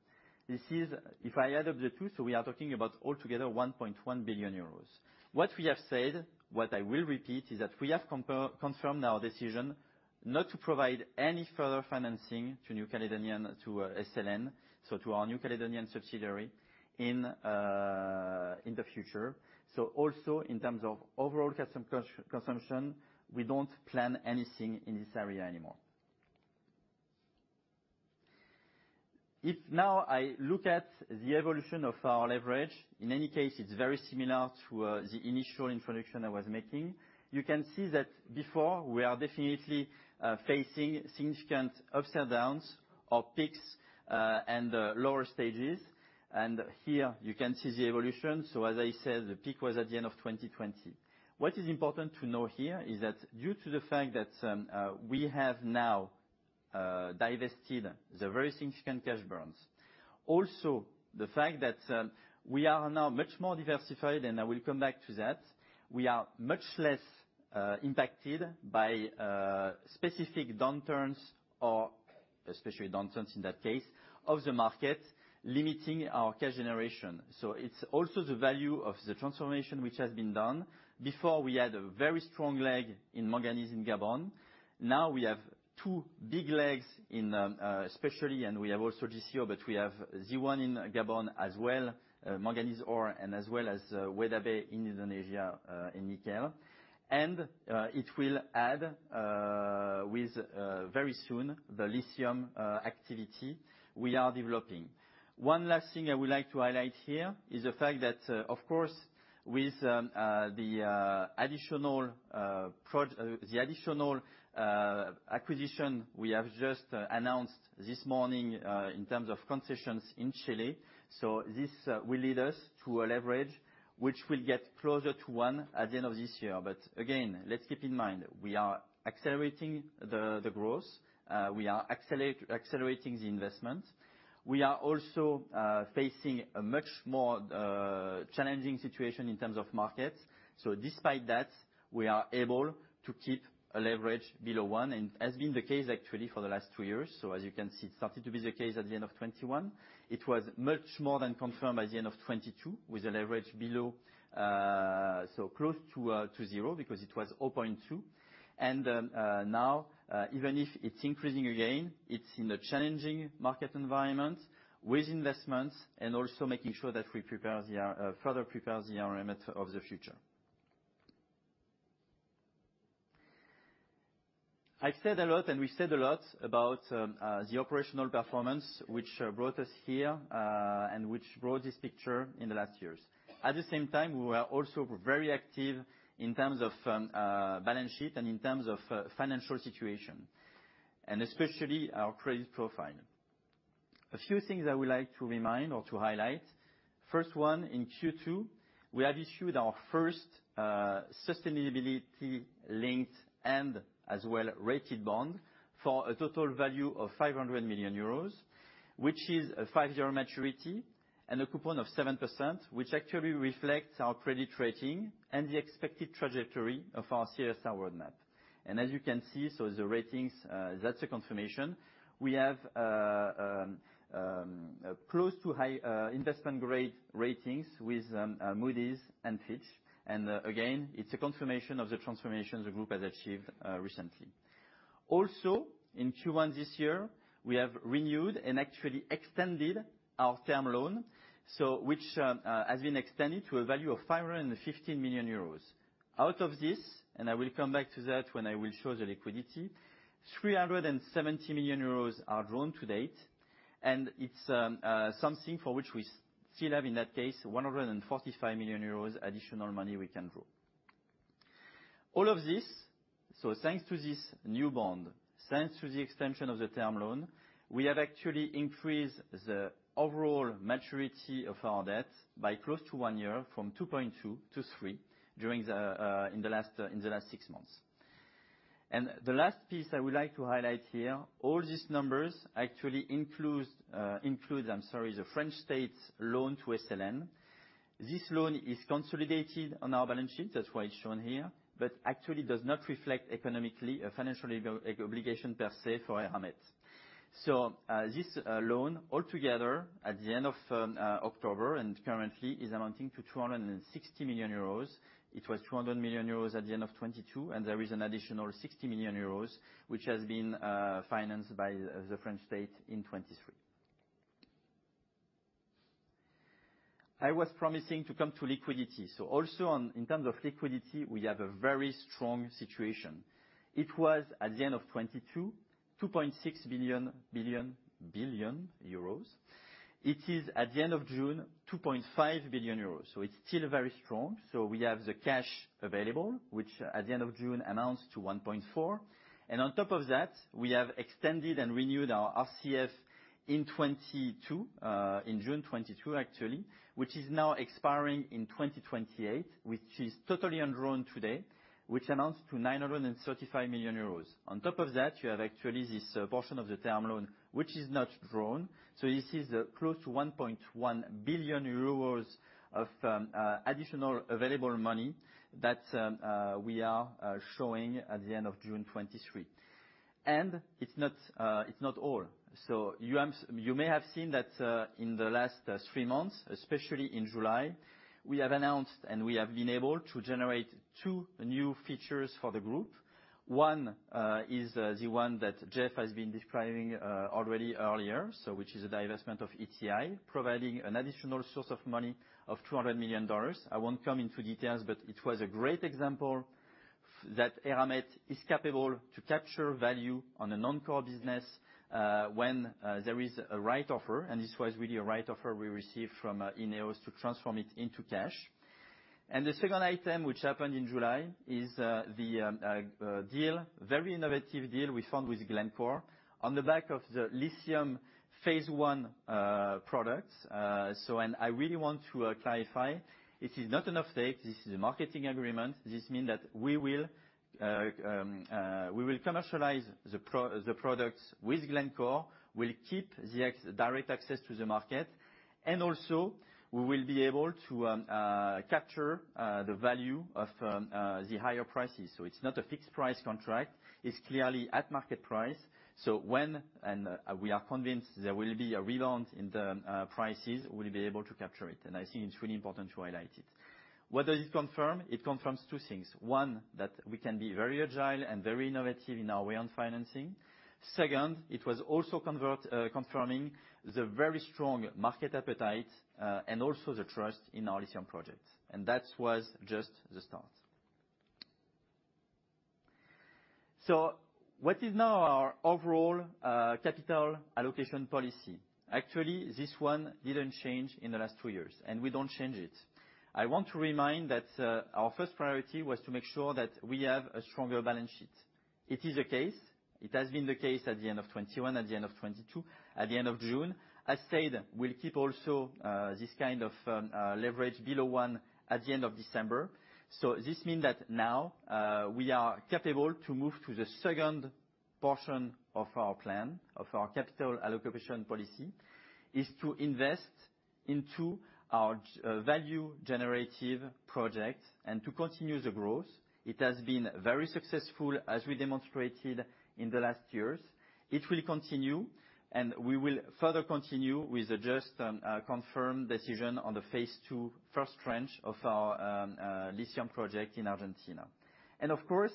This is, if I add up the two, so we are talking about altogether 1.1 billion euros. What we have said, what I will repeat, is that we have confirmed our decision not to provide any further financing to New Caledonia, to SLN, so to our New Caledonian subsidiary, in the future. So also in terms of overall cash consumption, we don't plan anything in this area anymore. If now I look at the evolution of our leverage, in any case, it's very similar to the initial introduction I was making. You can see that before, we are definitely facing significant ups and downs or peaks and lower stages. Here you can see the evolution, so as I said, the peak was at the end of 2020. What is important to know here is that due to the fact that we have now divested the very significant cash burns, also the fact that we are now much more diversified, and I will come back to that, we are much less impacted by specific downturns or, especially downturns in that case, of the market, limiting our cash generation. It's also the value of the transformation which has been done. Before, we had a very strong leg in manganese, in Gabon. Now we have two big legs in, especially, and we have also GCO, but we have the one in Gabon as well, manganese ore, and as well as Weda Bay in Indonesia, in nickel. It will add with very soon the lithium activity we are developing. One last thing I would like to highlight here is the fact that, of course, with the additional acquisition we have just announced this morning, in terms of concessions in Chile, so this will lead us to a leverage which will get closer to 1 at the end of this year. But again, let's keep in mind, we are accelerating the growth, we are accelerating the investment. We are also facing a much more challenging situation in terms of market. So despite that, we are able to keep a leverage below one, and has been the case, actually, for the last two years. So as you can see, it started to be the case at the end of 2021. It was much more than confirmed by the end of 2022, with a leverage below, so close to, to zero, because it was 0.2. And, now, even if it's increasing again, it's in a challenging market environment with investments and also making sure that we prepare the, further prepare the Eramet of the future. I've said a lot, and we've said a lot about, the operational performance which, brought us here, and which brought this picture in the last years. At the same time, we were also very active in terms of, balance sheet and in terms of, financial situation, and especially our credit profile. A few things I would like to remind or to highlight: first one, in Q2, we have issued our first, sustainability-linked and as well rated bond for a total value of 500 million euros, which is a five year maturity and a coupon of 7%, which actually reflects our credit rating and the expected trajectory of our CSR roadmap. And as you can see, so the ratings, that's a confirmation. We have, close to high, investment-grade ratings with, Moody's and Fitch. And, again, it's a confirmation of the transformation the group has achieved, recently. Also, in Q1 this year, we have renewed and actually extended our term loan, so which has been extended to a value of 515 million euros. Out of this, and I will come back to that when I will show the liquidity, 370 million euros are drawn to date, and it's something for which we still have, in that case, 145 million euros additional money we can draw. All of this, so thanks to this new bond, thanks to the extension of the term loan, we have actually increased the overall maturity of our debt by close to one year, from 2.2 to 3, during the in the last in the last six months. And the last piece I would like to highlight here, all these numbers actually include, I'm sorry, the French state's loan to SLN. This loan is consolidated on our balance sheet, that's why it's shown here, but actually does not reflect economically a financial obligation per se for Eramet. So, this loan altogether, at the end of October and currently, is amounting to 260 million euros. It was 200 million euros at the end of 2022, and there is an additional 60 million euros, which has been financed by the French state in 2023. I was promising to come to liquidity. So also in terms of liquidity, we have a very strong situation. It was at the end of 2022, 2.6 billion. It is, at the end of June, 2.5 billion euros, so it's still very strong. So we have the cash available, which at the end of June, announced to 1.4 billion. And on top of that, we have extended and renewed our RCF in 2022, in June 2022, actually, which is now expiring in 2028, which is totally undrawn today, which announced to 935 million euros. On top of that, you have actually this portion of the term loan, which is not drawn. So this is close to 1.1 billion euros of additional available money that we are showing at the end of June 2023. And it's not, it's not all. So you may have seen that, in the last three months, especially in July, we have announced, and we have been able to generate two new features for the group. One is the one that Jeff has been describing already earlier, so which is a divestment of ETI, providing an additional source of money of $200 million. I won't come into details, but it was a great example that Eramet is capable to capture value on a non-core business, when there is a right offer, and this was really a right offer we received from Ineos to transform it into cash. And the second item, which happened in July, is the deal, very innovative deal we found with Glencore on the back of the lithium phase one products. So, and I really want to clarify, it is not an offtake, this is a marketing agreement. This mean that we will, we will commercialize the products with Glencore, we'll keep the direct access to the market, and also, we will be able to capture the value of the higher prices. So it's not a fixed price contract, it's clearly at market price. So when, and, we are convinced there will be a rebound in the prices, we'll be able to capture it, and I think it's really important to highlight it. What does it confirm? It confirms two things. One, that we can be very agile and very innovative in our way on financing. Second, it was also confirming the very strong market appetite, and also the trust in our lithium project, and that was just the start. So what is now our overall capital allocation policy? Actually, this one didn't change in the last two years, and we don't change it. I want to remind that our first priority was to make sure that we have a stronger balance sheet. It is the case. It has been the case at the end of 2021, at the end of 2022, at the end of June. I said we'll keep also this kind of leverage below one at the end of December. So this means that now we are capable to move to the second portion of our plan, of our capital allocation policy, is to invest into our value-generative project and to continue the growth. It has been very successful, as we demonstrated in the last years. It will continue, and we will further continue with the just confirmed decision on the phase two first tranche of our lithium project in Argentina. And of course,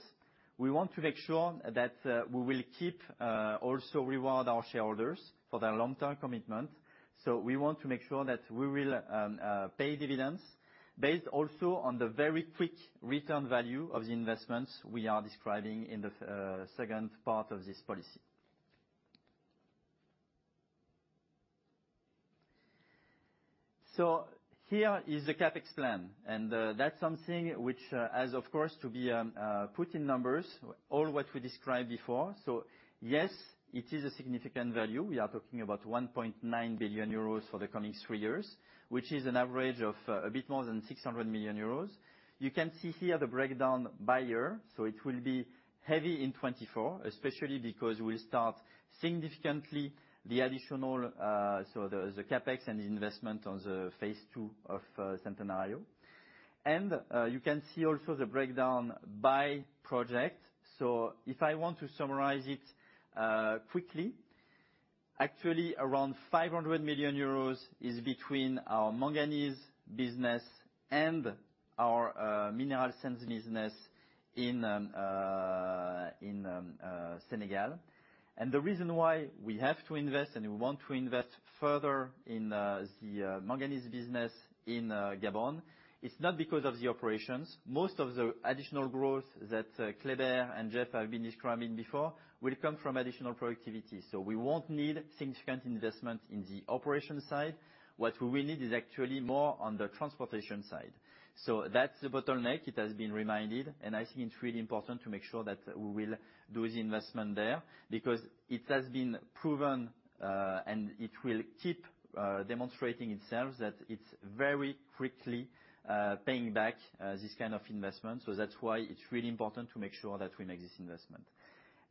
we want to make sure that we will keep also reward our shareholders for their long-term commitment. So we want to make sure that we will pay dividends based also on the very quick return value of the investments we are describing in the second part of this policy. So here is the CapEx plan, and that's something which has, of course, to be put in numbers, all what we described before. So yes, it is a significant value. We are talking about 1.9 billion euros for the coming three years, which is an average of a bit more than 600 million euros. You can see here the breakdown by year, so it will be heavy in 2024, especially because we start significantly the additional, so the CapEx and the investment on the phase 2 of Centenario. And you can see also the breakdown by project. So if I want to summarize it quickly, actually, around 500 million euros is between our manganese business and our mineral sands business in Senegal. The reason why we have to invest, and we want to invest further in the manganese business in Gabon, it's not because of the operations. Most of the additional growth that Claire and Geoff have been describing before will come from additional productivity, so we won't need significant investment in the operation side. What we will need is actually more on the transportation side. So that's the bottleneck. It has been reminded, and I think it's really important to make sure that we will do the investment there, because it has been proven, and it will keep demonstrating itself, that it's very quickly paying back this kind of investment. So that's why it's really important to make sure that we make this investment.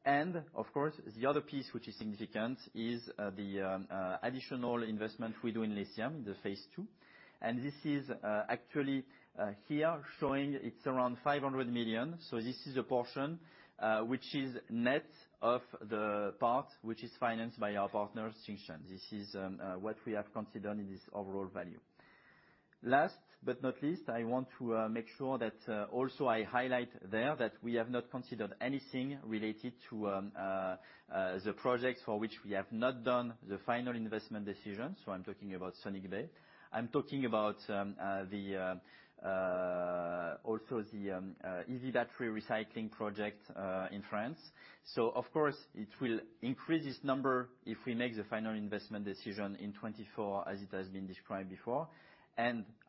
And, of course, the other piece which is significant is the additional investment we do in lithium, the phase two. And this is actually here showing it's around 500 million. So this is a portion which is net of the part which is financed by our partner, Tsingshan. This is what we have considered in this overall value. Last but not least, I want to make sure that also I highlight there that we have not considered anything related to the projects for which we have not done the final investment decision. So I'm talking about Weda Bay. I'm talking about also the e-waste battery recycling project in France. So of course, it will increase this number if we make the final investment decision in 2024, as it has been described before.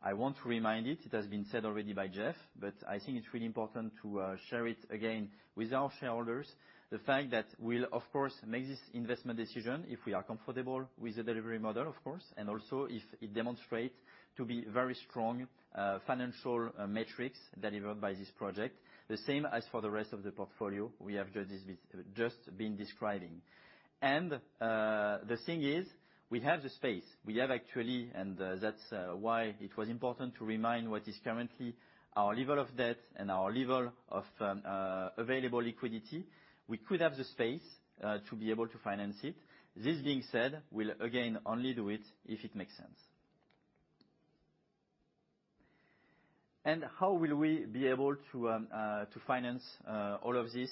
I want to remind it, it has been said already by Jeff, but I think it's really important to share it again with our shareholders, the fact that we'll of course make this investment decision if we are comfortable with the delivery model, of course, and also if it demonstrate to be very strong financial metrics delivered by this project, the same as for the rest of the portfolio we have just been describing. The thing is, we have the space. We have actually, and that's why it was important to remind what is currently our level of debt and our level of available liquidity. We could have the space to be able to finance it. This being said, we'll again only do it if it makes sense. And how will we be able to finance all of this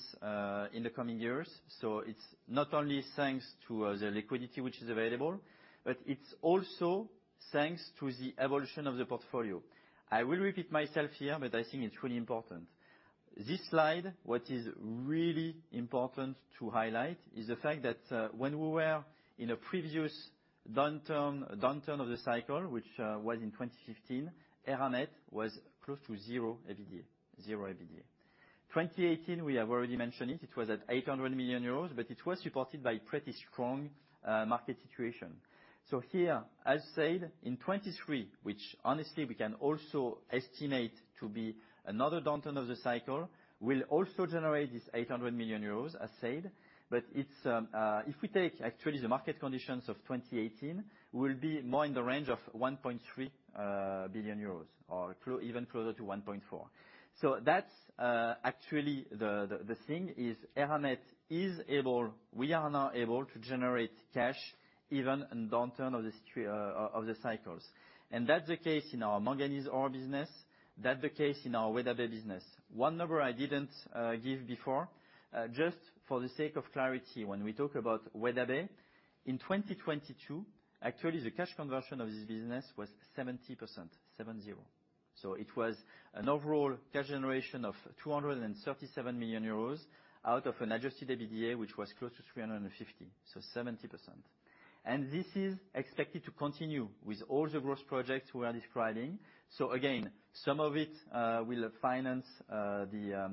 in the coming years? So it's not only thanks to the liquidity which is available, but it's also thanks to the evolution of the portfolio. I will repeat myself here, but I think it's really important. This slide, what is really important to highlight is the fact that when we were in a previous downturn, downturn of the cycle, which was in 2015, Eramet was close to zero EBITDA, zero EBITDA. 2018, we have already mentioned it, it was at 800 million euros, but it was supported by pretty strong market situation. So here, as said, in 2023, which honestly, we can also estimate to be another downturn of the cycle, will also generate this 800 million euros, as said. But it's, if we take actually the market conditions of 2018, we'll be more in the range of 1.3 billion euros or even closer to 1.4 billion. So that's, actually, the thing is, Eramet is able—we are now able to generate cash even in downturn of the cycles. And that's the case in our manganese ore business, that's the case in our Weda Bay business. One number I didn't give before, just for the sake of clarity, when we talk about Weda Bay, in 2022, actually, the cash conversion of this business was 70%, 70. So it was an overall cash generation of 237 million euros out of an adjusted EBITDA, which was close to 350 million, so 70%. And this is expected to continue with all the growth projects we are describing. So again, some of it will finance the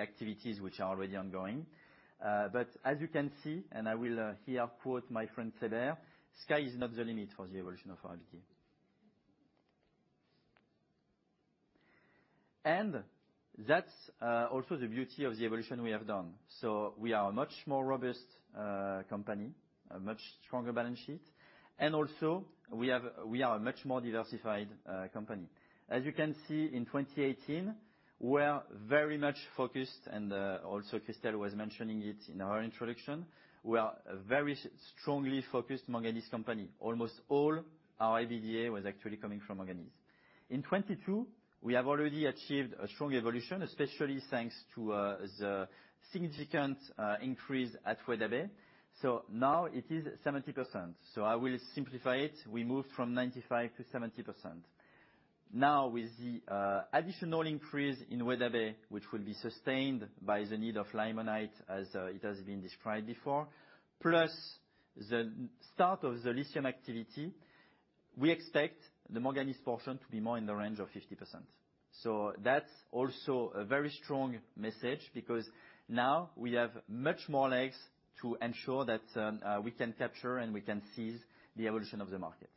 activities which are already ongoing. But as you can see, and I will here quote my friend, Cedric, "Sky is not the limit for the evolution of EBITDA." And that's also the beauty of the evolution we have done. So we are a much more robust company, a much stronger balance sheet, and also, we have- we are a much more diversified company. As you can see in 2018, we are very much focused, and also Christel was mentioning it in her introduction, we are a very strongly focused manganese company. Almost all our EBITDA was actually coming from manganese. In 2022, we have already achieved a strong evolution, especially thanks to the significant increase at Weda Bay. So now it is 70%. So I will simplify it. We moved from 95% to 70%. Now, with the additional increase in Weda Bay, which will be sustained by the need of limonite, as it has been described before, plus the start of the lithium activity, we expect the manganese portion to be more in the range of 50%. So that's also a very strong message because now we have much more legs to ensure that, we can capture and we can seize the evolution of the market.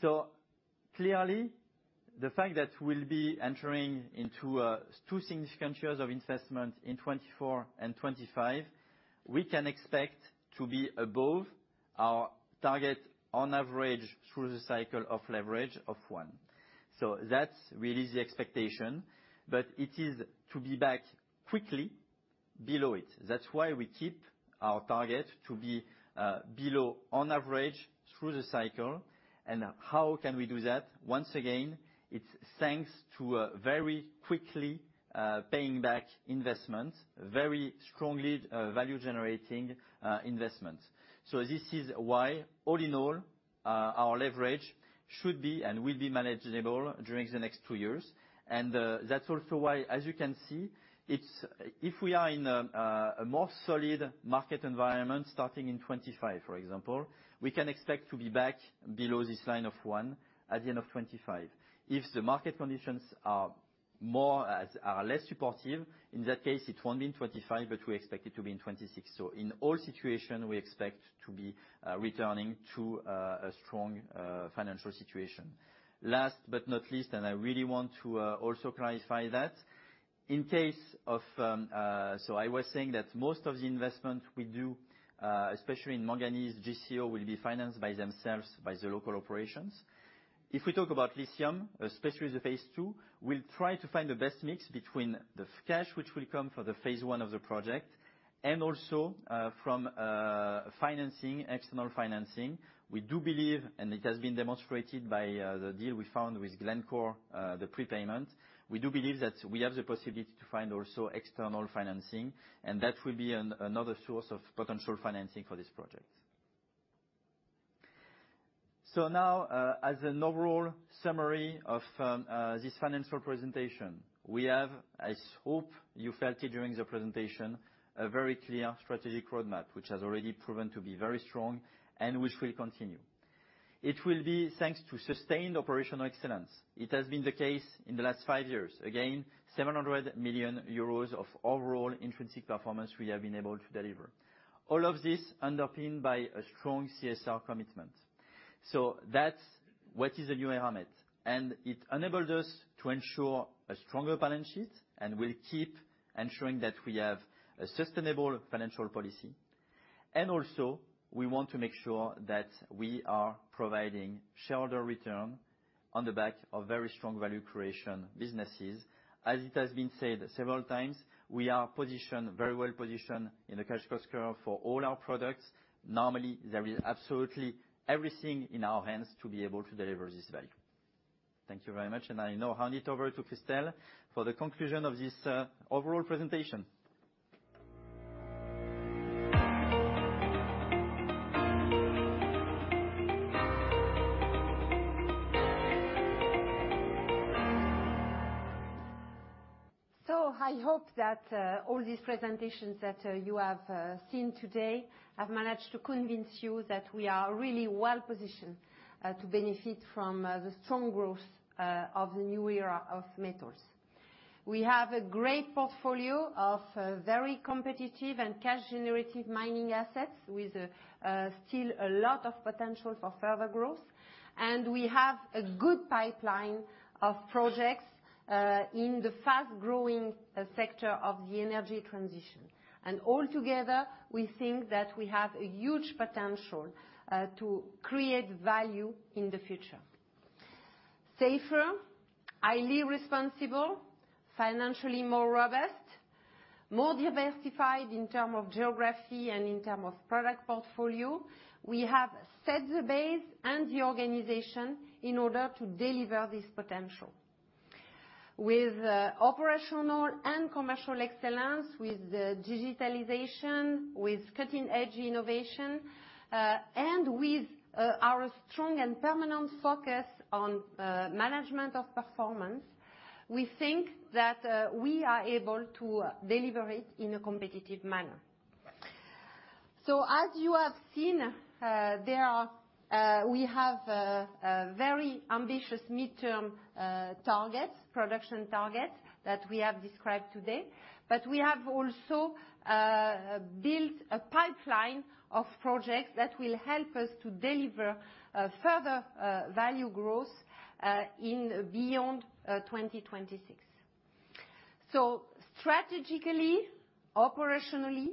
So clearly, the fact that we'll be entering into, two significant years of investment in 2024 and 2025, we can expect to be above our target on average through the cycle of leverage of 1. So that's really the expectation, but it is to be back quickly below it. That's why we keep our target to be, below on average through the cycle. And how can we do that? Once again, it's thanks to, very quickly, paying back investment, very strongly, value-generating, investment. So this is why, all in all, our leverage should be and will be manageable during the next two years. That's also why, as you can see, it's if we are in a more solid market environment, starting in 2025, for example, we can expect to be back below this line of one at the end of 2025. If the market conditions are less supportive, in that case, it won't be in 2025, but we expect it to be in 2026. So in all situations, we expect to be returning to a strong financial situation. Last but not least, and I really want to also clarify that in case of, so I was saying that most of the investment we do, especially in Manganese, GCO, will be financed by themselves, by the local operations. If we talk about lithium, especially the phase 2, we'll try to find the best mix between the cash, which will come for the phase 1 of the project, and also from financing, external financing. We do believe, and it has been demonstrated by the deal we found with Glencore, the prepayment. We do believe that we have the possibility to find also external financing, and that will be another source of potential financing for this project. So now, as an overall summary of this financial presentation, we have, I hope you felt it during the presentation, a very clear strategic roadmap, which has already proven to be very strong and which will continue. It will be thanks to sustained operational excellence. It has been the case in the last five years. Again, 700 million euros of overall intrinsic performance we have been able to deliver. All of this underpinned by a strong CSR commitment. So that's what is the New Era of Metals, and it enabled us to ensure a stronger balance sheet and will keep ensuring that we have a sustainable financial policy. And also, we want to make sure that we are providing shareholder return on the back of very strong value creation businesses. As it has been said several times, we are positioned, very well positioned in the cash cost curve for all our products. Normally, there is absolutely everything in our hands to be able to deliver this value. Thank you very much, and I now hand it over to Christel for the conclusion of this overall presentation. I hope that all these presentations that you have seen today have managed to convince you that we are really well positioned to benefit from the strong growth of the new era of metals. We have a great portfolio of very competitive and cash-generative mining assets, with still a lot of potential for further growth. We have a good pipeline of projects in the fast-growing sector of the energy transition. Altogether, we think that we have a huge potential to create value in the future. Safer, highly responsible, financially more robust, more diversified in term of geography and in term of product portfolio. We have set the base and the organization in order to deliver this potential. With operational and commercial excellence, with the digitalization, with cutting-edge innovation, and with our strong and permanent focus on management of performance, we think that we are able to deliver it in a competitive manner. So as you have seen, there are. We have a very ambitious mid-term target, production target, that we have described today. But we have also built a pipeline of projects that will help us to deliver further value growth in beyond 2026. So strategically, operationally,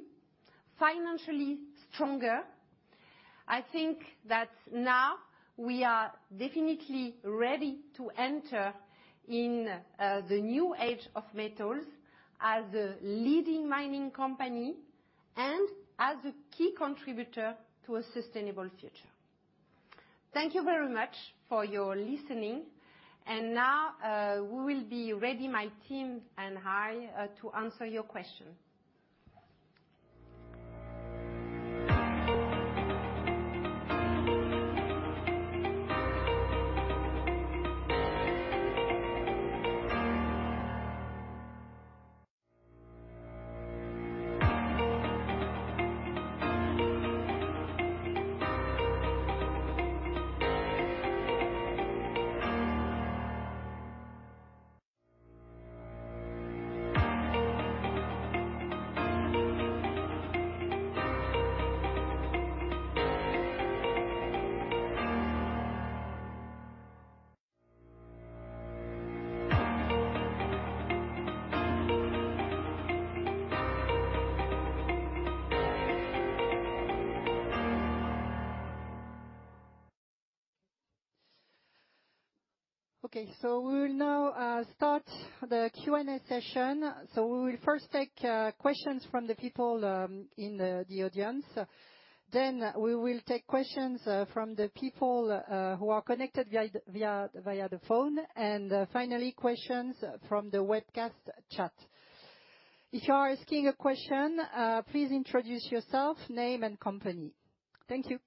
financially stronger, I think that now we are definitely ready to enter in the new age of metals as a leading mining company and as a key contributor to a sustainable future. Thank you very much for your listening, and now, we will be ready, my team and I, to answer your question. Okay, so we will now start the Q&A session. So we will first take questions from the people in the audience. Then we will take questions from the people who are connected via the phone, and finally, questions from the webcast chat. If you are asking a question, please introduce yourself, name, and company. Thank you.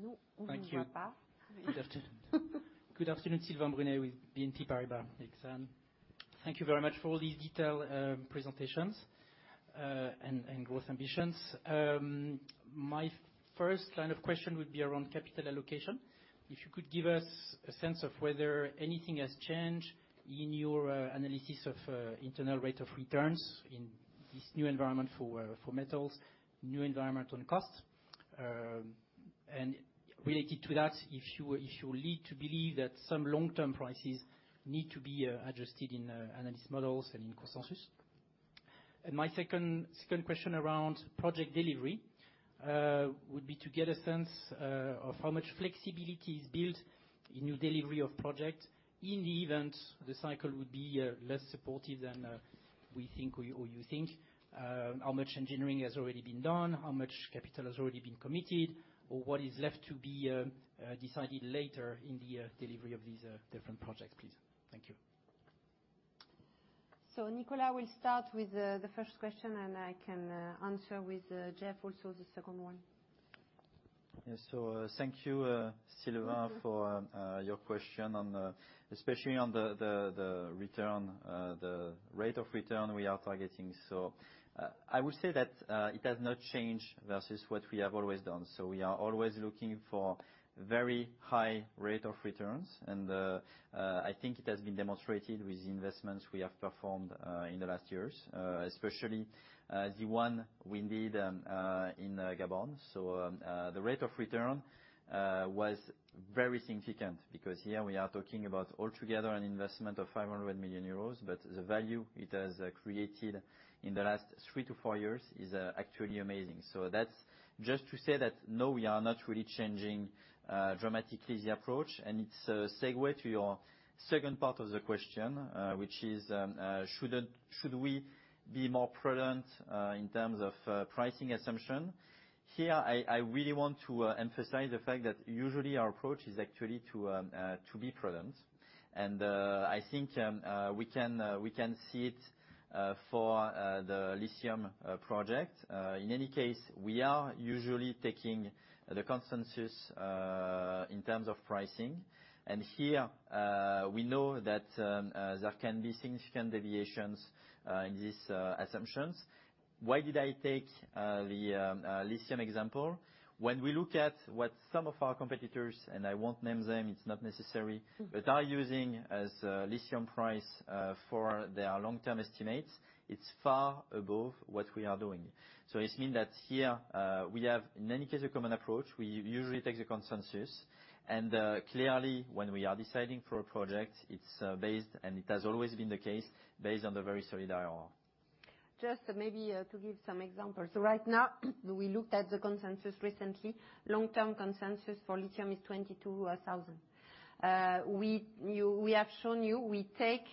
The first question, go? ...Thank you. Good afternoon. Good afternoon, Sylvain Brunet, with BNP Paribas. Thanks, and thank you very much for all these detailed presentations, and growth ambitions. My first line of question would be around capital allocation. If you could give us a sense of whether anything has changed in your analysis of internal rate of returns in this new environment for metals, new environment on costs? And related to that, if you lead to believe that some long-term prices need to be adjusted in analysis models and in consensus. And my second question around project delivery would be to get a sense of how much flexibility is built in your delivery of project in the event the cycle would be less supportive than we think or you think. How much engineering has already been done? How much capital has already been committed, or what is left to be decided later in the delivery of these different projects, please? Thank you. So Nicolas will start with the first question, and I can answer with Geoff also the second one. Yes. So, thank you, Sylvain- Mm-hmm ...for your question on, especially on the return, the rate of return we are targeting. So, I would say that it has not changed versus what we have always done. So we are always looking for very high rate of returns, and I think it has been demonstrated with the investments we have performed in the last years, especially the one we did in Gabon. So, the rate of return was very significant because here we are talking about altogether an investment of 500 million euros, but the value it has created in the last 3-4 years is actually amazing. So that's just to say that, no, we are not really changing dramatically the approach, and it's a segue to your second part of the question, which is, should we be more prudent in terms of pricing assumption? Here, I really want to emphasize the fact that usually our approach is actually to be prudent, and I think we can see it for the lithium project. In any case, we are usually taking the consensus in terms of pricing, and here we know that there can be significant deviations in these assumptions. Why did I take the lithium example? When we look at what some of our competitors, and I won't name them, it's not necessary- Mm ...but are using as a lithium price for their long-term estimates, it's far above what we are doing. So it's mean that here we have, in any case, a common approach. We usually take the consensus, and clearly, when we are deciding for a project, it's based, and it has always been the case, based on the very solid IRR. Just maybe, to give some examples. So right now, we looked at the consensus recently. Long-term consensus for lithium is $22,000. We, you, we have shown you, we take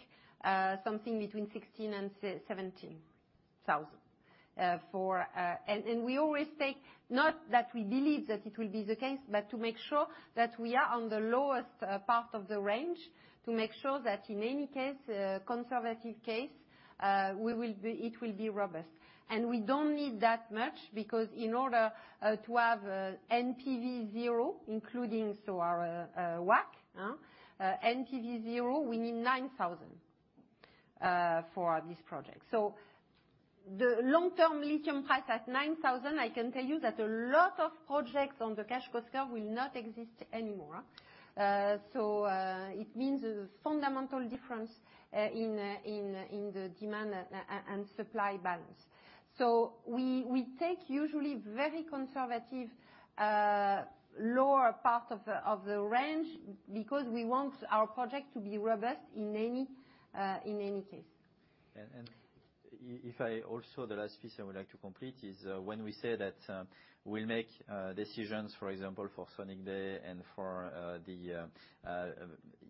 something between $16,000-$17,000 for... And we always take, not that we believe that it will be the case, but to make sure that we are on the lowest part of the range, to make sure that in any case, conservative case, it will be robust. And we don't need that much because in order to have NPV zero, including so our WACC, NPV zero, we need $9,000 for this project. So the long-term lithium price at $9,000, I can tell you that a lot of projects on the cash cost curve will not exist anymore. So it means a fundamental difference in the demand and supply balance. So we take usually very conservative lower part of the range because we want our project to be robust in any case. If I also, the last piece I would like to complete is, when we say that, we'll make decisions, for example, for Weda Bay and for the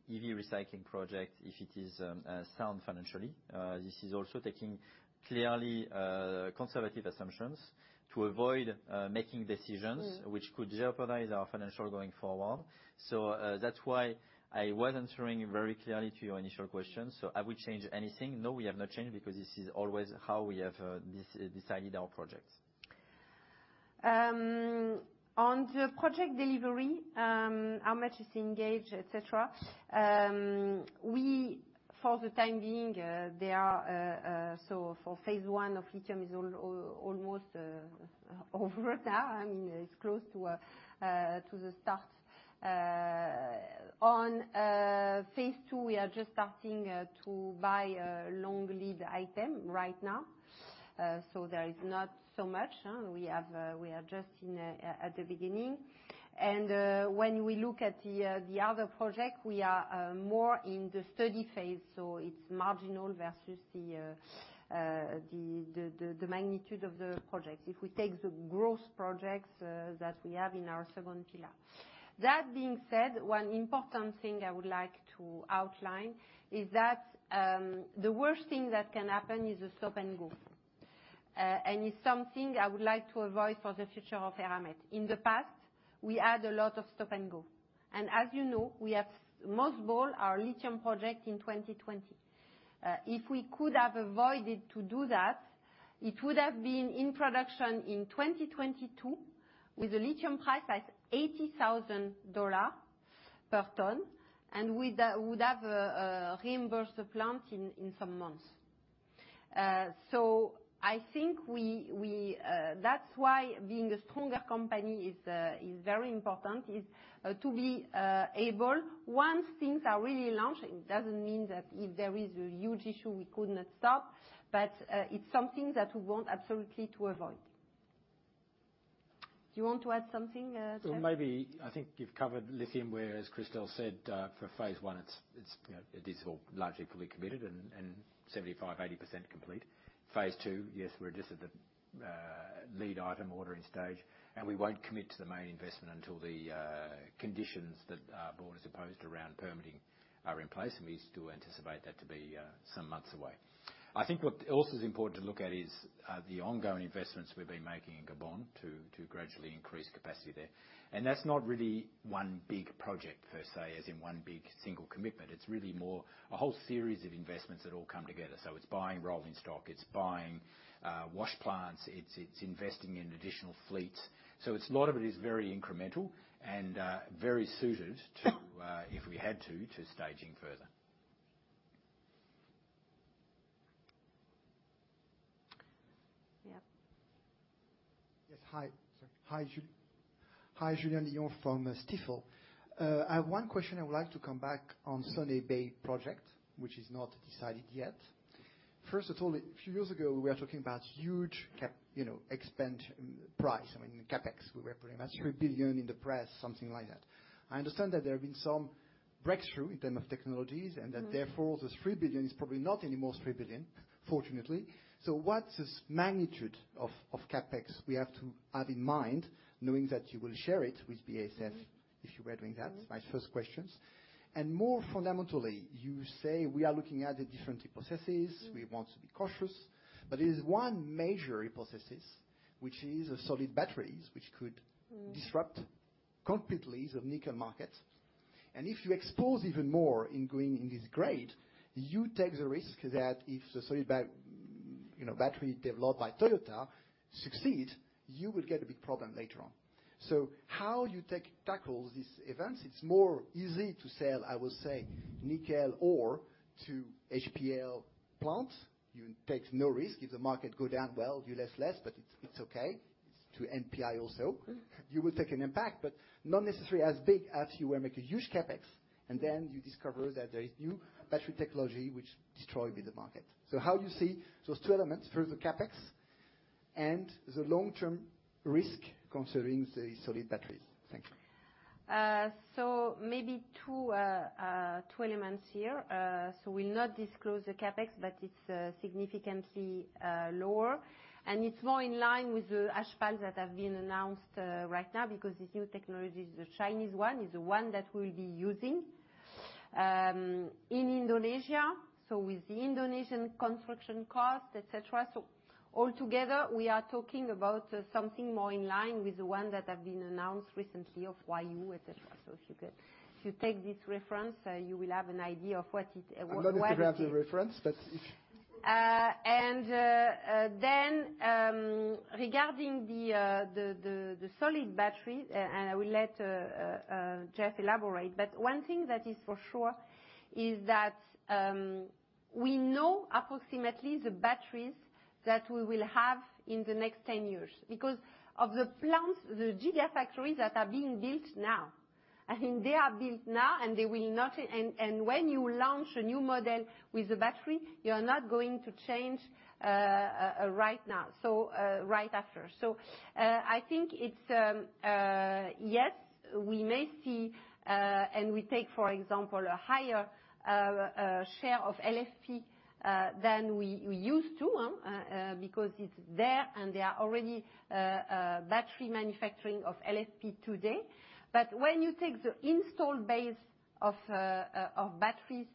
EV recycling project, if it is sound financially, this is also taking clearly conservative assumptions to avoid making decisions- Mm ...which could jeopardize our financial going forward. So, that's why I was answering very clearly to your initial question. So have we changed anything? No, we have not changed, because this is always how we have decided our projects. On the project delivery, how much is engaged, et cetera, we, for the time being, there are, so for phase 1 of lithium is almost over now. I mean, it's close to the start. On phase 2, we are just starting to buy a long lead item right now. So there is not so much, huh? We have, we are just in at the beginning. And when we look at the other project, we are more in the study phase, so it's marginal versus the magnitude of the project, if we take the growth projects that we have in our second pillar. That being said, one important thing I would like to outline is that, the worst thing that can happen is a stop-and-go, and it's something I would like to avoid for the future of Eramet. In the past, we had a lot of stop and go, and as you know, we have most bought our lithium project in 2020. If we could have avoided to do that, it would have been in production in 2022, with a lithium price at $80,000 per ton, and would have reimbursed the plant in some months. So I think we, that's why being a stronger company is very important, is to be able. Once things are really launched, it doesn't mean that if there is a huge issue we could not stop, but it's something that we want absolutely to avoid. Do you want to add something, Geoff? Well, maybe I think you've covered lithium, where, as Christel said, for phase one, it's, you know, it is all largely fully committed and 75%-80% complete. Phase 2, yes, we're just at the lead item ordering stage, and we won't commit to the main investment until the conditions that our board is opposed to around permitting are in place, and we still anticipate that to be some months away. I think what also is important to look at is the ongoing investments we've been making in Gabon to gradually increase capacity there. And that's not really one big project per se, as in one big, single commitment. It's really more a whole series of investments that all come together. So it's buying rolling stock, it's buying wash plants, it's investing in additional fleets. So it's a lot of it is very incremental and very suited to if we had to staging further. Yeah. Yes. Hi. Sorry. Hi, Julie. Hi, Julien Dyon from Stifel. I have one question I would like to come back on Weda Bay project, which is not decided yet. First of all, a few years ago, we were talking about huge cap, you know, expense price. I mean, CapEx, we were putting about $3 billion in the press, something like that. I understand that there have been some breakthrough in terms of technologies- Mm-hmm. and that, therefore, this 3 billion is probably not any more 3 billion, fortunately. So what's this magnitude of CapEx we have to have in mind, knowing that you will share it with BASF? Mm-hmm. - if you were doing that? Mm-hmm. My first questions. More fundamentally, you say, "We are looking at the different hypotheses. Mm. We want to be cautious." But there's one major hypothesis, which is a solid batteries, which could- Mm disrupt completely the nickel market. And if you expose even more in going in this grade, you take the risk that if the solid-state battery developed by Toyota succeed, you will get a big problem later on. So how you tackle these events, it's more easy to sell, I would say, nickel ore to HPAL plants. You take no risk. If the market go down, well, you lose less, but it's okay. To NPI also. Mm. You will take an impact, but not necessarily as big as you will make a huge CapEx, and then you discover that there is new battery technology which destroyed the market. So how you see those two elements, first, the CapEx and the long-term risk concerning the solid batteries? Thank you. Maybe two elements here. We'll not disclose the CapEx, but it's significantly lower, and it's more in line with the HPAL that have been announced right now, because this new technology, the Chinese one, is the one that we'll be using in Indonesia. With the Indonesian construction cost, et cetera. Altogether, we are talking about something more in line with the one that have been announced recently of Tsingshan, et cetera. If you could, if you take this reference, you will have an idea of what it, what it is- I'm not going to have the reference, but if- Then, regarding the solid battery, and I will let Geoff elaborate, but one thing that is for sure is that we know approximately the batteries that we will have in the next 10 years. Because of the plants, the Gigafactories that are being built now, I mean, they are built now, and they will not... And when you launch a new model with a battery, you're not going to change right now, so I think it's yes, we may see, and we take, for example, a higher share of LFP than we used to because it's there, and they are already battery manufacturing of LFP today. But when you take the install base of batteries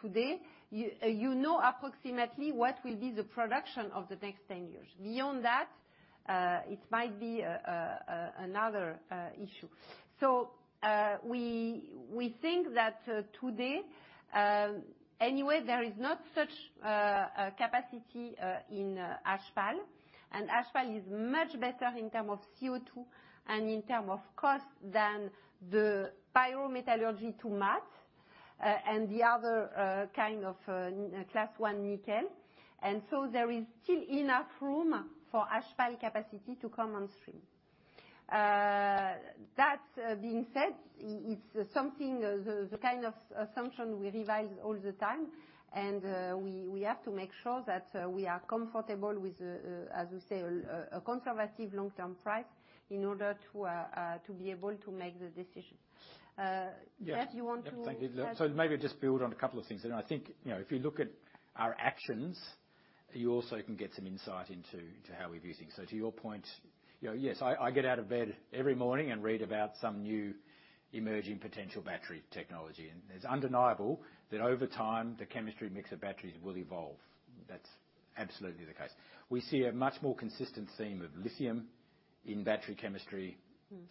today, you know, approximately what will be the production of the next 10 years. Beyond that, it might be another issue. So we think that today, anyway, there is not such a capacity in HPAL, and HPAL is much better in terms of CO2 and in terms of cost than the pyrometallurgy route and the other kind of Class 1 nickel. And so there is still enough room for HPAL capacity to come on stream. That being said, it's something, the kind of assumption we revise all the time, and we have to make sure that we are comfortable with, as we say, a conservative long-term price in order to to be able to make the decision. Yeah. Geoff, you want to- Yeah. Thank you. So maybe just build on a couple of things. And I think, you know, if you look at our actions, you also can get some insight into how we're viewing. So to your point, you know, yes, I get out of bed every morning and read about some new emerging potential battery technology. And it's undeniable that over time, the chemistry mix of batteries will evolve. That's absolutely the case. We see a much more consistent theme of lithium-... in battery chemistry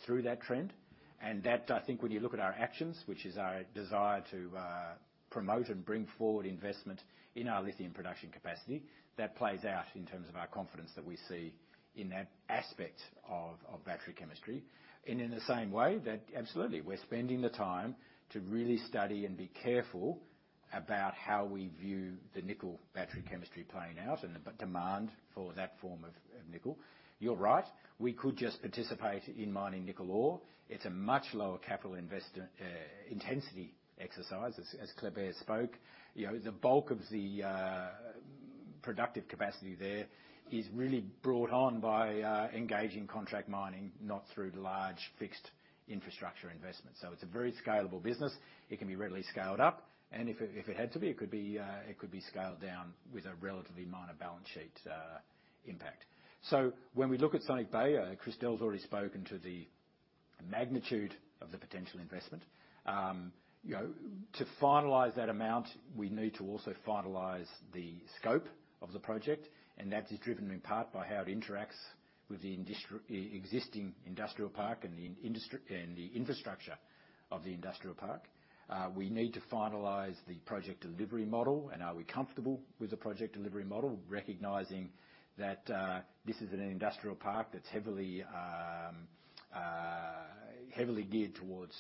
through that trend. And that, I think when you look at our actions, which is our desire to promote and bring forward investment in our lithium production capacity, that plays out in terms of our confidence that we see in that aspect of battery chemistry. In the same way, that absolutely, we're spending the time to really study and be careful about how we view the nickel battery chemistry playing out and the demand for that form of nickel. You're right, we could just participate in mining nickel ore. It's a much lower capital investment intensity exercise, as Kleber spoke. You know, the bulk of the productive capacity there is really brought on by engaging contract mining, not through large fixed infrastructure investments. So it's a very scalable business. It can be readily scaled up, and if it had to be, it could be scaled down with a relatively minor balance sheet impact. So when we look at Weda Bay, Christel's already spoken to the magnitude of the potential investment. You know, to finalize that amount, we need to also finalize the scope of the project, and that is driven in part by how it interacts with the existing industrial park and the infrastructure of the industrial park. We need to finalize the project delivery model, and are we comfortable with the project delivery model, recognizing that this is an industrial park that's heavily geared towards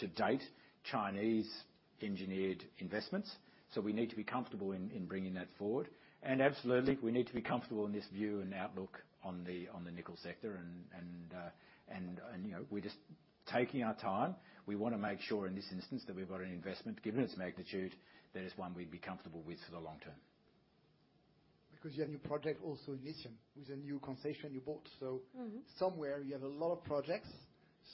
to date Chinese-engineered investments. So we need to be comfortable in bringing that forward. And absolutely, we need to be comfortable in this view and outlook on the nickel sector. You know, we're just taking our time. We wanna make sure in this instance that we've got an investment, given its magnitude, that is one we'd be comfortable with for the long term. Because you have new project also in lithium with a new concession you bought. Mm-hmm. So somewhere you have a lot of projects,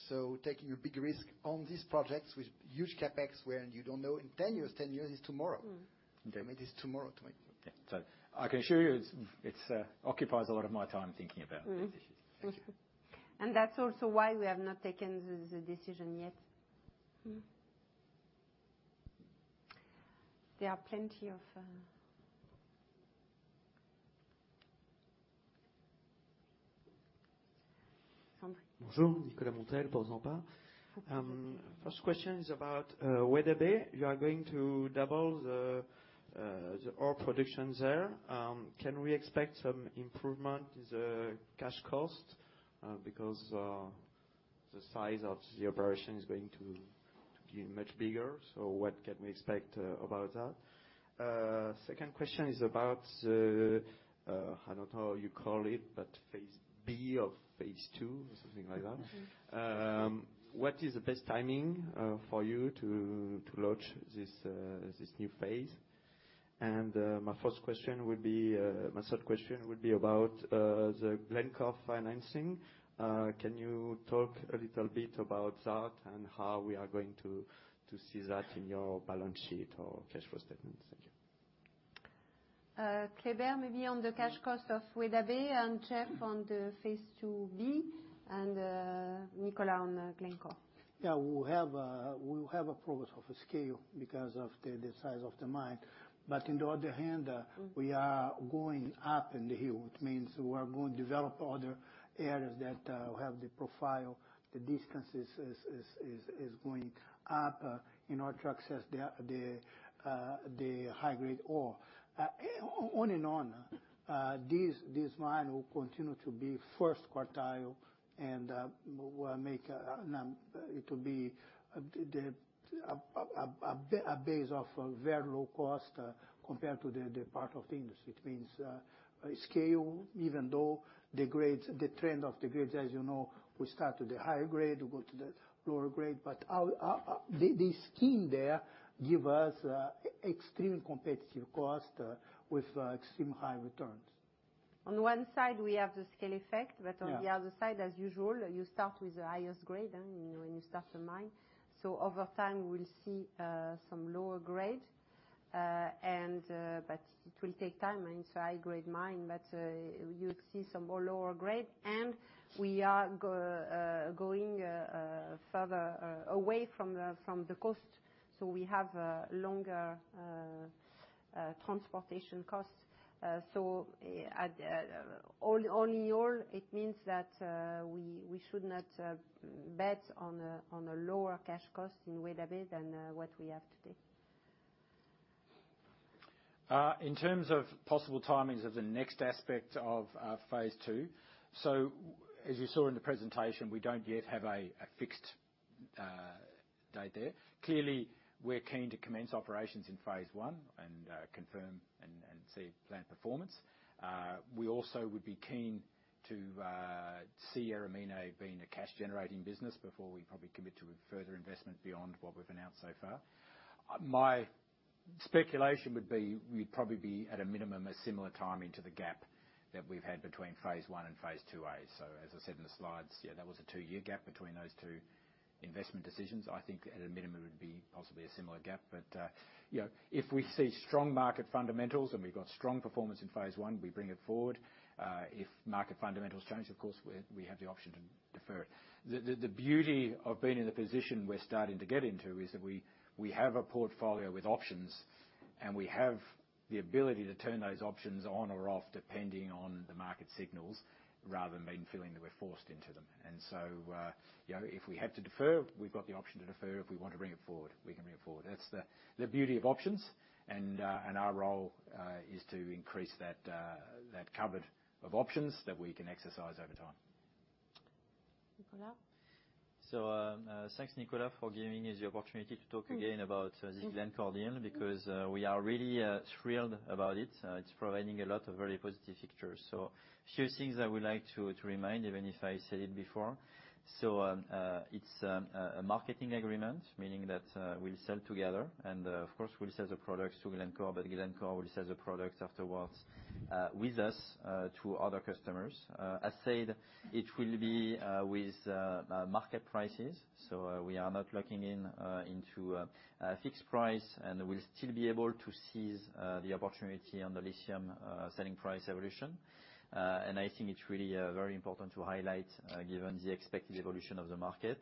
so taking a big risk on these projects with huge CapEx, where... and you don't know in 10 years, 10 years is tomorrow. Mm. I mean, it's tomorrow, tomorrow. Yeah. So I can assure you, it's, it's, occupies a lot of my time thinking about- Mm-hmm... these issues. Thank you. That's also why we have not taken the decision yet. There are plenty of Andre. Bonjour. Nicolas Montel, Bernstein. First question is about Weda Bay. You are going to double the ore production there. Can we expect some improvement in the cash cost? Because the size of the operation is going to be much bigger, so what can we expect about that? Second question is about, I don't know how you call it, but phase B of phase two, or something like that. Mm-hmm. What is the best timing for you to launch this new phase? And my first question would be my third question would be about the Glencore financing. Can you talk a little bit about that, and how we are going to see that in your balance sheet or cash flow statements? Thank you. Kleber, maybe on the cash cost of Weda Bay, and Geoff on the Phase 2B, and Nicolas on Glencore. Yeah. We'll have a progress of a scale because of the size of the mine. But in the other hand, Mm... we are going up in the hill, which means we are going to develop other areas that have the profile, the distances is going up in order to access the high grade ore. This mine will continue to be first quartile, and will make it the base of a very low cost compared to the part of the industry. It means a scale, even though the grades, the trend of the grades, as you know, we start with the higher grade, we go to the lower grade. But our scheme there give us extreme competitive cost with extreme high returns. On one side, we have the scale effect- Yeah... but on the other side, as usual, you start with the highest grade when you start a mine. So over time, we'll see some lower grade, and but it will take time. I mean, it's a high-grade mine, but you'll see some more lower grade. And we are going further away from the coast, so we have longer transportation costs. So all in all, it means that we should not bet on a lower cash cost in Weda Bay than what we have today. In terms of possible timings of the next aspect of phase two, so as you saw in the presentation, we don't yet have a fixed date there. Clearly, we're keen to commence operations in phase one and confirm and see plant performance. We also would be keen to see Eramine being a cash-generating business before we probably commit to a further investment beyond what we've announced so far. My speculation would be, we'd probably be, at a minimum, a similar timing to the gap that we've had between phase one and phase 2A. So as I said in the slides, yeah, that was a 2-year gap between those two investment decisions. I think at a minimum, it would be possibly a similar gap. But, you know, if we see strong market fundamentals and we've got strong performance in phase one, we bring it forward. If market fundamentals change, of course, we have the option to defer it. The beauty of being in the position we're starting to get into is that we have a portfolio with options, and we have the ability to turn those options on or off, depending on the market signals, rather than being feeling that we're forced into them. And so, you know, if we have to defer, we've got the option to defer. If we want to bring it forward, we can bring it forward. That's the beauty of options, and our role is to increase that cupboard of options that we can exercise over time. Nicolas? So, thanks, Nicolas, for giving us the opportunity to talk again about- Mm -this Glencore deal, because we are really thrilled about it. It's providing a lot of very positive pictures. So a few things I would like to remind, even if I said it before, so it's a marketing agreement, meaning that we'll sell together and, of course, we'll sell the products to Glencore, but Glencore will sell the products afterwards with us to other customers. As said, it will be with market prices, so we are not locking in into a fixed price, and we'll still be able to seize the opportunity on the lithium selling price evolution. And I think it's really very important to highlight, given the expected evolution of the market.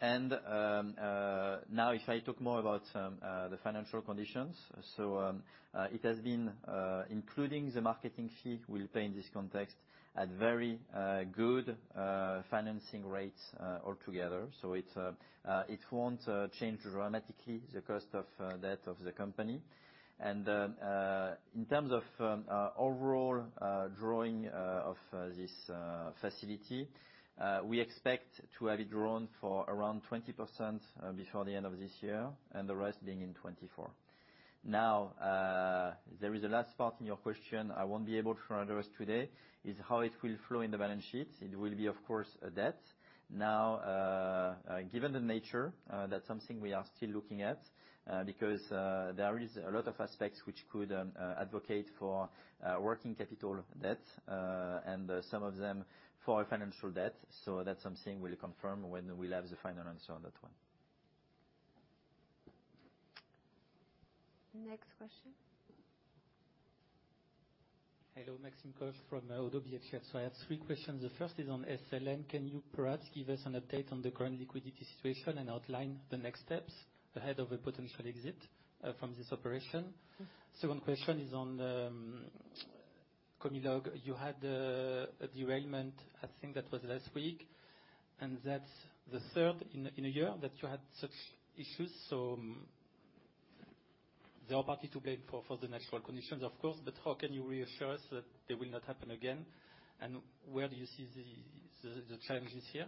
Now, if I talk more about the financial conditions, so, it has been, including the marketing fee, we'll pay in this context at very good financing rates, altogether. So it won't change dramatically the cost of debt of the company. In terms of overall drawing of this facility, we expect to have it drawn for around 20% before the end of this year, and the rest being in 2024. Now, there is a last part in your question I won't be able to address today, is how it will flow in the balance sheet. It will be, of course, a debt. Now, given the nature, that's something we are still looking at, because there is a lot of aspects which could advocate for working capital debt, and some of them for financial debt. So that's something we'll confirm when we'll have the final answer on that one. Next question? Hello, Maxime Kogge from ODDO BHF. So I have three questions. The first is on SLN. Can you perhaps give us an update on the current liquidity situation and outline the next steps ahead of a potential exit from this operation? Mm. Second question is on Comilog. You had a derailment, I think that was last week, and that's the third in a year that you had such issues. So there are parties to blame for the natural conditions, of course, but how can you reassure us that they will not happen again? And where do you see the challenges here?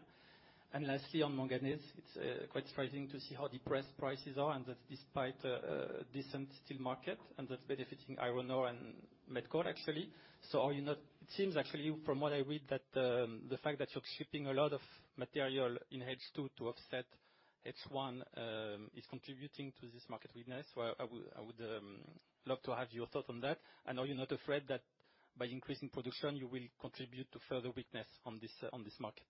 And lastly, on manganese, it's quite surprising to see how depressed prices are, and that despite a decent steel market, and that's benefiting iron ore and met coal, actually. So are you not? It seems actually, from what I read, that the fact that you're shipping a lot of material in H2 to offset H1 is contributing to this market weakness. Well, I would love to have your thoughts on that. I know you're not afraid that by increasing production, you will contribute to further weakness on this, on this market.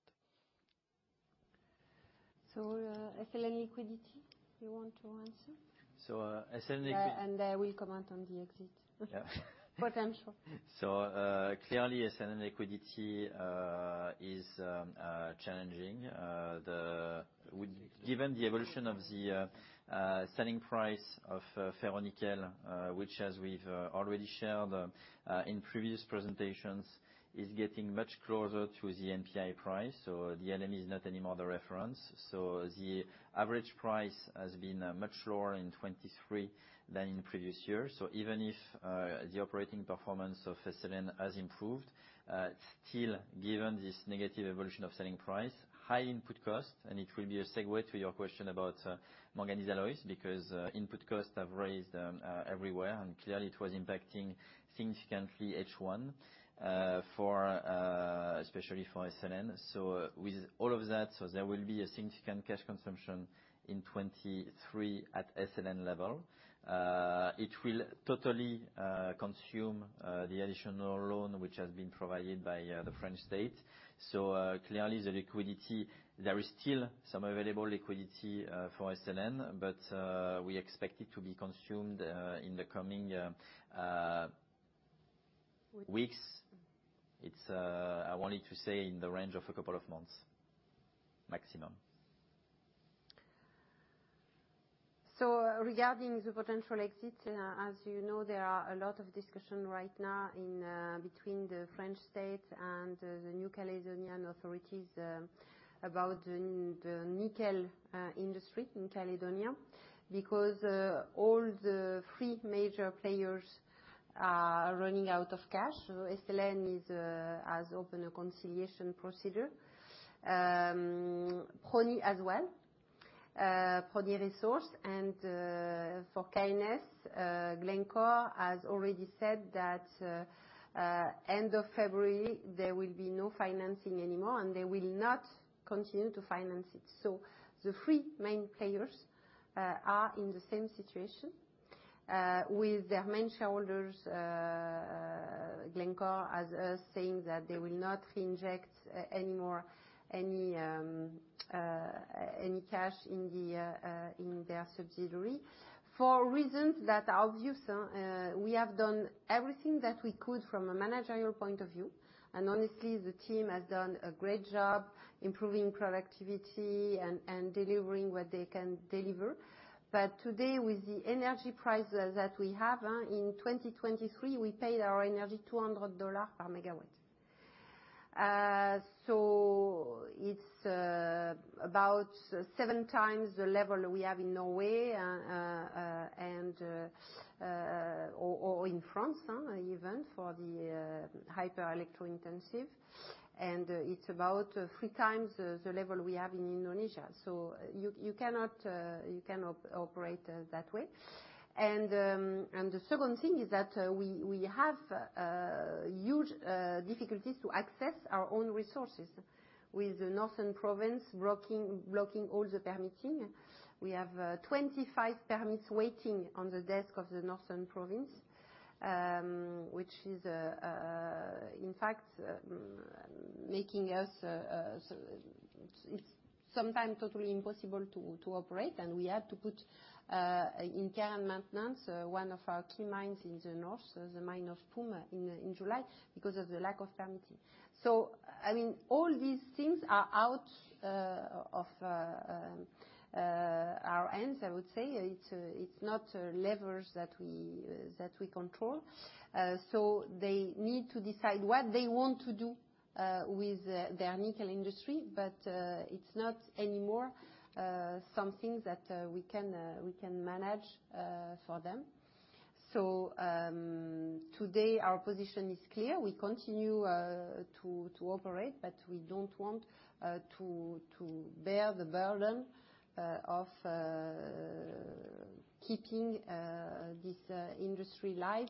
So, SLN liquidity, you want to answer? So, SLN liq- I will comment on the exit. Yeah. Potential. So, clearly, SLN liquidity is challenging. Given the evolution of the selling price of ferronickel, which, as we've already shared in previous presentations, is getting much closer to the NPI price. So the LME is not anymore the reference. So the average price has been much lower in 2023 than in previous years. So even if the operating performance of SLN has improved, still, given this negative evolution of selling price, high input cost, and it will be a segue to your question about manganese alloys, because input costs have risen everywhere, and clearly it was impacting significantly H1 for especially for SLN. So with all of that, so there will be a significant cash consumption in 2023 at SLN level. It will totally consume the additional loan which has been provided by the French state. So, clearly, the liquidity, there is still some available liquidity for SLN, but we expect it to be consumed in the coming- Weeks ... weeks. It's, I wanted to say in the range of a couple of months, maximum. So regarding the potential exit, as you know, there are a lot of discussion right now in between the French state and the New Caledonian authorities about the nickel industry in New Caledonia, because all the three major players are running out of cash. So SLN has opened a conciliation procedure, Prony as well, Prony Resources, and for Koniambo, Glencore has already said that end of February, there will be no financing anymore, and they will not continue to finance it. So the three main players are in the same situation with their main shareholders, Glencore, as us saying that they will not reinject any more any cash in their subsidiary for reasons that are obvious. We have done everything that we could from a managerial point of view, and honestly, the team has done a great job improving productivity and delivering what they can deliver. But today, with the energy prices that we have in 2023, we paid our energy $200 per megawatt. So it's about seven times the level we have in Norway or in France, even for the hyper electro intensive. It's about three times the level we have in Indonesia. So you cannot operate that way. The second thing is that we have huge difficulties to access our own resources with the northern province blocking all the permitting. We have 25 permits waiting on the desk of the northern province, which is, in fact, making us- it's sometimes totally impossible to operate, and we have to put in care and maintenance one of our key mines in the north, the mine of Poum, in July, because of the lack of permitting. So I mean, all these things are out of our hands, I would say. It's not levers that we control. So they need to decide what they want to do with their nickel industry, but it's not anymore something that we can manage for them. So today, our position is clear. We continue to operate, but we don't want to bear the burden of keeping this industry live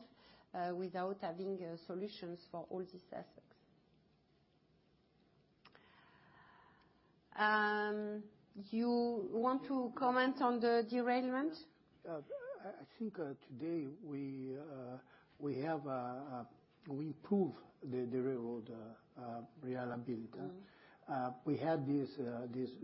without having solutions for all these aspects. You want to comment on the derailment? I think today we improve the railroad reliability. Mm-hmm. We had this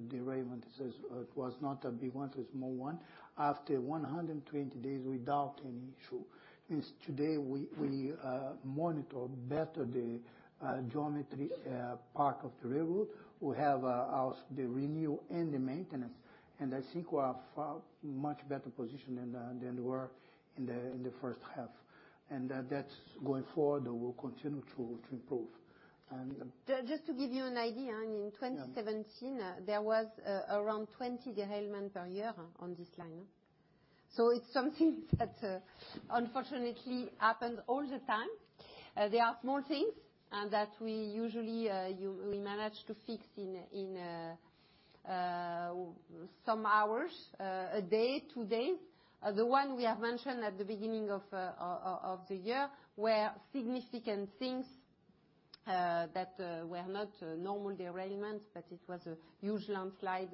derailment. It was not a big one, a small one, after 120 days without any issue. Means today, we monitor better the geometry part of the railroad. We have also the renewal and the maintenance, and I think we are far much better position than we were in the first half. And that's going forward, we'll continue to improve. And- Just to give you an idea, I mean, in 2017- Yeah... there was around 20 derailment per year on this line. So it's something that, unfortunately, happens all the time. They are small things, and that we usually, we manage to fix in some hours, a day, two days. The one we have mentioned at the beginning of the year were significant things, that were not normal derailment, but it was a huge landslide,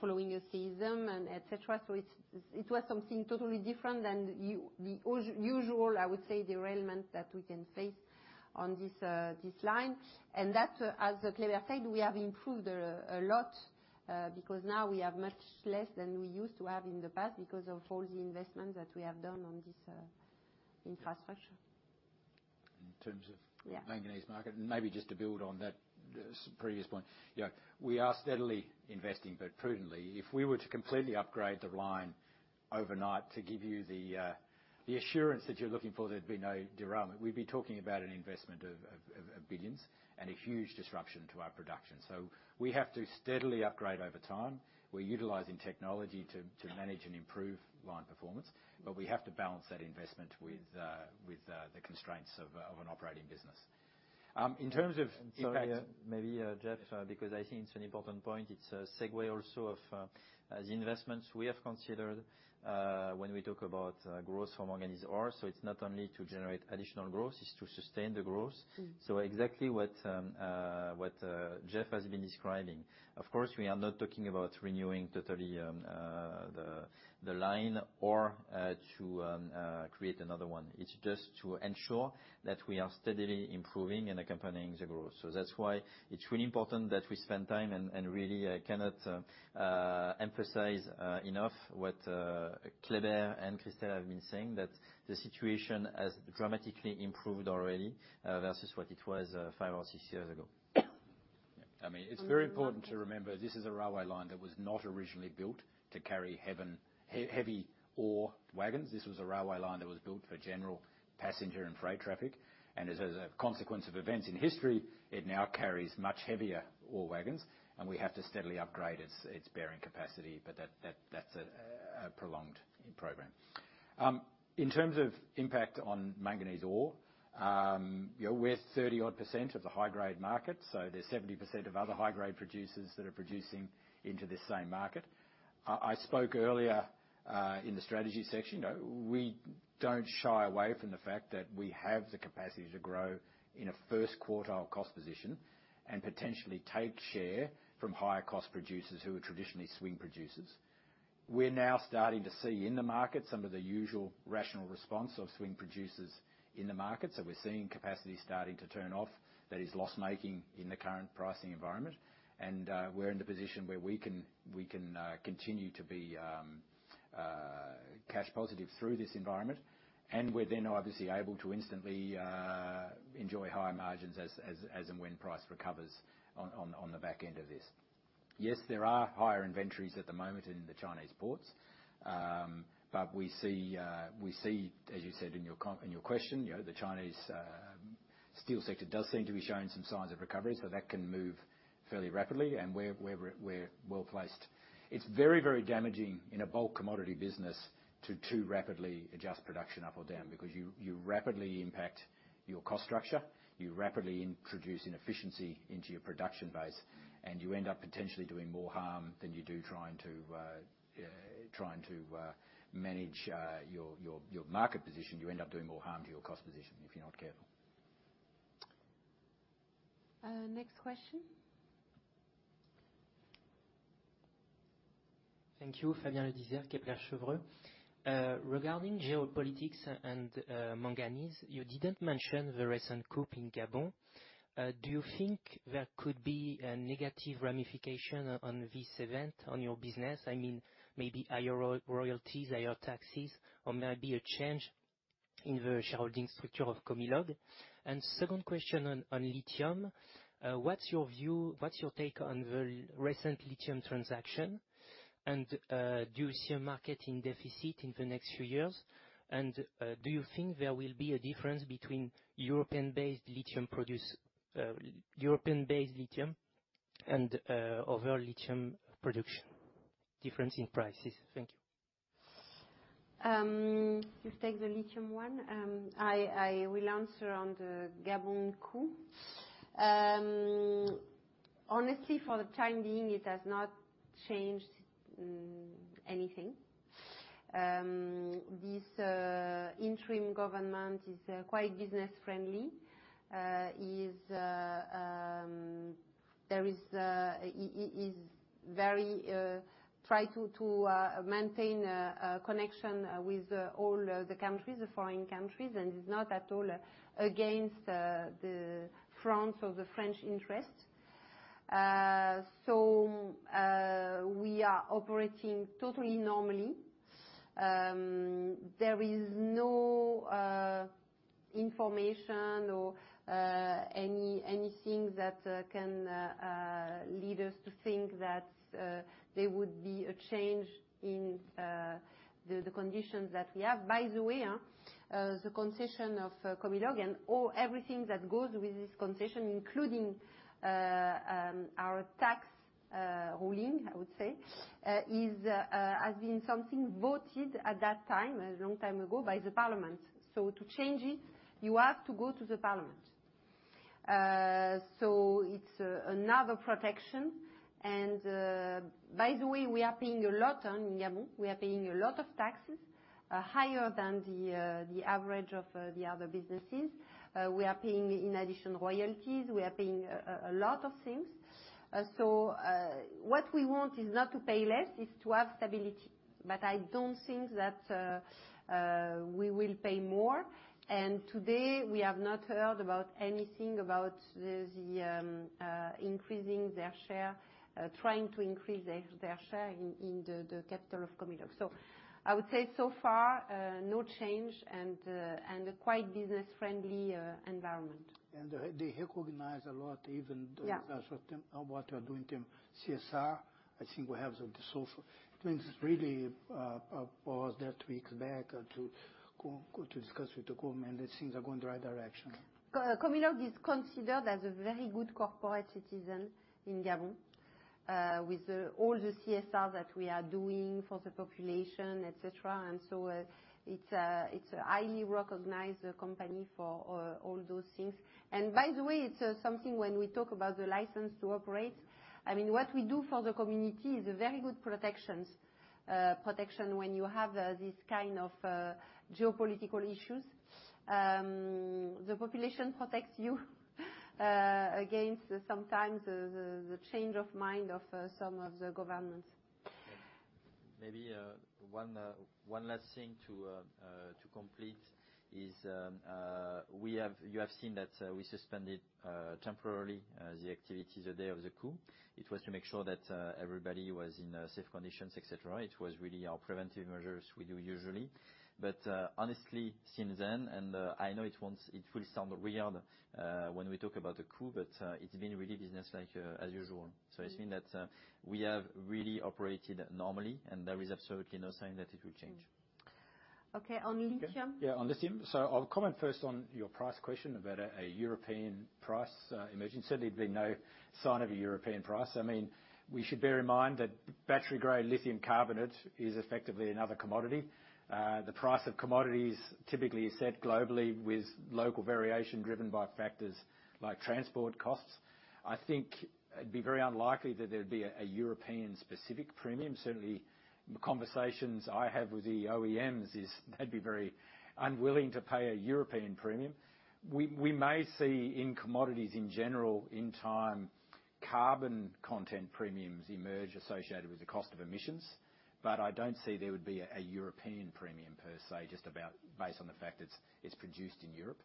following a season and et cetera. So it was something totally different than the usual, I would say, derailment that we can face on this line. And that, as Kleber said, we have improved a lot, because now we have much less than we used to have in the past because of all the investments that we have done on this infrastructure. In terms of- Yeah... manganese market, and maybe just to build on that previous point. You know, we are steadily investing, but prudently. If we were to completely upgrade the line overnight to give you the assurance that you're looking for, there'd be no derailment, we'd be talking about an investment of billions and a huge disruption to our production. So we have to steadily upgrade over time. We're utilizing technology to manage and improve line performance, but we have to balance that investment with the constraints of an operating business. In terms of impact- Maybe, Geoff, because I think it's an important point. It's a segue also of the investments we have considered, when we talk about growth from manganese ore. So it's not only to generate additional growth, it's to sustain the growth. Mm-hmm. So exactly what Geoff has been describing. Of course, we are not talking about renewing totally the line or to create another one. It's just to ensure that we are steadily improving and accompanying the growth. So that's why it's really important that we spend time and really I cannot emphasize enough what Kleber and Christel have been saying, that the situation has dramatically improved already versus what it was five or six years ago. Yeah. I mean, it's very important to remember, this is a railway line that was not originally built to carry heavy ore wagons. This was a railway line that was built for general passenger and freight traffic, and as a consequence of events in history, it now carries much heavier ore wagons, and we have to steadily upgrade its bearing capacity, but that's a prolonged program. In terms of impact on manganese ore, you know, we're 30-odd% of the high-grade market, so there's 70% of other high-grade producers that are producing into this same market. I spoke earlier in the strategy section, you know, we don't shy away from the fact that we have the capacity to grow in a first quartile cost position and potentially take share from higher cost producers who are traditionally swing producers. We're now starting to see in the market some of the usual rational response of swing producers in the market. So we're seeing capacity starting to turn off, that is loss-making in the current pricing environment. And, we're in the position where we can continue to be cash positive through this environment, and we're then obviously able to instantly enjoy higher margins as and when price recovers on the back end of this. Yes, there are higher inventories at the moment in the Chinese ports. But we see, as you said in your comment in your question, you know, the Chinese steel sector does seem to be showing some signs of recovery, so that can move fairly rapidly, and we're well-placed. It's very, very damaging in a bulk commodity business to too rapidly adjust production up or down because you rapidly impact your cost structure, you rapidly introduce inefficiency into your production base, and you end up potentially doing more harm than you do trying to manage your market position. You end up doing more harm to your cost position if you're not careful. Next question? Thank you. Fabien Le Dissès, Kepler Cheuvreux. Regarding geopolitics and manganese, you didn't mention the recent coup in Gabon. Do you think there could be a negative ramification on this event on your business? I mean, maybe higher royalties, higher taxes, or maybe a change in the shareholding structure of Comilog. Second question on lithium: what's your view? What's your take on the recent lithium transaction? And, do you see a market in deficit in the next few years? And, do you think there will be a difference between European-based lithium production, European-based lithium and other lithium production, difference in prices? Thank you. Just take the lithium one. I will answer on the Gabon coup. Honestly, for the time being, it has not changed anything. This interim government is quite business friendly. It is very trying to maintain a connection with all the countries, the foreign countries, and is not at all against France or the French interest. So, we are operating totally normally. There is no information or anything that can lead us to think that there would be a change in the conditions that we have. By the way, the concession of Comilog and all, everything that goes with this concession, including our tax ruling, I would say, is, has been something voted at that time, a long time ago, by the parliament. So to change it, you have to go to the parliament. So it's another protection. And by the way, we are paying a lot on Gabon. We are paying a lot of taxes, higher than the average of the other businesses. We are paying, in addition, royalties. We are paying a lot of things. So what we want is not to pay less, it's to have stability. But I don't think that we will pay more, and today, we have not heard about anything about the increasing their share, trying to increase their share in the capital of Comilog. So I would say, so far, no change and a quite business-friendly environment. They recognize a lot, even- Yeah... what we are doing in CSR. I think we have the social. I think it's really paused there two weeks back to go to discuss with the government, and things are going in the right direction. Comilog is considered as a very good corporate citizen in Gabon, with all the CSR that we are doing for the population, et cetera. And so, it's a highly recognized company for all those things. And by the way, it's something when we talk about the license to operate, I mean, what we do for the community is a very good protections, protection when you have this kind of geopolitical issues. The population protects you against sometimes the change of mind of some of the governments. Maybe, one last thing to complete is, we have—you have seen that we suspended temporarily the activities the day of the coup. It was to make sure that everybody was in safe conditions, et cetera. It was really our preventive measures we do usually. But, honestly, since then, and I know it won't—it will sound weird when we talk about the coup, but it's been really business like as usual. Mm. It means that we have really operated normally, and there is absolutely no sign that it will change. Okay, on lithium? Yeah, on lithium. So I'll comment first on your price question about a European price emerging. Certainly, there've been no sign of a European price. I mean, we should bear in mind that battery-grade lithium carbonate is effectively another commodity. The price of commodities typically is set globally with local variation driven by factors like transport costs. I think it'd be very unlikely that there'd be a European-specific premium. Certainly, the conversations I have with the OEMs is they'd be very unwilling to pay a European premium. We may see in commodities, in general, in time, carbon content premiums emerge associated with the cost of emissions, but I don't see there would be a European premium per se, just about based on the fact it's produced in Europe.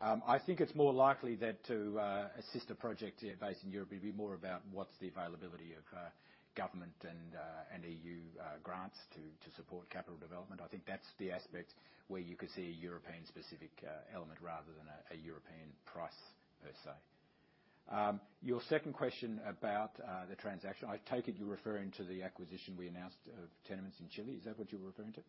I think it's more likely that to assist a project here based in Europe, it'd be more about what's the availability of government and EU grants to support capital development. I think that's the aspect where you could see a European-specific element rather than a European price per se. Your second question about the transaction, I take it you're referring to the acquisition we announced of tenements in Chile. Is that what you were referring to?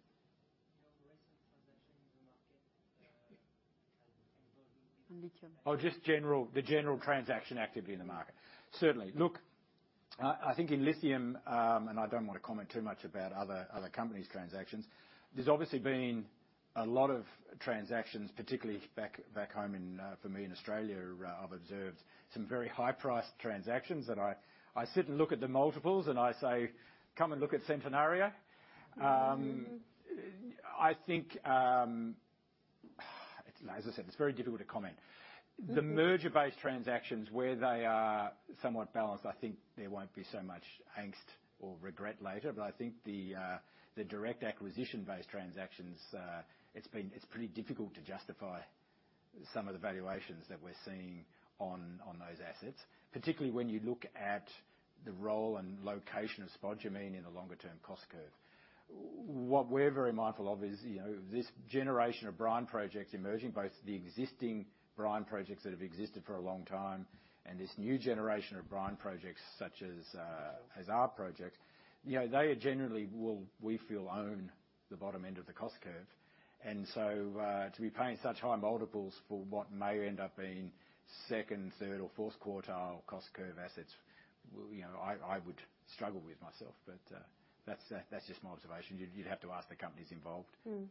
Your recent transaction in the market, involving the- On lithium. Oh, just general, the general transaction activity in the market. Certainly. Look, I think in lithium, and I don't want to comment too much about other, other companies' transactions. There's obviously been a lot of transactions, particularly back, back home in, for me, in Australia, where I've observed some very high-priced transactions. And I, I sit and look at the multiples, and I say, "Come and look at Centenario. Mm-hmm. I think, as I said, it's very difficult to comment. Mm-hmm. The merger-based transactions, where they are somewhat balanced, I think there won't be so much angst or regret later. But I think the direct acquisition-based transactions, it's pretty difficult to justify some of the valuations that we're seeing on those assets, particularly when you look at the role and location of spodumene in the longer-term cost curve. What we're very mindful of is, you know, this generation of brine projects emerging, both the existing brine projects that have existed for a long time and this new generation of brine projects, such as as our project, you know, they generally will, we feel, own the bottom end of the cost curve. And so, to be paying such high multiples for what may end up being second, third, or fourth quartile cost curve assets, well, you know, I would struggle with myself. That's just my observation. You'd have to ask the companies involved. Hmm.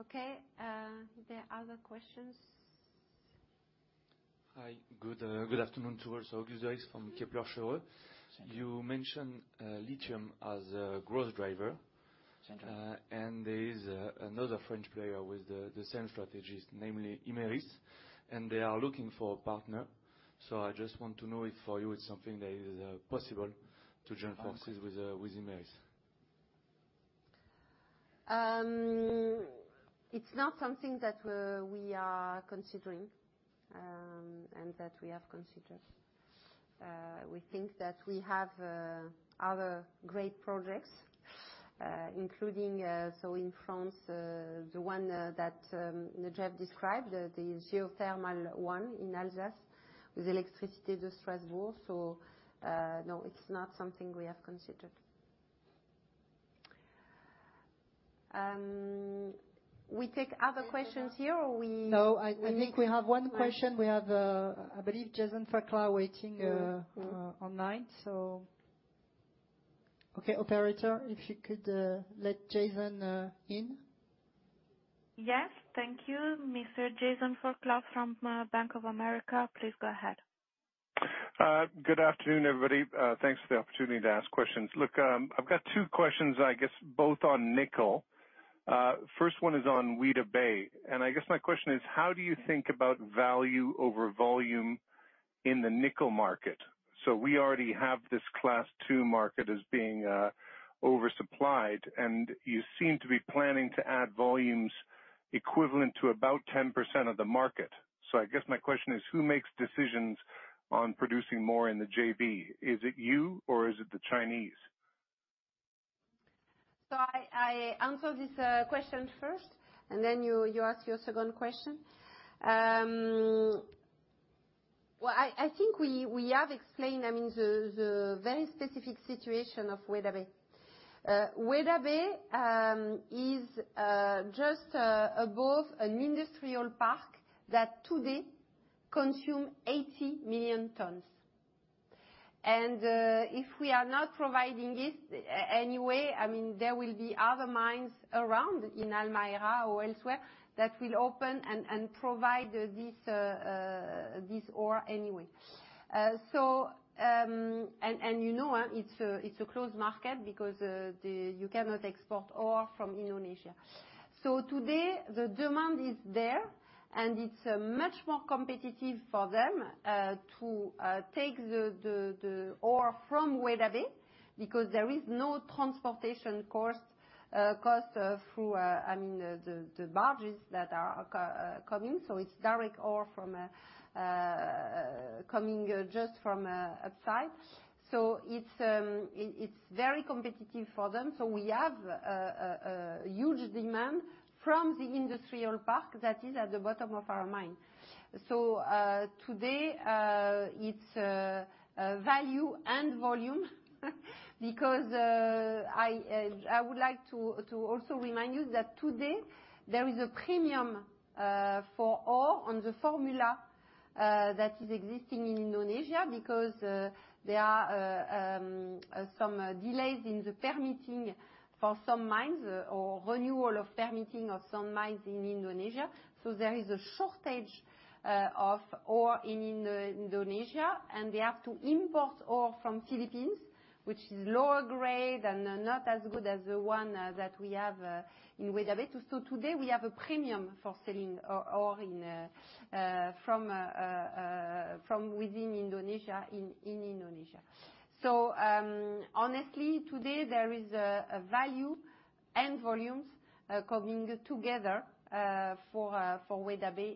Okay, there are other questions? Hi, good afternoon to all. Auguste from Kepler Cheuvreux. Hi. You mentioned lithium as a growth driver. Sure. And there is another French player with the same strategies, namely Imerys, and they are looking for a partner. So I just want to know if for you it's something that is possible to join forces with Imerys? It's not something that we're, we are considering, and that we have considered. We think that we have other great projects, including so in France, the one that Geoff described, the geothermal one in Alsace with Électricité de Strasbourg. So, no, it's not something we have considered. We take other questions here, or we- No, I think we have one question. We have, I believe, Jason Fairclough waiting. Mm-hmm... online, so. Okay, operator, if you could, let Jason in. Yes. Thank you. Mr. Jason Fairclough from Bank of America, please go ahead. Good afternoon, everybody. Thanks for the opportunity to ask questions. Look, I've got two questions, I guess, both on nickel. First one is on Weda Bay, and I guess my question is: How do you think about value over volume in the nickel market? So we already have this Class 2 market as being oversupplied, and you seem to be planning to add volumes equivalent to about 10% of the market. So I guess my question is: Who makes decisions on producing more in the JV? Is it you, or is it the Chinese? So I answer this question first, and then you ask your second question. Well, I think we have explained, I mean, the very specific situation of Weda Bay. Weda Bay is just above an industrial park that today consume 80 million tons. And if we are not providing this, anyway, I mean, there will be other mines around in Halmahera or elsewhere that will open and provide this ore anyway. So, and you know, it's a closed market because you cannot export ore from Indonesia. So today, the demand is there, and it's much more competitive for them to take the ore from Weda Bay because there is no transportation cost through, I mean, the barges that are coming. So it's direct ore from coming just from upside. So it's very competitive for them. So we have a huge demand from the industrial park that is at the bottom of our mine. So, today, it's value and volume, because I would like to also remind you that today there is a premium for ore on the formula that is existing in Indonesia because there are some delays in the permitting for some mines or renewal of permitting of some mines in Indonesia. So there is a shortage of ore in Indonesia, and they have to import ore from Philippines, which is lower grade and not as good as the one that we have in Weda Bay. So today we have a premium for selling ore in from within Indonesia, in Indonesia. Honestly, today there is a value and volumes coming together for Weda Bay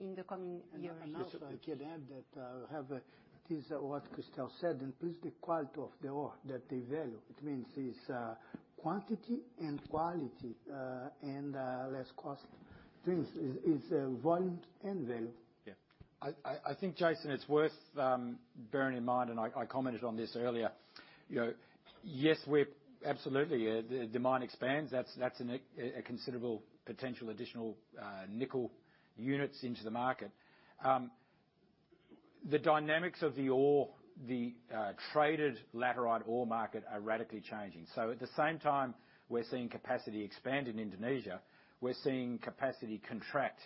in the coming year and also- And also I can add that it is what Christel said: increase the quality of the ore that they value. It means quantity and quality and less cost. This is volume and value. Yeah. I think, Jason, it's worth bearing in mind, and I commented on this earlier, you know, yes, we're absolutely the demand expands. That's a considerable potential additional nickel units into the market. The dynamics of the ore, the traded laterite ore market are radically changing. So at the same time, we're seeing capacity expand in Indonesia, we're seeing capacity contract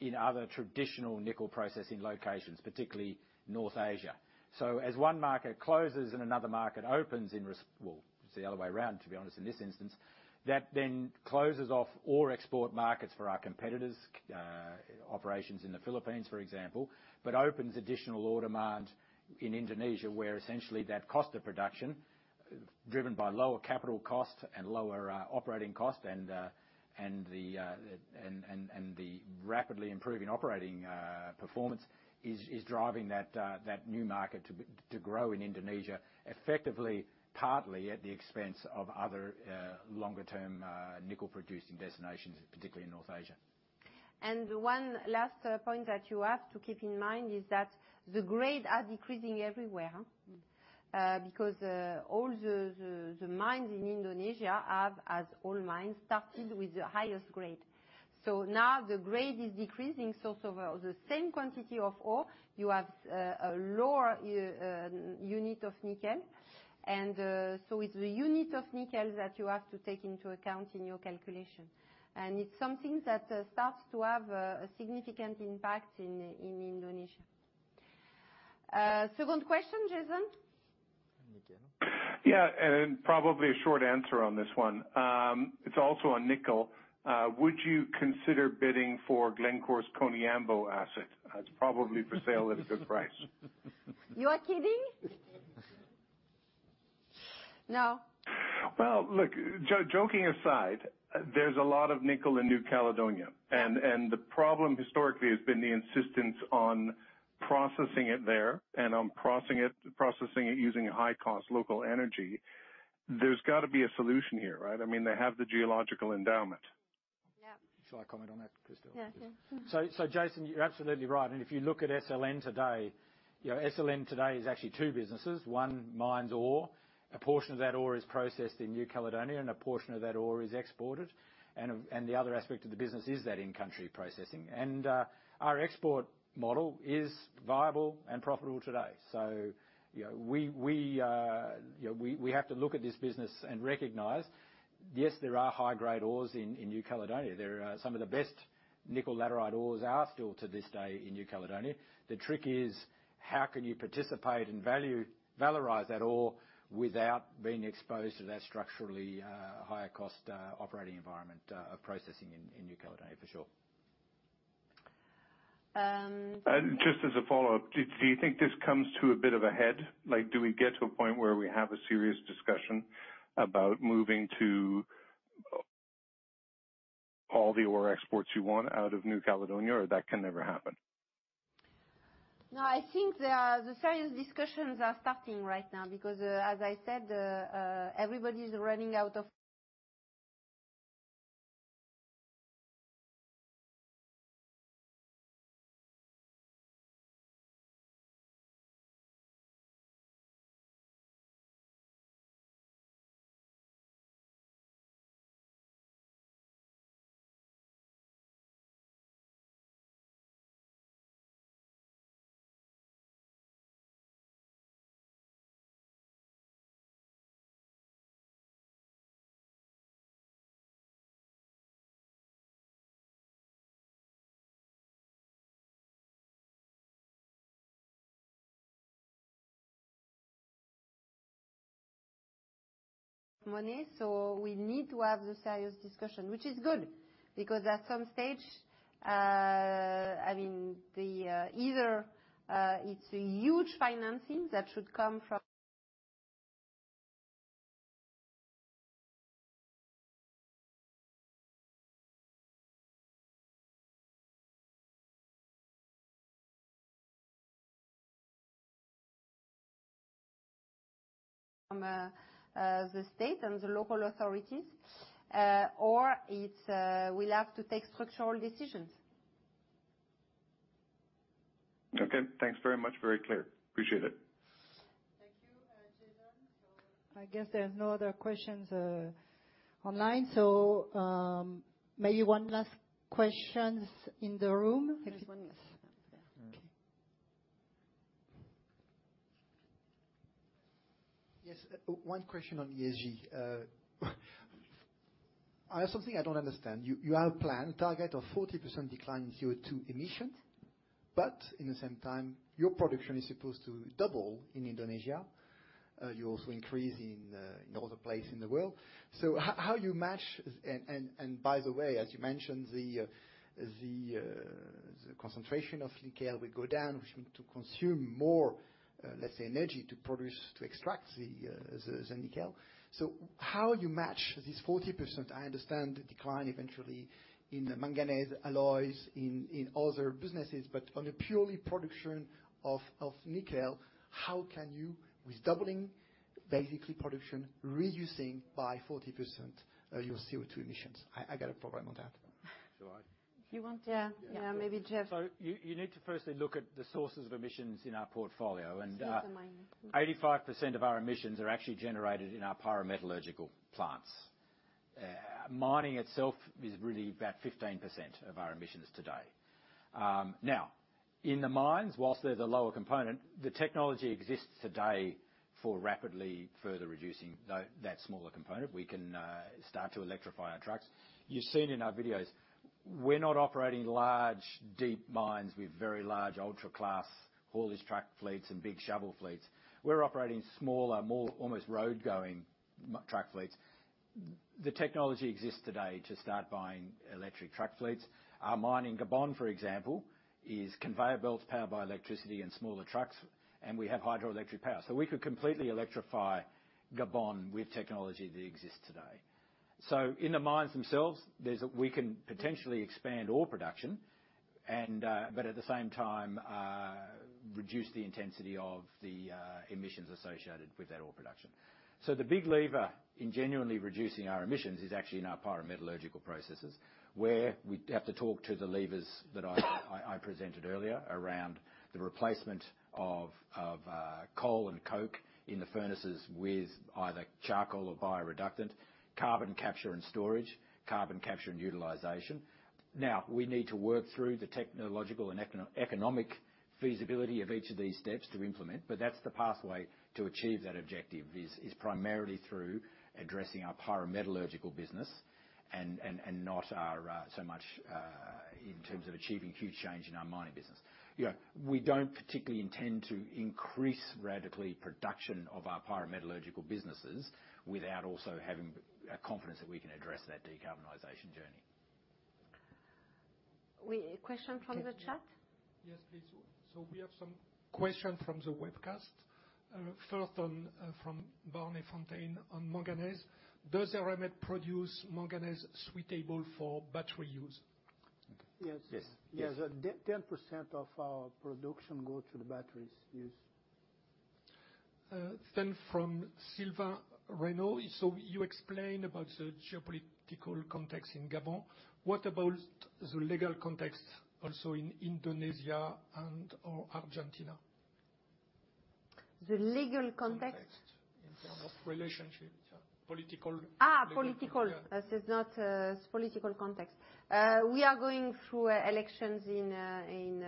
in other traditional nickel processing locations, particularly North Asia. So as one market closes and another market opens, well, it's the other way around, to be honest, in this instance, that then closes off ore export markets for our competitors' operations in the Philippines, for example, but opens additional ore demand in Indonesia, where essentially that cost of production, driven by lower capital costs and lower operating costs, and the rapidly improving operating performance, is driving that new market to grow in Indonesia, effectively, partly at the expense of other longer-term nickel-producing destinations, particularly in North Asia. One last point that you have to keep in mind is that the grades are decreasing everywhere, because all the mines in Indonesia have, as all mines, started with the highest grade. So now the grade is decreasing, so the same quantity of ore, you have a lower unit of nickel. And so it's the unit of nickel that you have to take into account in your calculation, and it's something that starts to have a significant impact in Indonesia. Second question, Jason? Nickel. Yeah, and probably a short answer on this one. It's also on nickel. Would you consider bidding for Glencore's Koniambo asset? It's probably for sale at a good price. You are kidding? No. Well, look, joking aside, there's a lot of nickel in New Caledonia, and the problem historically has been the insistence on processing it there and on processing it using high-cost local energy. There's got to be a solution here, right? I mean, they have the geological endowment. Yeah. Shall I comment on that, Christel? Yeah. So, Jason, you're absolutely right. And if you look at SLN today, you know, SLN today is actually two businesses. One mines ore. A portion of that ore is processed in New Caledonia, and a portion of that ore is exported, and the other aspect of the business is that in-country processing. Our export model is viable and profitable today. So, you know, we have to look at this business and recognize, yes, there are high-grade ores in New Caledonia. There are some of the best nickel laterite ores are still, to this day, in New Caledonia. The trick is, how can you participate and valorize that ore without being exposed to that structurally higher cost operating environment of processing in New Caledonia for sure? Um- Just as a follow-up, do you think this comes to a bit of a head? Like, do we get to a point where we have a serious discussion about moving to all the ore exports you want out of New Caledonia, or that can never happen? No, I think the serious discussions are starting right now because, as I said, everybody's running out of money. So we need to have the serious discussion, which is good, because at some stage, I mean, either it's a huge financing that should come from the state and the local authorities, or it's we'll have to take structural decisions. Okay. Thanks very much. Very clear. Appreciate it. Thank you, Jason. I guess there are no other questions, online, so, maybe one last questions in the room. There's one, yes. Okay. Yes, one question on ESG. I have something I don't understand. You, you have a plan, target of 40% decline in CO2 emissions, but in the same time, your production is supposed to double in Indonesia.... you also increase in, in other place in the world. So how you match— and by the way, as you mentioned, the concentration of nickel will go down, which mean to consume more, let's say, energy to produce, to extract the nickel. So how you match this 40%? I understand the decline eventually in the manganese alloys in other businesses, but on a purely production of nickel, how can you, with doubling basically production, reducing by 40%, your CO2 emissions? I got a problem on that. Shall I? You want? Yeah. Yeah, maybe Geoff. So you need to firstly look at the sources of emissions in our portfolio and, It's in mining.... 85% of our emissions are actually generated in our pyrometallurgical plants. Mining itself is really about 15% of our emissions today. Now, in the mines, while there's a lower component, the technology exists today for rapidly further reducing that smaller component. We can start to electrify our trucks. You've seen in our videos, we're not operating large, deep mines with very large ultra-class haulage truck fleets and big shovel fleets. We're operating smaller, more almost road-going truck fleets. The technology exists today to start buying electric truck fleets. Our mine in Gabon, for example, is conveyor belts powered by electricity and smaller trucks, and we have hydroelectric power. So we could completely electrify Gabon with technology that exists today. So in the mines themselves, there's a—we can potentially expand ore production and... but at the same time, reduce the intensity of the emissions associated with that ore production. So the big lever in genuinely reducing our emissions is actually in our pyrometallurgical processes, where we'd have to talk to the levers that I presented earlier around the replacement of coal and coke in the furnaces with either charcoal or bio-reductant, carbon capture and storage, carbon capture and utilization. Now, we need to work through the technological and economic feasibility of each of these steps to implement, but that's the pathway to achieve that objective, is primarily through addressing our pyrometallurgical business and not so much in terms of achieving huge change in our mining business. Yeah, we don't particularly intend to increase radically production of our pyrometallurgical businesses without also having a confidence that we can address that decarbonization journey. A question from the chat? Yes, please. So we have some question from the webcast. First on, from Barney Fontaine on manganese: Does Eramet produce manganese suitable for battery use? Yes. Yes. Yes, 10% of our production go to the batteries, yes. For Kleber Silva: So you explained about the geopolitical context in Gabon. What about the legal context also in Indonesia and/or Argentina? The legal context? Context in terms of relationship, yeah, political- Ah, political. Yeah. This is not political context. We are going through elections in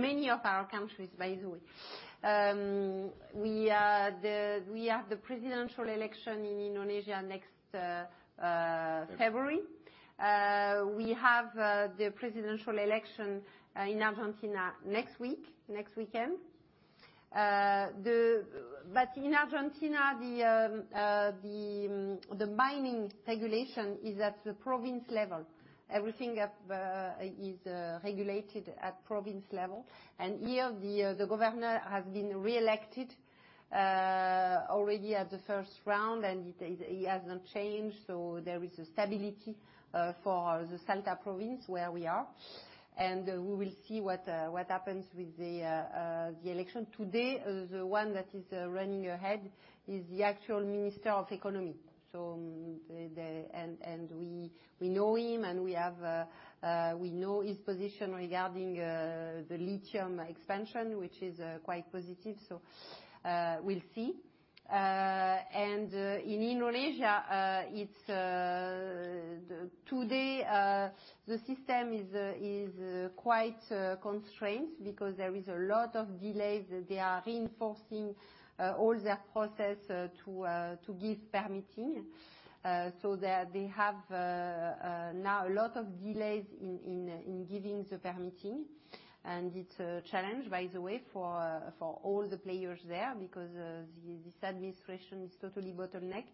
many of our countries, by the way. We have the presidential election in Indonesia next. Yes... February. We have the presidential election in Argentina next week, next weekend. But in Argentina, the mining regulation is at the province level. Everything is regulated at province level, and here, the governor has been reelected already at the first round, and it is, he hasn't changed. So there is a stability for the Salta province, where we are, and we will see what happens with the election. Today, the one that is running ahead is the actual minister of economy. So the... And we know him, and we know his position regarding the lithium expansion, which is quite positive. So, we'll see. In Indonesia, it's today the system is quite constrained because there is a lot of delays. They are reinforcing all their process to give permitting. So that they have now a lot of delays in giving the permitting, and it's a challenge, by the way, for all the players there because this administration is totally bottleneck.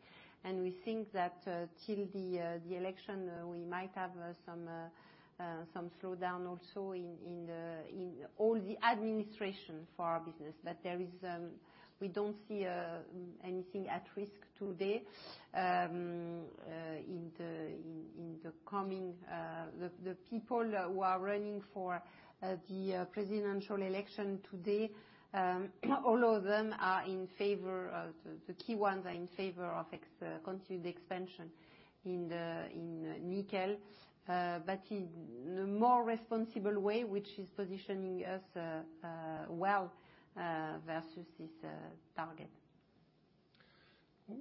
We think that till the election we might have some slowdown also in all the administration for our business. But there is, we don't see anything at risk today in the coming... The people who are running for the presidential election today, the key ones are in favor of continued expansion in nickel, but in a more responsible way, which is positioning us well versus this target.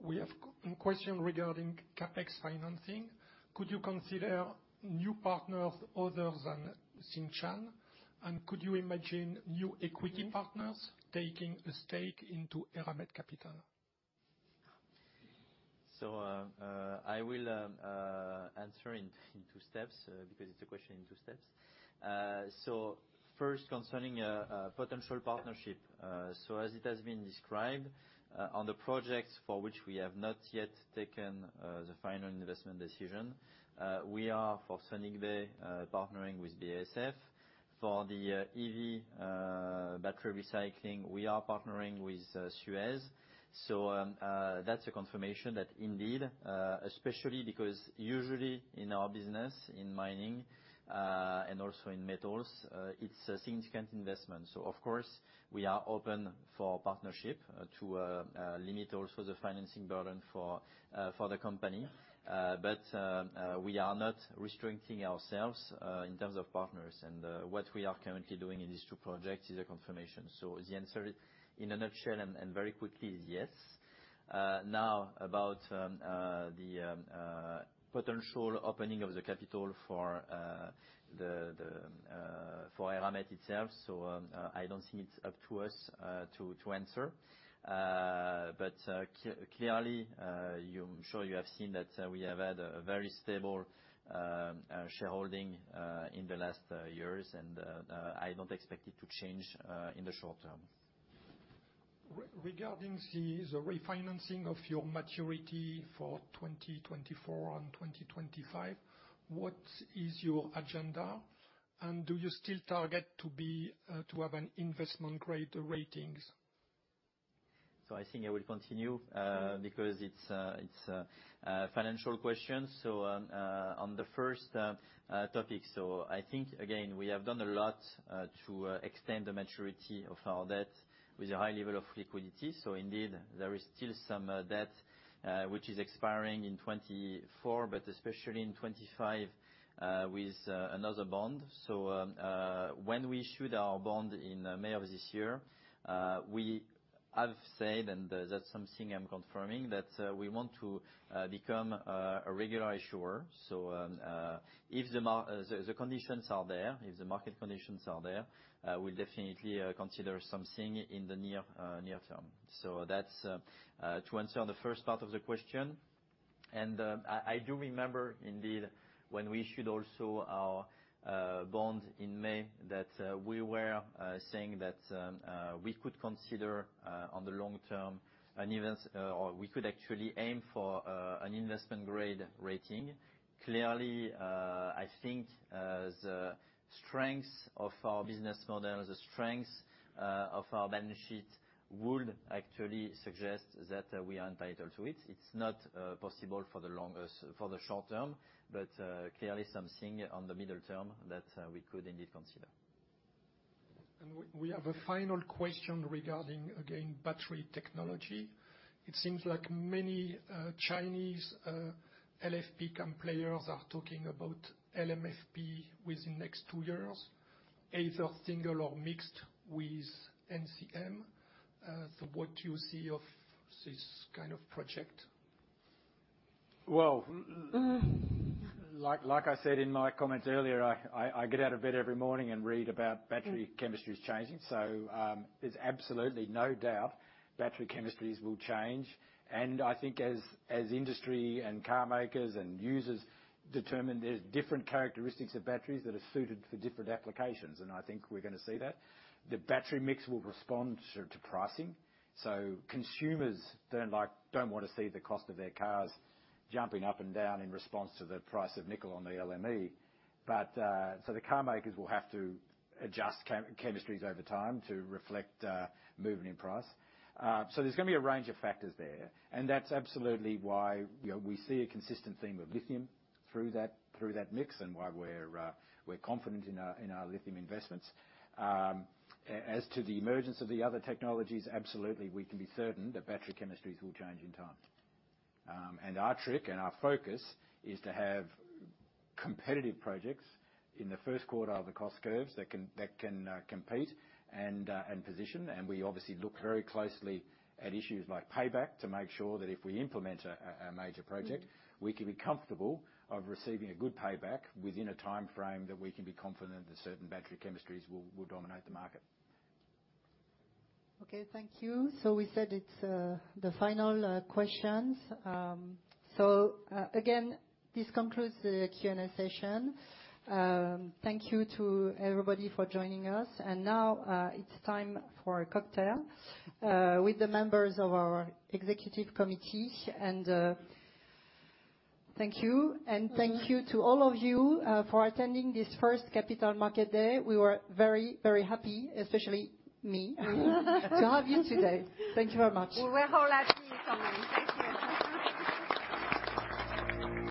We have a question regarding CapEx financing. Could you consider new partners other than Tsingshan, and could you imagine new equity partners taking a stake into Eramet Capital?... I will answer in two steps, because it's a question in two steps. First, concerning a potential partnership. As it has been described, on the projects for which we have not yet taken the final investment decision, we are, for Weda Bay, partnering with BASF. For the EV battery recycling, we are partnering with Suez. That's a confirmation that indeed, especially because usually in our business, in mining, and also in metals, it's a significant investment. Of course, we are open for partnership, to limit also the financing burden for the company. But we are not restricting ourselves in terms of partners, and what we are currently doing in these two projects is a confirmation. So the answer, in a nutshell and very quickly, is yes. Now, about the potential opening of the capital for the for Eramet itself, so I don't think it's up to us to answer. But clearly, you, I'm sure you have seen that we have had a very stable shareholding in the last years, and I don't expect it to change in the short term. Regarding the refinancing of your maturity for 2024 and 2025, what is your agenda, and do you still target to be, to have an investment-grade ratings? So I think I will continue, because it's a financial question. So, on the first topic, so I think, again, we have done a lot, to extend the maturity of our debt with a high level of liquidity. So indeed, there is still some debt, which is expiring in 2024, but especially in 2025, with another bond. So, when we issued our bond in May of this year, we have said, and that's something I'm confirming, that we want to become a regular issuer. So, if the conditions are there, if the market conditions are there, we'll definitely consider something in the near term. So that's to answer on the first part of the question. I do remember, indeed, when we issued also our bond in May, that we were saying that we could consider, on the long term, an even... or we could actually aim for an investment grade rating. Clearly, I think, the strength of our business model, the strength of our balance sheet, would actually suggest that we are entitled to it. It's not possible for the longest, for the short term, but clearly something on the middle term that we could indeed consider. We have a final question regarding, again, battery technology. It seems like many Chinese LFP camp players are talking about LMFP within next two years, either single or mixed with NCM. What do you see of this kind of project? Well, like I said in my comments earlier, I get out of bed every morning and read about battery chemistries changing, so there's absolutely no doubt battery chemistries will change. And I think as industry and carmakers and users determine, there's different characteristics of batteries that are suited for different applications, and I think we're gonna see that. The battery mix will respond to pricing, so consumers don't want to see the cost of their cars jumping up and down in response to the price of nickel on the LME. But so the carmakers will have to adjust chemistries over time to reflect movement in price. So there's gonna be a range of factors there, and that's absolutely why, you know, we see a consistent theme of lithium through that, through that mix, and why we're, we're confident in our, in our lithium investments. As to the emergence of the other technologies, absolutely, we can be certain that battery chemistries will change in time. And our trick and our focus is to have competitive projects in the first quarter of the cost curves that can, that can, compete and, and position. And we obviously look very closely at issues like payback to make sure that if we implement a major project, we can be comfortable of receiving a good payback within a timeframe that we can be confident that certain battery chemistries will, will dominate the market. Okay. Thank you. So we said it's the final questions. Again, this concludes the Q&A session. Thank you to everybody for joining us. Now it's time for a cocktail with the members of our executive committee. Thank you, and thank you to all of you for attending this first Capital Market Day. We were very, very happy, especially me, to have you today. Thank you very much.